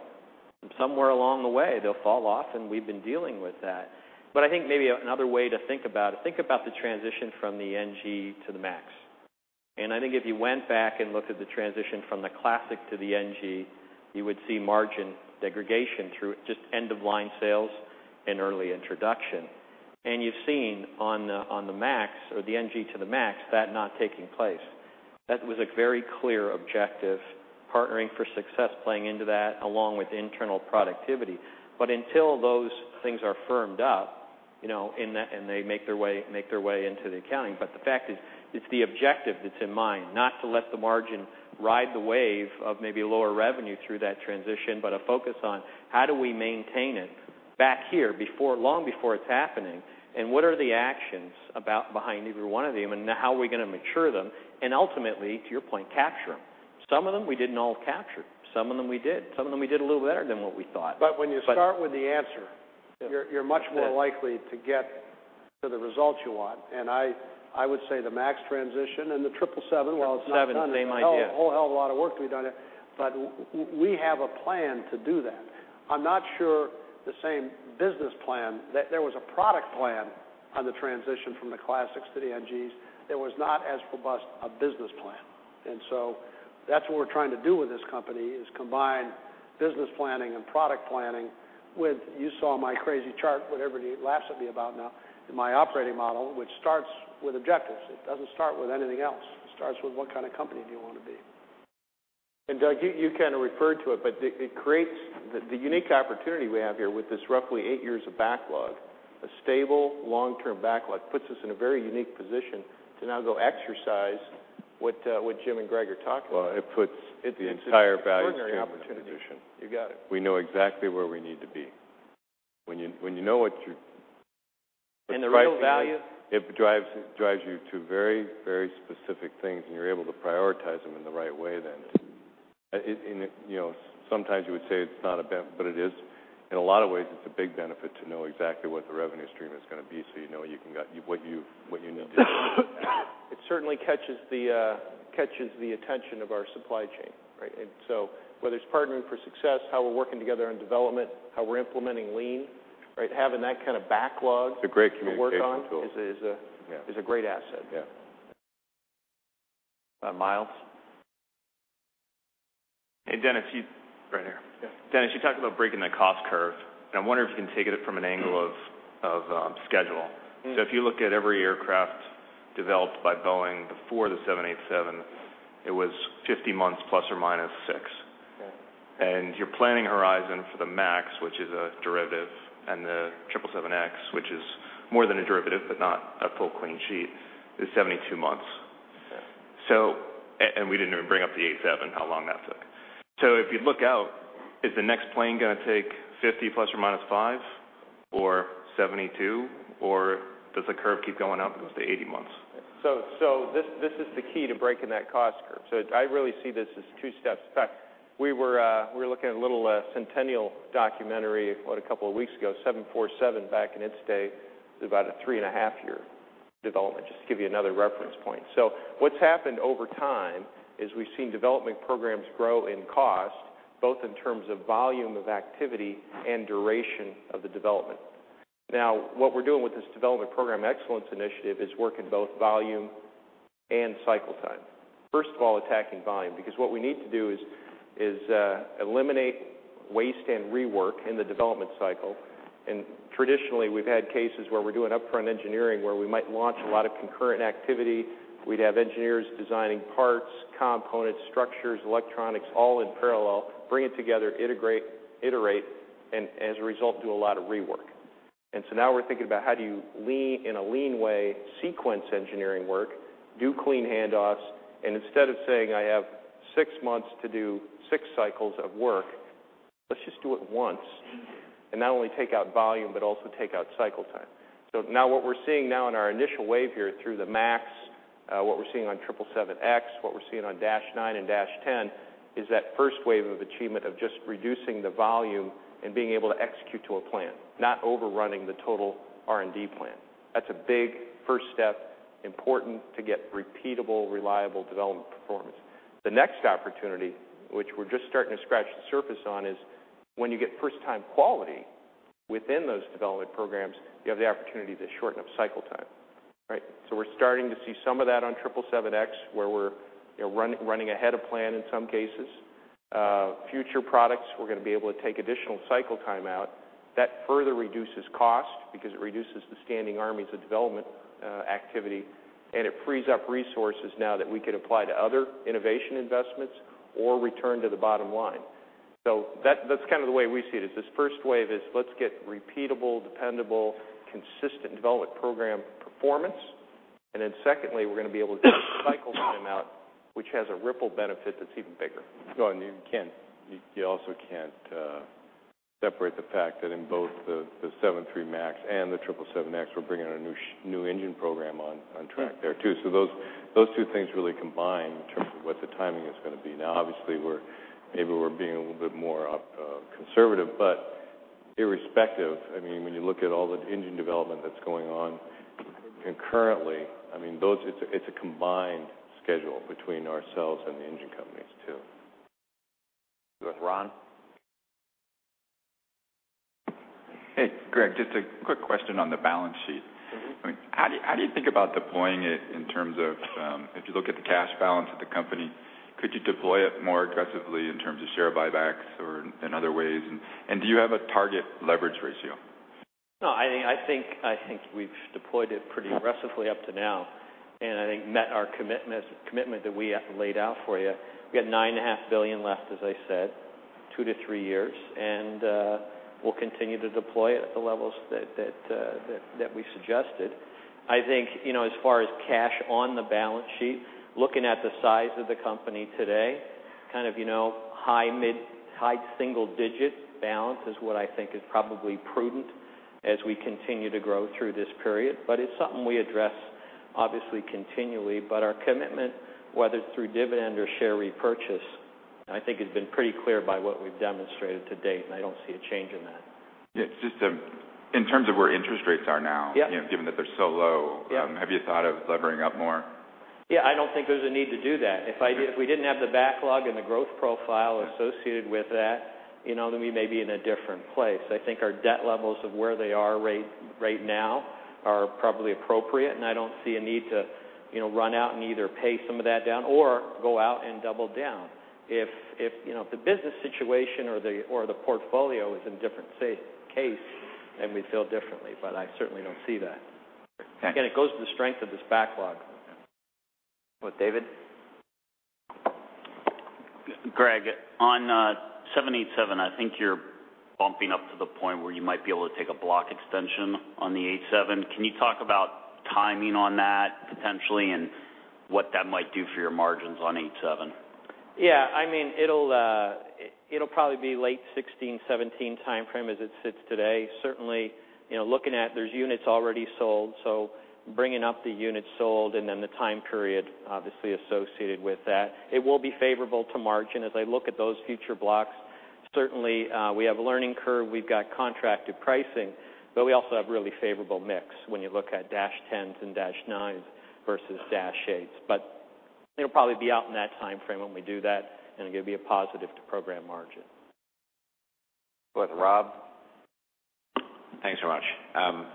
Somewhere along the way, they'll fall off, and we've been dealing with that. I think maybe another way to think about it, think about the transition from the NG to the MAX. I think if you went back and looked at the transition from the Classic to the NG, you would see margin degradation through just end-of-line sales and early introduction. You've seen on the MAX, or the NG to the MAX, that not taking place. That was a very clear objective, Partnering for Success playing into that, along with internal productivity. Until those things are firmed up, and they make their way into the accounting. The fact is, it's the objective that's in mind, not to let the margin ride the wave of maybe lower revenue through that transition, but a focus on how do we maintain it back here, long before it's happening, and what are the actions behind every one of them, and how are we going to mature them, and ultimately, to your point, capture them. Some of them, we didn't all capture. Some of them, we did. Some of them, we did a little better than what we thought. When you start with the answer, you're much more likely to get To the results you want. I would say the MAX transition and the 777, while it's not done- Seven, same idea a whole hell of a lot of work to be done yet, but we have a plan to do that. I'm not sure the same business plan. There was a product plan on the transition from the classics to the NGs. There was not as robust a business plan. That's what we're trying to do with this company, is combine business planning and product planning with, you saw my crazy chart, whatever you laugh at me about now, in my operating model, which starts with objectives. It doesn't start with anything else. It starts with what kind of company do you want to be. Doug, you kind of referred to it, but it creates the unique opportunity we have here with this roughly eight years of backlog. A stable, long-term backlog puts us in a very unique position to now go exercise what Jim and Greg are talking about. Well, it puts the entire value stream into position. You got it. We know exactly where we need to be. the real value- It drives you to very, very specific things, and you're able to prioritize them in the right way then. Sometimes you would say it's not a benefit, but it is. In a lot of ways, it's a big benefit to know exactly what the revenue stream is going to be so you know what you need to do. It certainly catches the attention of our supply chain. Right? Whether it's Partnering for Success, how we're working together on development, how we're implementing lean, right, having that kind of backlog- It's a great communication tool to work on is a great asset. Yeah. Myles? Hey, Dennis, right here. Yeah. Dennis, you talked about breaking the cost curve, I wonder if you can take it from an angle of schedule. If you look at every aircraft developed by Boeing before the 787, it was 50 months ±6. Yeah. Your planning horizon for the MAX, which is a derivative, and the 777X, which is more than a derivative, but not a full clean sheet, is 72 months. Yeah. We didn't even bring up the [A7], how long that took. If you look out, is the next plane going to take 50 ±5, or 72, or does the curve keep going up and goes to 80 months? This is the key to breaking that cost curve. I really see this as two steps. In fact, we were looking at a little centennial documentary a couple of weeks ago, 747 back in its day, was about a three and a half year development, just to give you another reference point. What's happened over time is we've seen development programs grow in cost, both in terms of volume of activity and duration of the development. Now, what we're doing with this Development Program Excellence initiative is work in both volume and cycle time. First of all, attacking volume, because what we need to do is eliminate waste and rework in the development cycle. Traditionally, we've had cases where we're doing upfront engineering, where we might launch a lot of concurrent activity. We'd have engineers designing parts, components, structures, electronics, all in parallel, bring it together, integrate, iterate, as a result, do a lot of rework. Now we're thinking about how do you, in a lean way, sequence engineering work, do clean handoffs, and instead of saying, "I have six months to do six cycles of work," let's just do it once, and not only take out volume, but also take out cycle time. Now what we're seeing now in our initial wave here through the MAX, what we're seeing on 777X, what we're seeing on dash nine and dash 10 is that first wave of achievement of just reducing the volume and being able to execute to a plan, not overrunning the total R&D plan. That's a big first step, important to get repeatable, reliable development performance. The next opportunity, which we're just starting to scratch the surface on, is when you get first-time quality within those development programs, you have the opportunity to shorten up cycle time. Right? We're starting to see some of that on 777X, where we're running ahead of plan in some cases. Future products, we're going to be able to take additional cycle time out. That further reduces cost because it reduces the standing armies of development activity, and it frees up resources now that we could apply to other innovation investments or return to the bottom line. That's kind of the way we see it, is this first wave is, let's get repeatable, dependable, consistent development program performance, and then secondly, we're going to be able to get cycle time out, which has a ripple benefit that's even bigger. You also can't separate the fact that in both the 73 MAX and the 777X, we're bringing a new engine program on track there, too. Those two things really combine in terms of what the timing is going to be. Obviously, maybe we're being a little bit more conservative, but irrespective, when you look at all the engine development that's going on concurrently, it's a combined schedule between ourselves and the engine companies, too. Go with Ron. Hey, Greg, just a quick question on the balance sheet. How do you think about deploying it in terms of, if you look at the cash balance of the company, could you deploy it more aggressively in terms of share buybacks or in other ways, and do you have a target leverage ratio? No, I think we've deployed it pretty aggressively up to now, and I think met our commitment that we laid out for you. We got $9.5 billion left, as I said, two to three years, and we'll continue to deploy it at the levels that we suggested. I think, as far as cash on the balance sheet, looking at the size of the company today, high single-digit balance is what I think is probably prudent as we continue to grow through this period. It's something we address, obviously, continually, but our commitment, whether it's through dividend or share repurchase I think it's been pretty clear by what we've demonstrated to date, and I don't see a change in that. Yeah. Just in terms of where interest rates are now- Yeah given that they're so low- Yeah have you thought of levering up more? Yeah, I don't think there's a need to do that. If we didn't have the backlog and the growth profile associated with that, then we may be in a different place. I think our debt levels of where they are right now are probably appropriate, and I don't see a need to run out and either pay some of that down or go out and double down. If the business situation or the portfolio is in different case, then we'd feel differently, but I certainly don't see that. Okay. It goes to the strength of this backlog. With David. Greg, on 787, I think you're bumping up to the point where you might be able to take a block extension on the 87. Can you talk about timing on that, potentially, and what that might do for your margins on 87? Yeah. It'll probably be late 2016, 2017 timeframe as it sits today. Certainly, there's units already sold, so bringing up the units sold and then the time period, obviously, associated with that. It will be favorable to margin as I look at those future blocks. Certainly, we have a learning curve. We've got contracted pricing, but we also have really favorable mix when you look at dash 10s and dash 9s versus dash 8s. It'll probably be out in that timeframe when we do that, and it'll be a positive to program margin. Go with Rob. Thanks very much.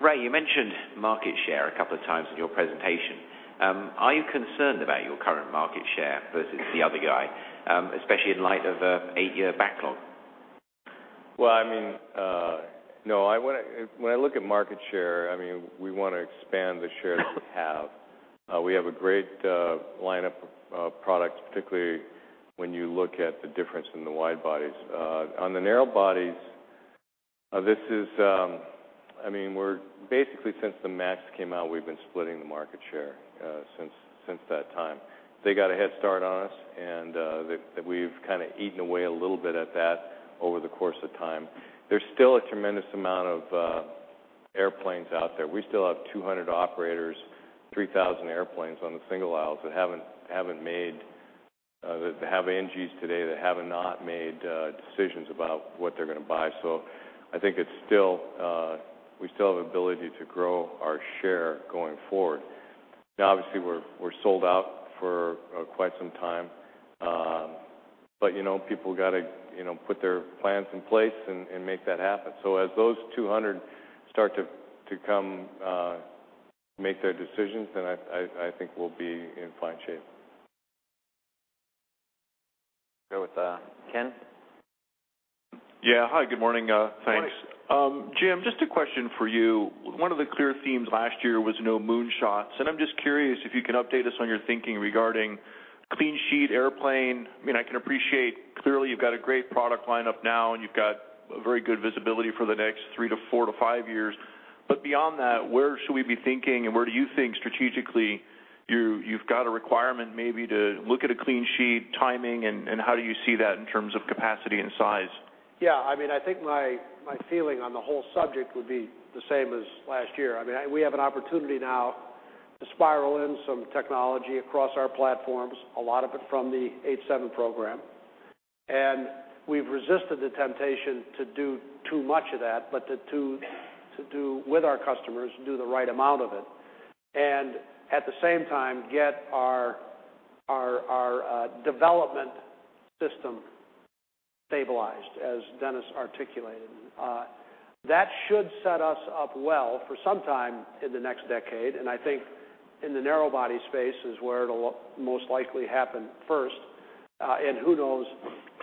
Ray, you mentioned market share a couple of times in your presentation. Are you concerned about your current market share versus the other guy, especially in light of a eight-year backlog? Well, no. When I look at market share, we want to expand the share that we have. We have a great lineup of products, particularly when you look at the difference in the wide bodies. On the narrow bodies, basically since the MAX came out, we've been splitting the market share since that time. They got a head start on us, and we've kind of eaten away a little bit at that over the course of time. There's still a tremendous amount of airplanes out there. We still have 200 operators, 3,000 airplanes on the single aisles that have NG's today that have not made decisions about what they're going to buy. I think we still have ability to grow our share going forward. Now, obviously, we're sold out for quite some time. People got to put their plans in place and make that happen. As those 200 start to come make their decisions, I think we'll be in fine shape. Go with Ken. Yeah. Hi, good morning. Thanks. Morning. Jim, just a question for you. One of the clear themes last year was no moonshots. I'm just curious if you can update us on your thinking regarding clean sheet airplane. I can appreciate clearly you've got a great product line up now. You've got a very good visibility for the next three to four to five years. Beyond that, where should we be thinking, where do you think strategically you've got a requirement maybe to look at a clean sheet timing, how do you see that in terms of capacity and size? Yeah. I think my feeling on the whole subject would be the same as last year. We have an opportunity now to spiral in some technology across our platforms, a lot of it from the 787 program. We've resisted the temptation to do too much of that, but to do with our customers, do the right amount of it, and at the same time, get our development system stabilized, as Dennis articulated. That should set us up well for some time in the next decade. I think in the narrow body space is where it'll most likely happen first, and who knows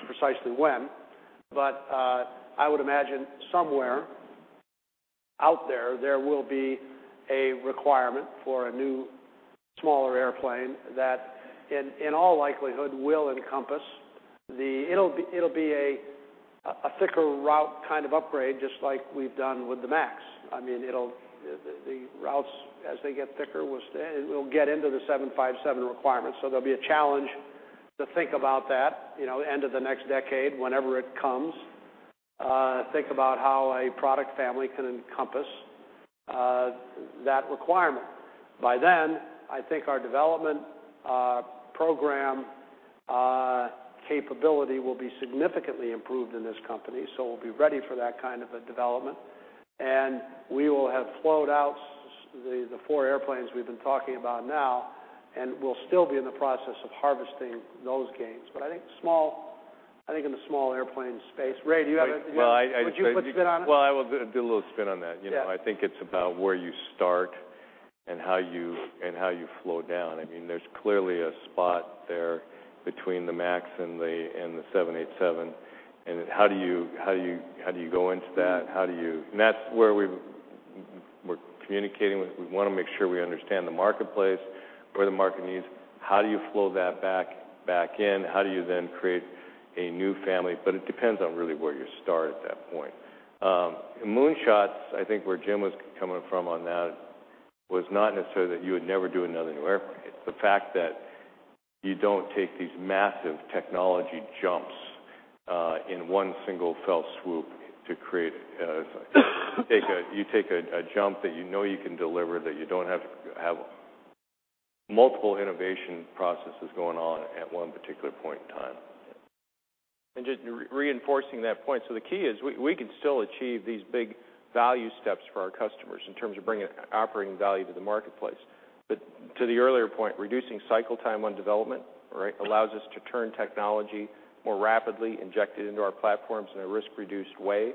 precisely when. I would imagine somewhere out there will be a requirement for a new smaller airplane that, in all likelihood, will encompass the It'll be a thicker route kind of upgrade, just like we've done with the MAX. The routes, as they get thicker, it will get into the 757 requirements. There'll be a challenge to think about that, end of the next decade, whenever it comes, think about how a product family can encompass that requirement. By then, I think our development program capability will be significantly improved in this company. We'll be ready for that kind of a development. We will have flowed out the four airplanes we've been talking about now. We'll still be in the process of harvesting those gains. I think in the small airplane space, Ray, do you have anything to add? Well, Would you put a spin on it? Well, I will do a little spin on that. Yeah. I think it's about where you start and how you flow down. There's clearly a spot there between the MAX and the 787, and how do you go into that? That's where we're communicating. We want to make sure we understand the marketplace, where the market needs, how do you flow that back in, how do you then create a new family, it depends on really where you start at that point. Moonshots, I think where Jim was coming from on that, was not necessarily that you would never do another new airplane. It's the fact that you don't take these massive technology jumps in one single fell swoop. You take a jump that you know you can deliver, that you don't have to have multiple innovation processes going on at one particular point in time. Just reinforcing that point, the key is we can still achieve these big value steps for our customers in terms of bringing operating value to the marketplace. To the earlier point, reducing cycle time on development, right, allows us to turn technology more rapidly, inject it into our platforms in a risk-reduced way.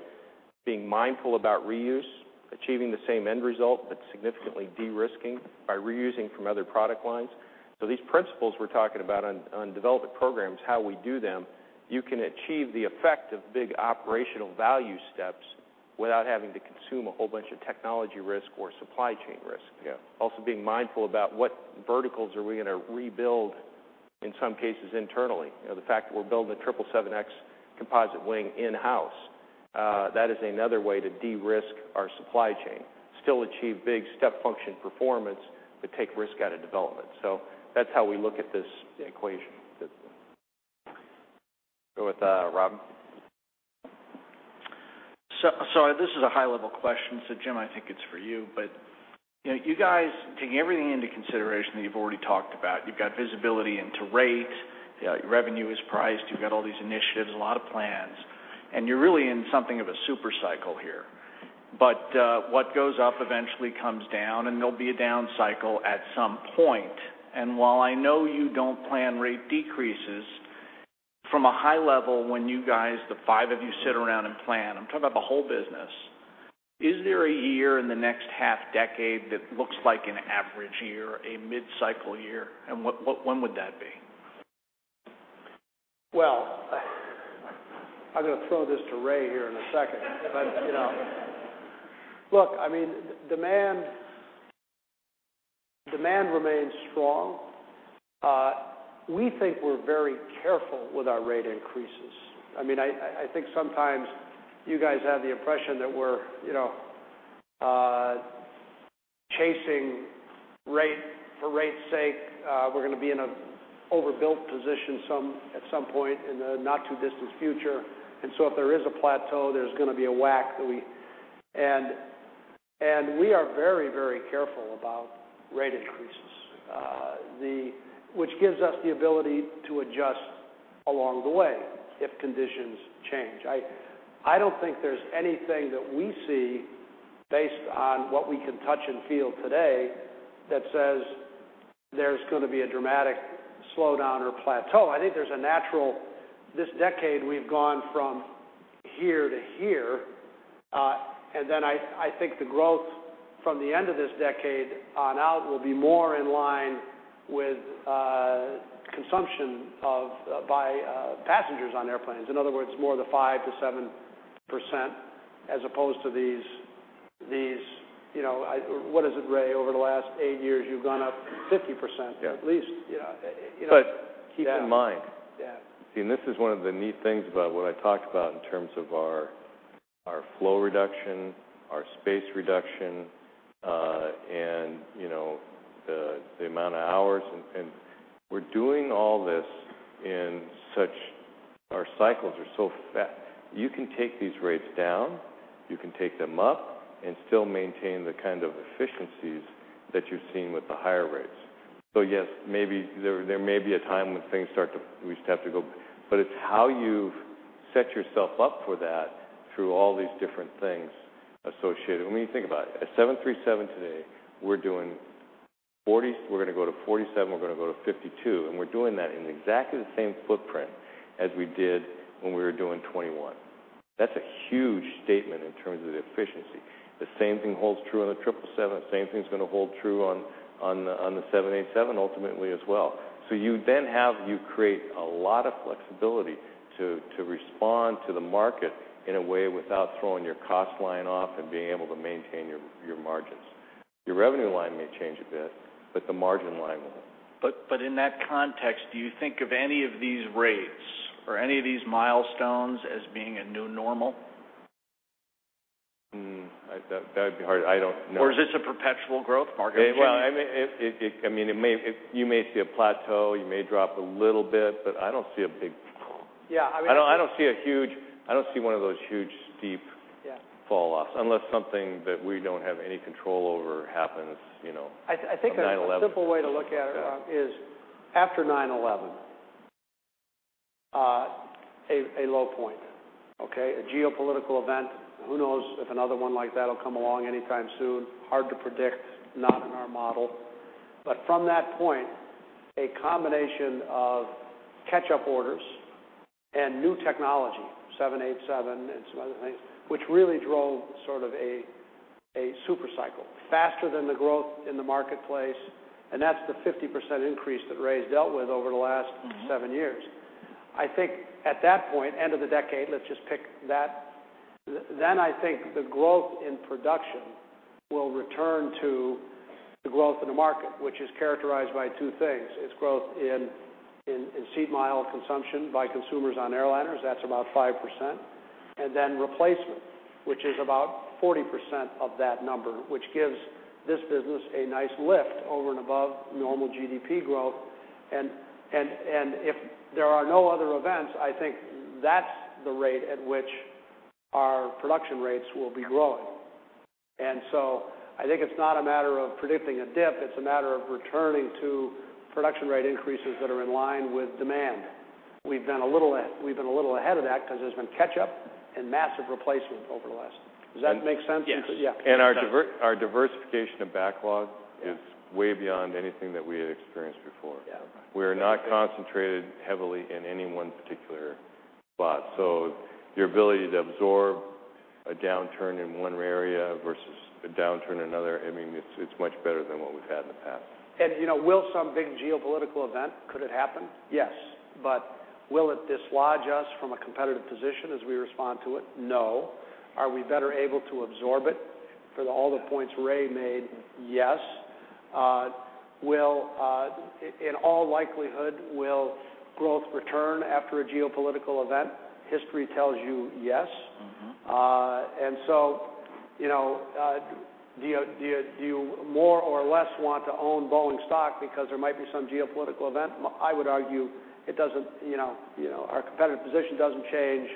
Being mindful about reuse, achieving the same end result, but significantly de-risking by reusing from other product lines. These principles we're talking about on development programs, how we do them, you can achieve the effect of big operational value steps without having to consume a whole bunch of technology risk or supply chain risk. Yeah. Also, being mindful about what verticals are we going to rebuild, in some cases internally. The fact that we're building a 777X composite wing in-house, that is another way to de-risk our supply chain. Still achieve big step function performance, take risk out of development. That's how we look at this equation. Go with Rob. This is a high-level question, Jim, I think it's for you. You guys, taking everything into consideration that you've already talked about, you've got visibility into rates, revenue is priced, you've got all these initiatives, a lot of plans, and you're really in something of a super cycle here. What goes up eventually comes down, and there'll be a down cycle at some point. While I know you don't plan rate decreases, from a high level, when you guys, the five of you, sit around and plan, I'm talking about the whole business, is there a year in the next half decade that looks like an average year, a mid-cycle year? When would that be? I'm going to throw this to Ray here in a second. Look, demand remains strong. We think we're very careful with our rate increases. I think sometimes you guys have the impression that we're chasing rate for rate's sake. We're going to be in an overbuilt position at some point in the not-too-distant future. If there is a plateau, there's going to be a whack. We are very careful about rate increases, which gives us the ability to adjust along the way if conditions change. I don't think there's anything that we see based on what we can touch and feel today that says there's going to be a dramatic slowdown or plateau. I think there's a natural, this decade we've gone from here to here. Then I think the growth from the end of this decade on out will be more in line with consumption by passengers on airplanes. In other words, more the 5%-7%, as opposed to these, what is it, Ray, over the last eight years, you've gone up 50%. Yeah at least. Keep in mind. Yeah This is one of the neat things about what I talked about in terms of our flow reduction, our space reduction, and the amount of hours, and we're doing all this in such, our cycles are so fast. You can take these rates down, you can take them up, and still maintain the kind of efficiencies that you're seeing with the higher rates. Yes, there may be a time when we just have to go, it's how you've set yourself up for that through all these different things associated. When you think about it, a 737 today, we're going to go to 47, we're going to go to 52. We're doing that in exactly the same footprint as we did when we were doing 21. That's a huge statement in terms of the efficiency. The same thing holds true on the 777. Same thing's going to hold true on the 787 ultimately as well. You then create a lot of flexibility to respond to the market in a way, without throwing your cost line off and being able to maintain your margins. Your revenue line may change a bit, the margin line won't. In that context, do you think of any of these rates or any of these milestones as being a new normal? That'd be hard. I don't know. Is this a perpetual growth market? Well, you may see a plateau, you may drop a little bit, but I don't see a big. Yeah, I mean I don't see one of those huge, steep Yeah falloffs, unless something that we don't have any control over happens, like 9/11. I think the simple way to look at it, Rob, is after 9/11, a low point, okay, a geopolitical event. Who knows if another one like that'll come along anytime soon. Hard to predict. Not in our model. From that point, a combination of catch-up orders and new technology, 787 and some other things, which really drove sort of a super cycle. Faster than the growth in the marketplace, and that's the 50% increase that Ray's dealt with over the last seven years. I think at that point, end of the decade, let's just pick that. I think the growth in production will return to the growth in the market, which is characterized by two things. It's growth in seat mile consumption by consumers on airliners. That's about 5%. Replacement, which is about 40% of that number, which gives this business a nice lift over and above normal GDP growth. If there are no other events, I think that's the rate at which our production rates will be growing. I think it's not a matter of predicting a dip, it's a matter of returning to production rate increases that are in line with demand. We've been a little ahead of that because there's been catch-up and massive replacement over the last. Does that make sense? Yes. Yeah. Our diversification of backlog is way beyond anything that we had experienced before. Yeah. We're not concentrated heavily in any one particular spot. Your ability to absorb a downturn in one area versus a downturn in another, it's much better than what we've had in the past. Will some big geopolitical event, could it happen? Yes. Will it dislodge us from a competitive position as we respond to it? No. Are we better able to absorb it for all the points Ray made? Yes. In all likelihood, will growth return after a geopolitical event? History tells you yes. Do you more or less want to own Boeing stock because there might be some geopolitical event? I would argue our competitive position doesn't change.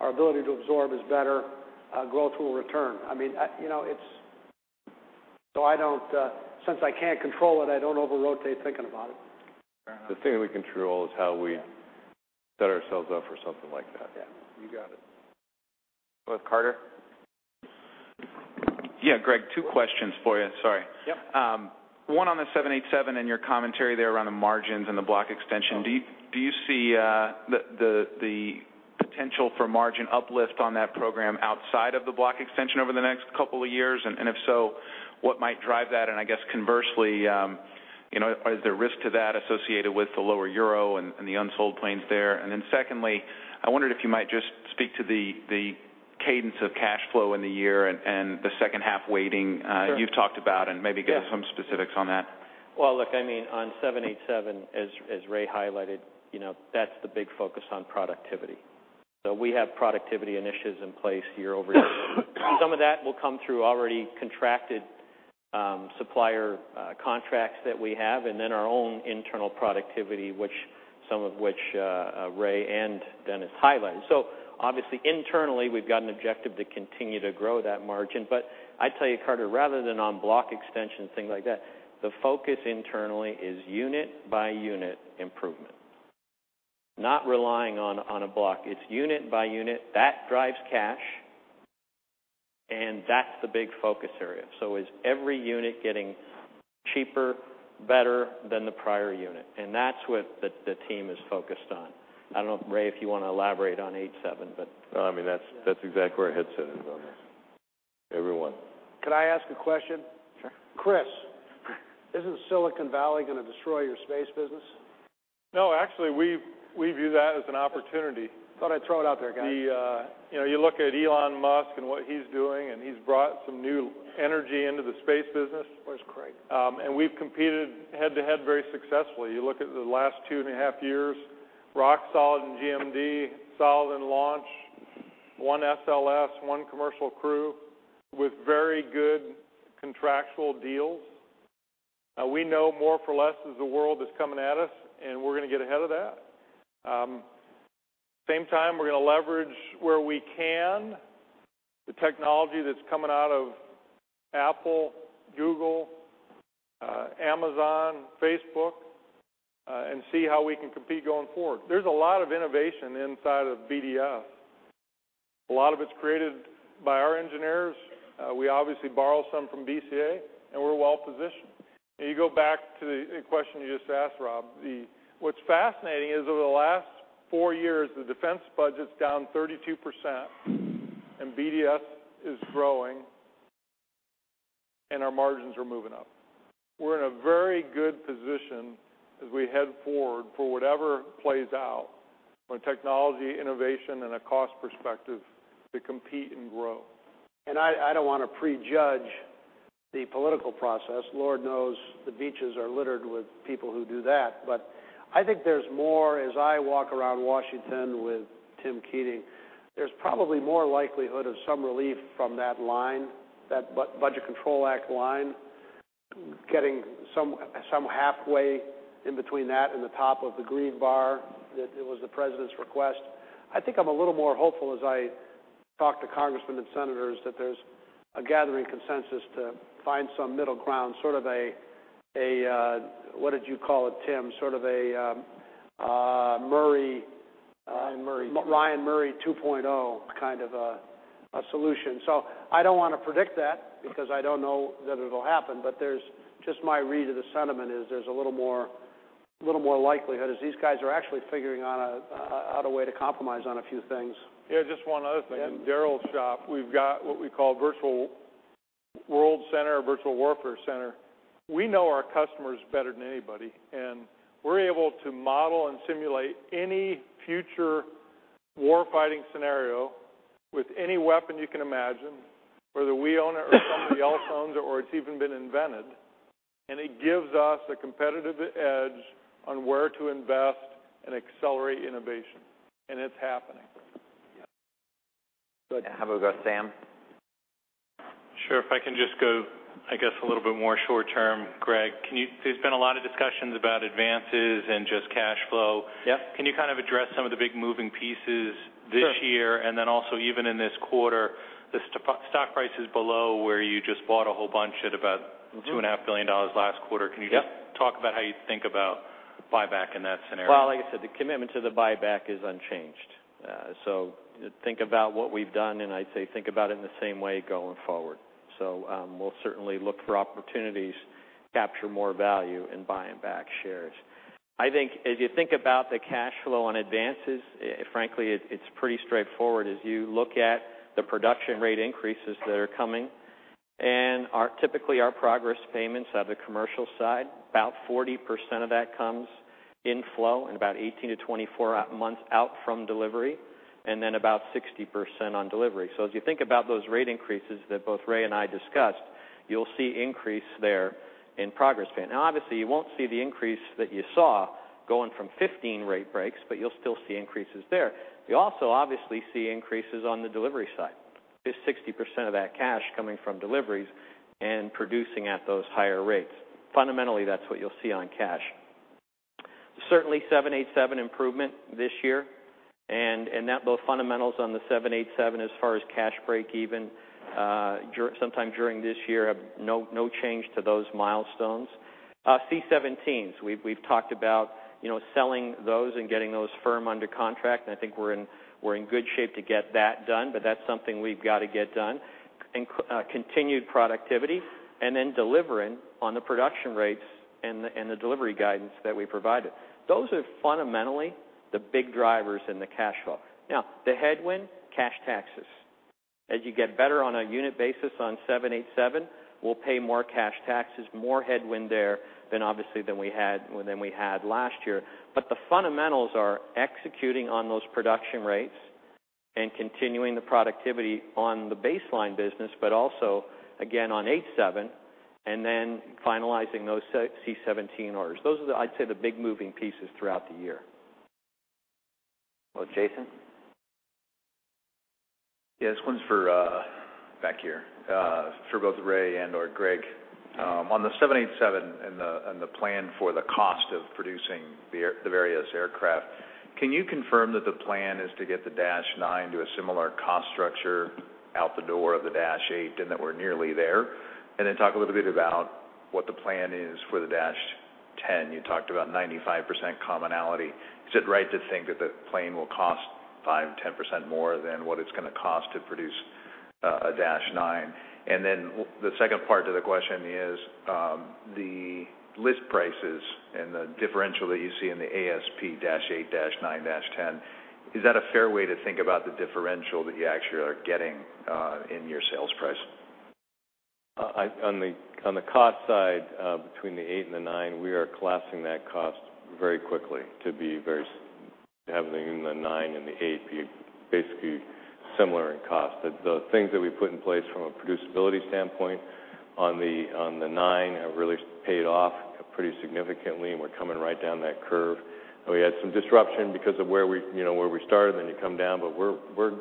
Our ability to absorb is better. Growth will return. Since I can't control it, I don't over-rotate thinking about it. Fair enough. The thing we control is how we set ourselves up for something like that. Yeah. You got it. Go with Carter. Yeah. Greg, two questions for you. Sorry. Yep. One on the 787 and your commentary there around the margins and the block extension. Do you see the potential for margin uplift on that program outside of the block extension over the next couple of years? If so, what might drive that? I guess conversely, is there risk to that associated with the lower Euro and the unsold planes there? Secondly, I wondered if you might just speak to the cadence of cash flow in the year and the second half weighting- Sure you've talked about, maybe give some specifics on that. Well, look, on 787, as Ray highlighted, that's the big focus on productivity. We have productivity initiatives in place year-over-year. Some of that will come through already contracted supplier contracts that we have, and then our own internal productivity, some of which Ray and Dennis highlighted. Obviously internally, we've got an objective to continue to grow that margin. I tell you, Carter, rather than on block extension and things like that, the focus internally is unit by unit improvement, not relying on a block. It's unit by unit. That drives cash, and that's the big focus area. Is every unit getting cheaper, better than the prior unit? That's what the team is focused on. I don't know, Ray, if you want to elaborate on 87. No, that's exactly where it hits it on this. Everyone. Could I ask a question? Sure. Chris, isn't Silicon Valley going to destroy your space business? No, actually, we view that as an opportunity. Thought I'd throw it out there, guys. You look at Elon Musk and what he's doing, he's brought some new energy into the space business. Boy's great. We've competed head-to-head very successfully. You look at the last two and a half years, rock solid in GMD, solid in launch, one SLS, one Commercial Crew with very good contractual deals. We know more for less is the world that's coming at us, and we're going to get ahead of that. Same time, we're going to leverage where we can, the technology that's coming out of Apple, Google, Amazon, Facebook, and see how we can compete going forward. There's a lot of innovation inside of BDS. A lot of it's created by our engineers. We obviously borrow some from BCA, and we're well positioned. You go back to the question you just asked, Rob, what's fascinating is over the last four years, the defense budget's down 32%, and BDS is growing, and our margins are moving up. We're in a very good position as we head forward for whatever plays out from a technology, innovation, and a cost perspective to compete and grow. I don't want to prejudge the political process. Lord knows, the beaches are littered with people who do that. I think there's more, as I walk around Washington with Tim Keating, there's probably more likelihood of some relief from that line, that Budget Control Act line, getting some halfway in between that and the top of the green bar that it was the president's request. I think I'm a little more hopeful as I talk to congressman and senators that there's a gathering consensus to find some middle ground, sort of a, what did you call it, Tim? Sort of a Murray-Ryan 2.0 kind of a solution. I don't want to predict that because I don't know that it'll happen, but there's just my read of the sentiment is there's a little more likelihood as these guys are actually figuring out a way to compromise on a few things. Just one other thing. In Darryl's shop, we've got what we call Virtual World Center or Virtual Warfare Center. We know our customers better than anybody, and we're able to model and simulate any future war fighting scenario with any weapon you can imagine, whether we own it or somebody else owns it, or it's even been invented. It gives us a competitive edge on where to invest and accelerate innovation, and it's happening. Yes. Go ahead. Have a go, Sam. Sure. If I can just go, I guess, a little bit more short term, Greg. There's been a lot of discussions about advances and just cash flow. Yes. Can you address some of the big moving pieces this year? Sure. Even in this quarter, the stock price is below where you just bought a whole bunch at about $2.5 billion last quarter. Yes. Can you just talk about how you think about buyback in that scenario? Like I said, the commitment to the buyback is unchanged. Think about what we've done, and I'd say think about it in the same way going forward. We'll certainly look for opportunities to capture more value in buying back shares. I think as you think about the cash flow on advances, frankly, it's pretty straightforward. As you look at the production rate increases that are coming and typically our progress payments on the commercial side, about 40% of that comes in flow and about 18 to 24 months out from delivery, and then about 60% on delivery. As you think about those rate increases that both Ray and I discussed, you'll see increase there in progress payment. Now, obviously, you won't see the increase that you saw going from 15 rate breaks, but you'll still see increases there. You also obviously see increases on the delivery side, with 60% of that cash coming from deliveries and producing at those higher rates. Fundamentally, that's what you'll see on cash. Certainly, 787 improvement this year, and both fundamentals on the 787 as far as cash breakeven, sometime during this year, have no change to those milestones. C-17s, we've talked about selling those and getting those firm under contract, and I think we're in good shape to get that done, but that's something we've got to get done. Continued productivity, and then delivering on the production rates and the delivery guidance that we provided. Those are fundamentally the big drivers in the cash flow. Now, the headwind, cash taxes. As you get better on a unit basis on 787, we'll pay more cash taxes, more headwind there than obviously than we had last year. The fundamentals are executing on those production rates and continuing the productivity on the baseline business, also, again, on 787, then finalizing those C-17 orders. Those are, I'd say, the big moving pieces throughout the year. Jason. This one's for, back here, for both Ray and/or Greg. On the 787 and the plan for the cost of producing the various aircraft, can you confirm that the plan is to get the Dash 9 to a similar cost structure out the door of the Dash 8, and that we're nearly there? Then talk a little bit about what the plan is for the Dash 10. You talked about 95% commonality. Is it right to think that the plane will cost 5%-10% more than what it's going to cost to produce a Dash 9? Then the second part to the question is, the list prices and the differential that you see in the ASP Dash 8, Dash 9, Dash 10. Is that a fair way to think about the differential that you actually are getting in your sales price? On the cost side, between the 8 and the 9, we are collapsing that cost very quickly to have the 9 and the 8 be basically similar in cost. The things that we put in place from a producibility standpoint on the 9 have really paid off pretty significantly, and we're coming right down that curve. We had some disruption because of where we started, then you come down, but we're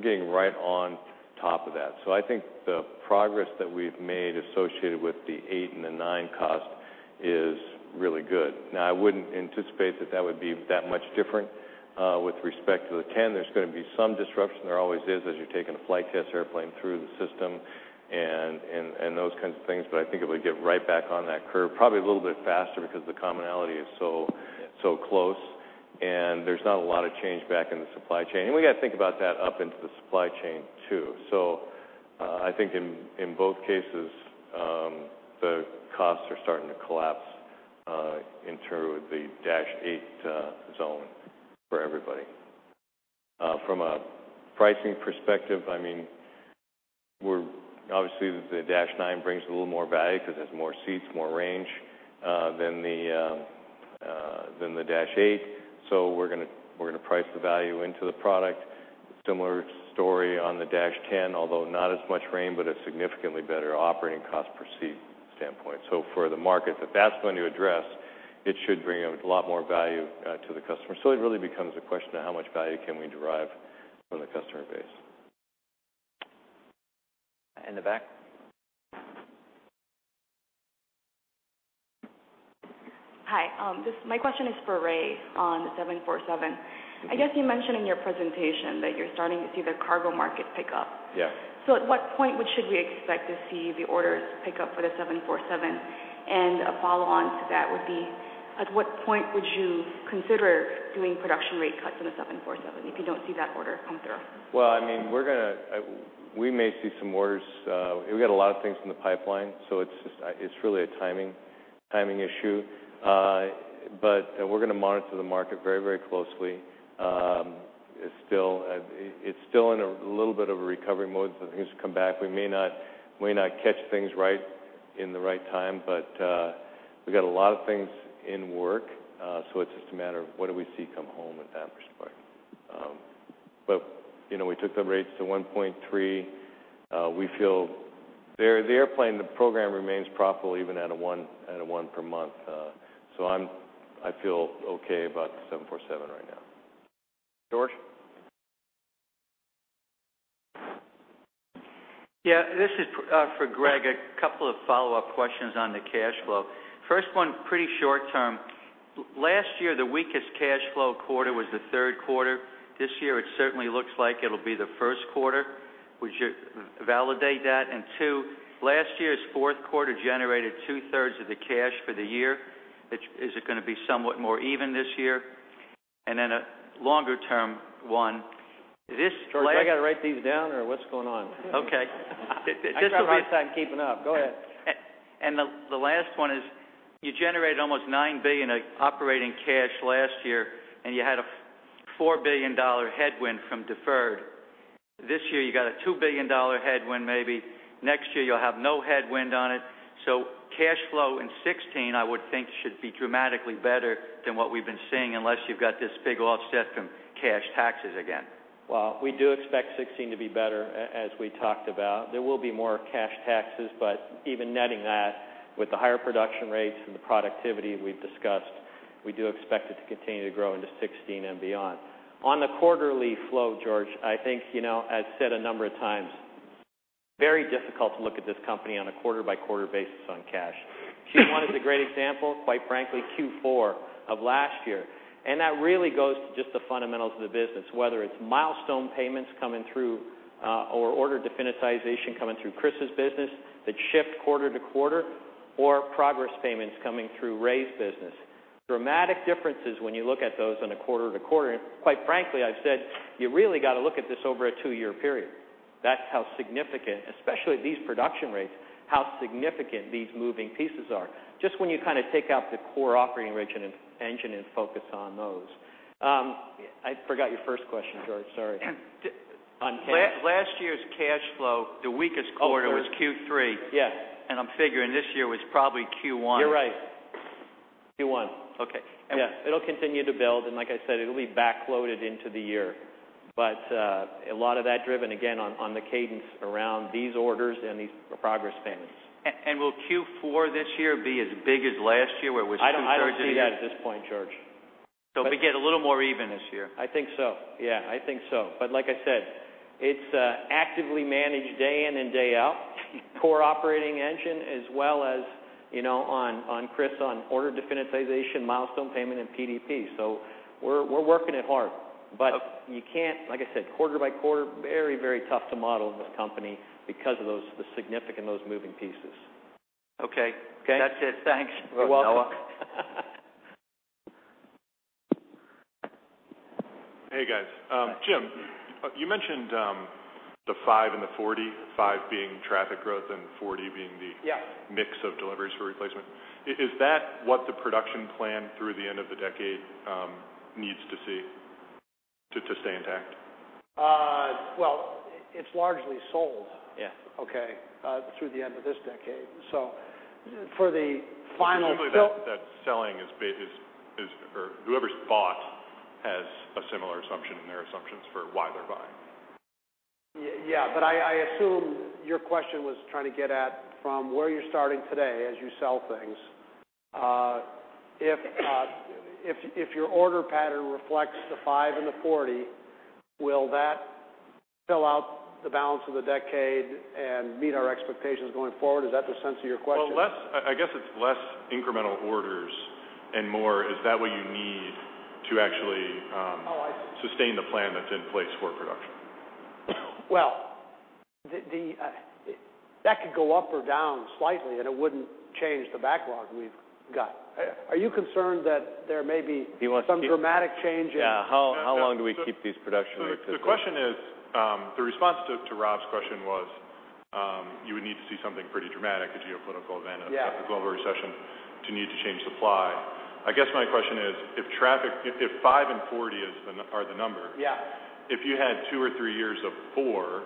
getting right on top of that. I think the progress that we've made associated with the 8 and the 9 cost is really good. Now, I wouldn't anticipate that that would be that much different. With respect to the 10, there's going to be some disruption, there always is, as you're taking a flight test airplane through the system and those kinds of things, but I think it would get right back on that curve, probably a little bit faster because the commonality is so close, and there's not a lot of change back in the supply chain. We got to think about that up into the supply chain, too. I think in both cases, the costs are starting to collapse in terms of the Dash 8 zone for everybody. From a pricing perspective, obviously, the Dash 9 brings a little more value because it has more seats, more range than the Dash 8. We're going to price the value into the product. Similar story on the Dash 10, although not as much range, but a significantly better operating cost per seat standpoint. For the market that that's going to address, it should bring a lot more value to the customer. It really becomes a question of how much value can we derive from the customer base. In the back. Hi. My question is for Ray on the 747. I guess you mentioned in your presentation that you're starting to see the cargo market pick up. Yes. At what point should we expect to see the orders pick up for the 747? A follow-on to that would be, at what point would you consider doing production rate cuts on the 747 if you don't see that order come through? Well, we may see some orders. We got a lot of things in the pipeline, so it's really a timing issue. We're going to monitor the market very closely. It's still in a little bit of a recovery mode, so things come back. We may not catch things right in the right time. We've got a lot of things in work, so it's just a matter of what do we see come home in that respect. We took the rates to 1.3. We feel the airplane, the program remains profitable even at a one per month. I feel okay about the 747 right now. George? Yeah. This is for Greg. A couple of follow-up questions on the cash flow. First one, pretty short term. Last year, the weakest cash flow quarter was the third quarter. This year, it certainly looks like it'll be the first quarter, which you validate that. Two, last year's fourth quarter generated two-thirds of the cash for the year. Is it going to be somewhat more even this year? A longer-term one, George, I got to write these down, or what's going on? Okay. I'm having a hard time keeping up. Go ahead. Last one is, you generated almost $9 billion operating cash last year, and you had a $4 billion headwind from deferred. This year, you got a $2 billion headwind, maybe. Next year, you'll have no headwind on it. Cash flow in 2016, I would think, should be dramatically better than what we've been seeing, unless you've got this big offset from cash taxes again. We do expect 2016 to be better, as we talked about. There will be more cash taxes, but even netting that with the higher production rates and the productivity we've discussed, we do expect it to continue to grow into 2016 and beyond. On the quarterly flow, George, I think, as said a number of times, very difficult to look at this company on a quarter-by-quarter basis on cash. Q1 is a great example, quite frankly, Q4 of last year, and that really goes to just the fundamentals of the business, whether it's milestone payments coming through, or order definitization coming through Chris's business that shift quarter to quarter, or progress payments coming through Ray's business. Dramatic differences when you look at those on a quarter to quarter. Quite frankly, I've said you really got to look at this over a two-year period. That's how significant, especially at these production rates, how significant these moving pieces are, just when you take out the core operating engine and focus on those. I forgot your first question, George. Sorry. Last year's cash flow, the weakest quarter was Q3. Yes. I'm figuring this year was probably Q1. You're right. Q1. Okay. Yes. It'll continue to build, like I said, it'll be backloaded into the year. A lot of that driven, again, on the cadence around these orders and these progress payments. Will Q4 this year be as big as last year, where it was two-thirds of? I don't see that at this point, George. We get a little more even this year. I think so. Yeah, I think so. Like I said, it's actively managed day in and day out, core operating engine, as well as on Chris on order definitization, milestone payment, and PDP. We're working it hard, but you can't, like I said, quarter by quarter, very tough to model this company because of the significant, those moving pieces. Okay. Okay. That's it. Thanks. You're welcome. You're welcome. Hey, guys. Jim, you mentioned the five and the 40, five being traffic growth and the 40 being the- Yes mix of deliveries for replacement. Is that what the production plan through the end of the decade needs to see to stay intact? Well, it's largely sold. Yeah. Okay, through the end of this decade. Presumably that selling is, or whoever's bought, has a similar assumption in their assumptions for why they're buying. Yeah. I assume your question was trying to get at from where you're starting today as you sell things, if your order pattern reflects the five and the 40, will that fill out the balance of the decade and meet our expectations going forward? Is that the sense of your question? Well, I guess it's less incremental orders and more is that what you need to actually. Oh, I see. Sustain the plan that's in place for production? Well, that could go up or down slightly, and it wouldn't change the backlog we've got. Are you concerned that there may be some dramatic change? Yeah, how long do we keep these production rates at this level? The response to Rob's question was, you would need to see something pretty dramatic, a geopolitical event. Yeah A global recession, to need to change supply. I guess my question is, if five and 40 are the number. Yeah If you had two or three years of four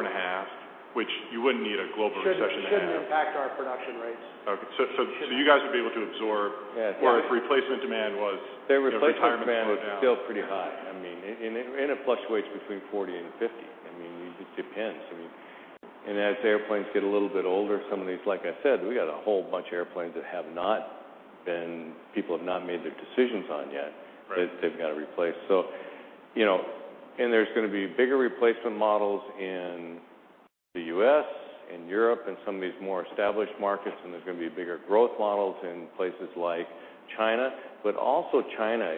and a half, which you wouldn't need a global recession to have. Shouldn't impact our production rates. Okay. You guys would be able to absorb. Yeah. If replacement demand was. The replacement demand is still pretty high. It fluctuates between 40 and 50. It depends, as airplanes get a little bit older, some of these, like I said, we got a whole bunch of airplanes that people have not made their decisions on yet. Right That they've got to replace. There's going to be bigger replacement models in the U.S., in Europe, and some of these more established markets, and there's going to be bigger growth models in places like China. Also China,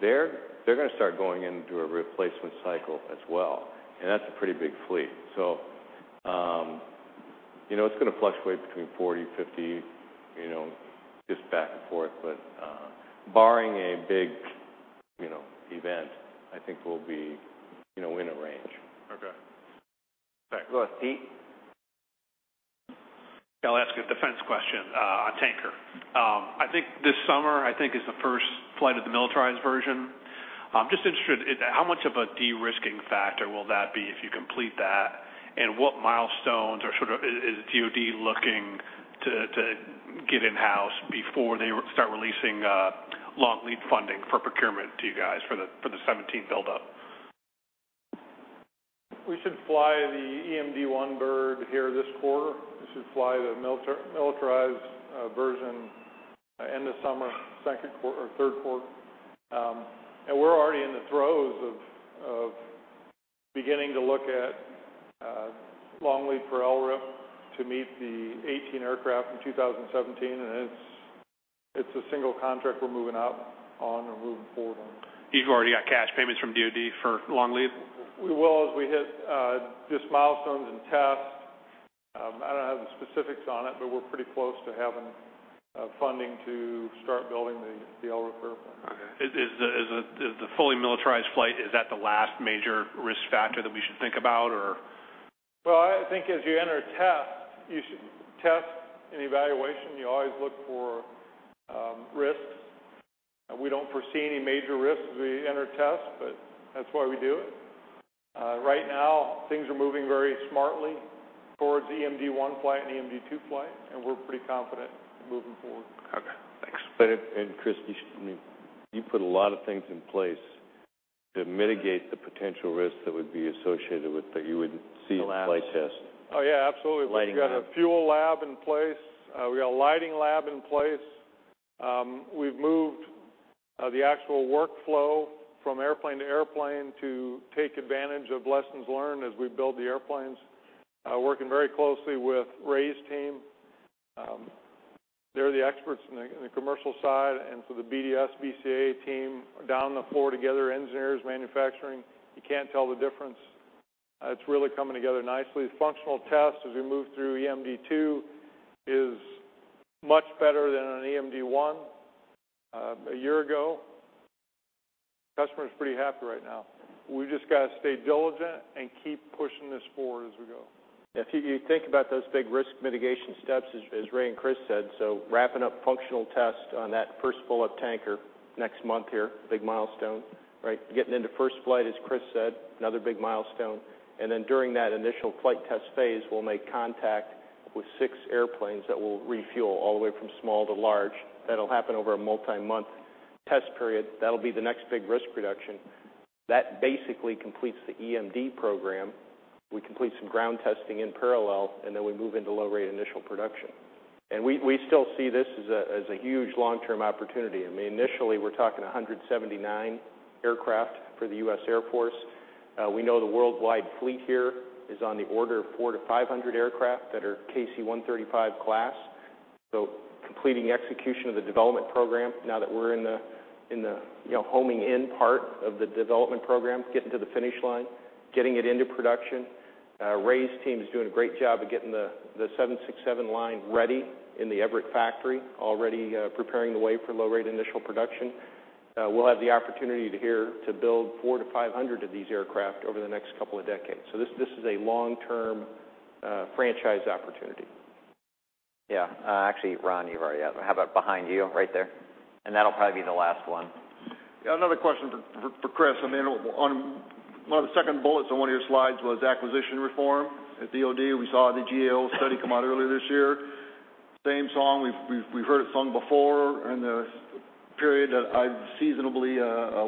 they're going to start going into a replacement cycle as well, and that's a pretty big fleet. It's going to fluctuate between 40, 50, just back and forth. Barring a big event, I think we'll be in a range. Okay. Go ahead, Steve. I'll ask a defense question on tanker. I think this summer is the first flight of the militarized version. I'm just interested, how much of a de-risking factor will that be if you complete that? What milestones is DoD looking to get in-house before they start releasing long lead funding for procurement to you guys for the 2017 buildup? We should fly the EMD one bird here this quarter. We should fly the militarized version end of summer, second quarter or third quarter. We're already in the throes of beginning to look at long lead for LRIP to meet the 18 aircraft in 2017. It's a single contract we're moving out on or moving forward on. You've already got cash payments from DoD for long lead? We will as we hit these milestones and tests. I don't have the specifics on it, but we're pretty close to having funding to start building the LRIP airplane. Okay. Is the fully militarized flight, is that the last major risk factor that we should think about? Well, I think as you enter test and evaluation, you always look for risks. We don't foresee any major risks as we enter tests, but that's why we do it. Right now, things are moving very smartly towards EMD 1 flight and EMD 2 flight, and we're pretty confident moving forward. Okay, thanks. Chris, you put a lot of things in place to mitigate the potential risks that would be associated with, that you would see in a flight test. Oh, yeah, absolutely. Lighting lab. We've got a fuel lab in place. We got a lighting lab in place. We've moved the actual workflow from airplane to airplane to take advantage of lessons learned as we build the airplanes, working very closely with Ray's team. They're the experts in the commercial side. The BDS, BCA team are down on the floor together, engineers, manufacturing. You can't tell the difference. It's really coming together nicely. The functional test as we move through EMD 2 is much better than an EMD 1 a year ago. Customer's pretty happy right now. We've just got to stay diligent and keep pushing this forward as we go. If you think about those big risk mitigation steps, as Ray and Chris said, wrapping up functional tests on that first full-up tanker next month here, big milestone. Getting into first flight, as Chris said, another big milestone. During that initial flight test phase, we'll make contact with six airplanes that will refuel all the way from small to large. That'll happen over a multi-month test period. That'll be the next big risk reduction. That basically completes the EMD program. We complete some ground testing in parallel, and then we move into low-rate initial production. We still see this as a huge long-term opportunity. Initially, we're talking 179 aircraft for the U.S. Air Force. We know the worldwide fleet here is on the order of 400 to 500 aircraft that are KC-135 class. Completing execution of the development program, now that we're in the homing in part of the development program, getting to the finish line, getting it into production. Ray's team is doing a great job of getting the 767 line ready in the Everett factory, already preparing the way for low-rate initial production. We'll have the opportunity here to build 400 to 500 of these aircraft over the next couple of decades. This is a long-term franchise opportunity. Yeah. Actually, Ron, you've already how about behind you right there? That'll probably be the last one. Yeah, another question for Chris. On one of the second bullets on one of your slides was acquisition reform at DoD. We saw the GAO study come out earlier this year. Same song, we've heard it sung before in the period that I've seasonably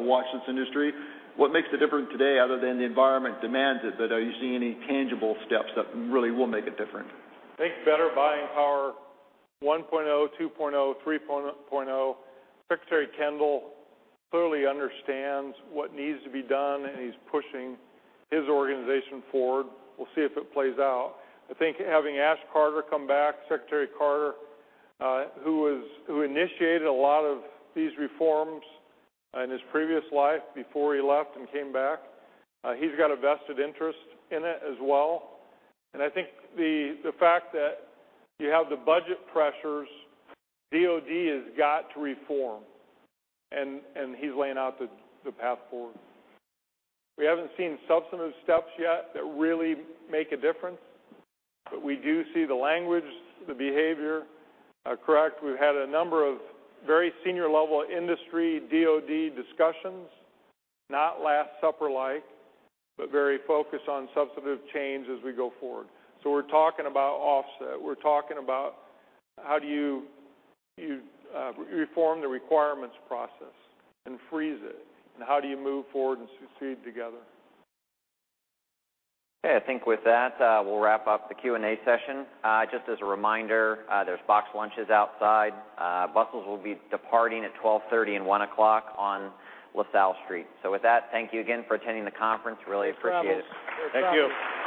watched this industry. What makes it different today other than the environment demands it, but are you seeing any tangible steps that really will make it different? I think Better Buying Power 1.0, 2.0, 3.0. Secretary Kendall clearly understands what needs to be done, and he's pushing his organization forward. We'll see if it plays out. I think having Ash Carter come back, Secretary Carter, who initiated a lot of these reforms in his previous life before he left and came back, he's got a vested interest in it as well. I think the fact that you have the budget pressures, DoD has got to reform, and he's laying out the path forward. We haven't seen substantive steps yet that really make a difference, but we do see the language, the behavior correct. We've had a number of very senior level industry DoD discussions, not Last Supper-like, but very focused on substantive change as we go forward. We're talking about offset. We're talking about how do you reform the requirements process and freeze it, and how do you move forward and succeed together. Okay, I think with that, we'll wrap up the Q&A session. Just as a reminder, there's box lunches outside. Buses will be departing at 12:30 P.M. and 1:00 P.M. on LaSalle Street. With that, thank you again for attending the conference. Really appreciate it. Thanks for having us. Thank you.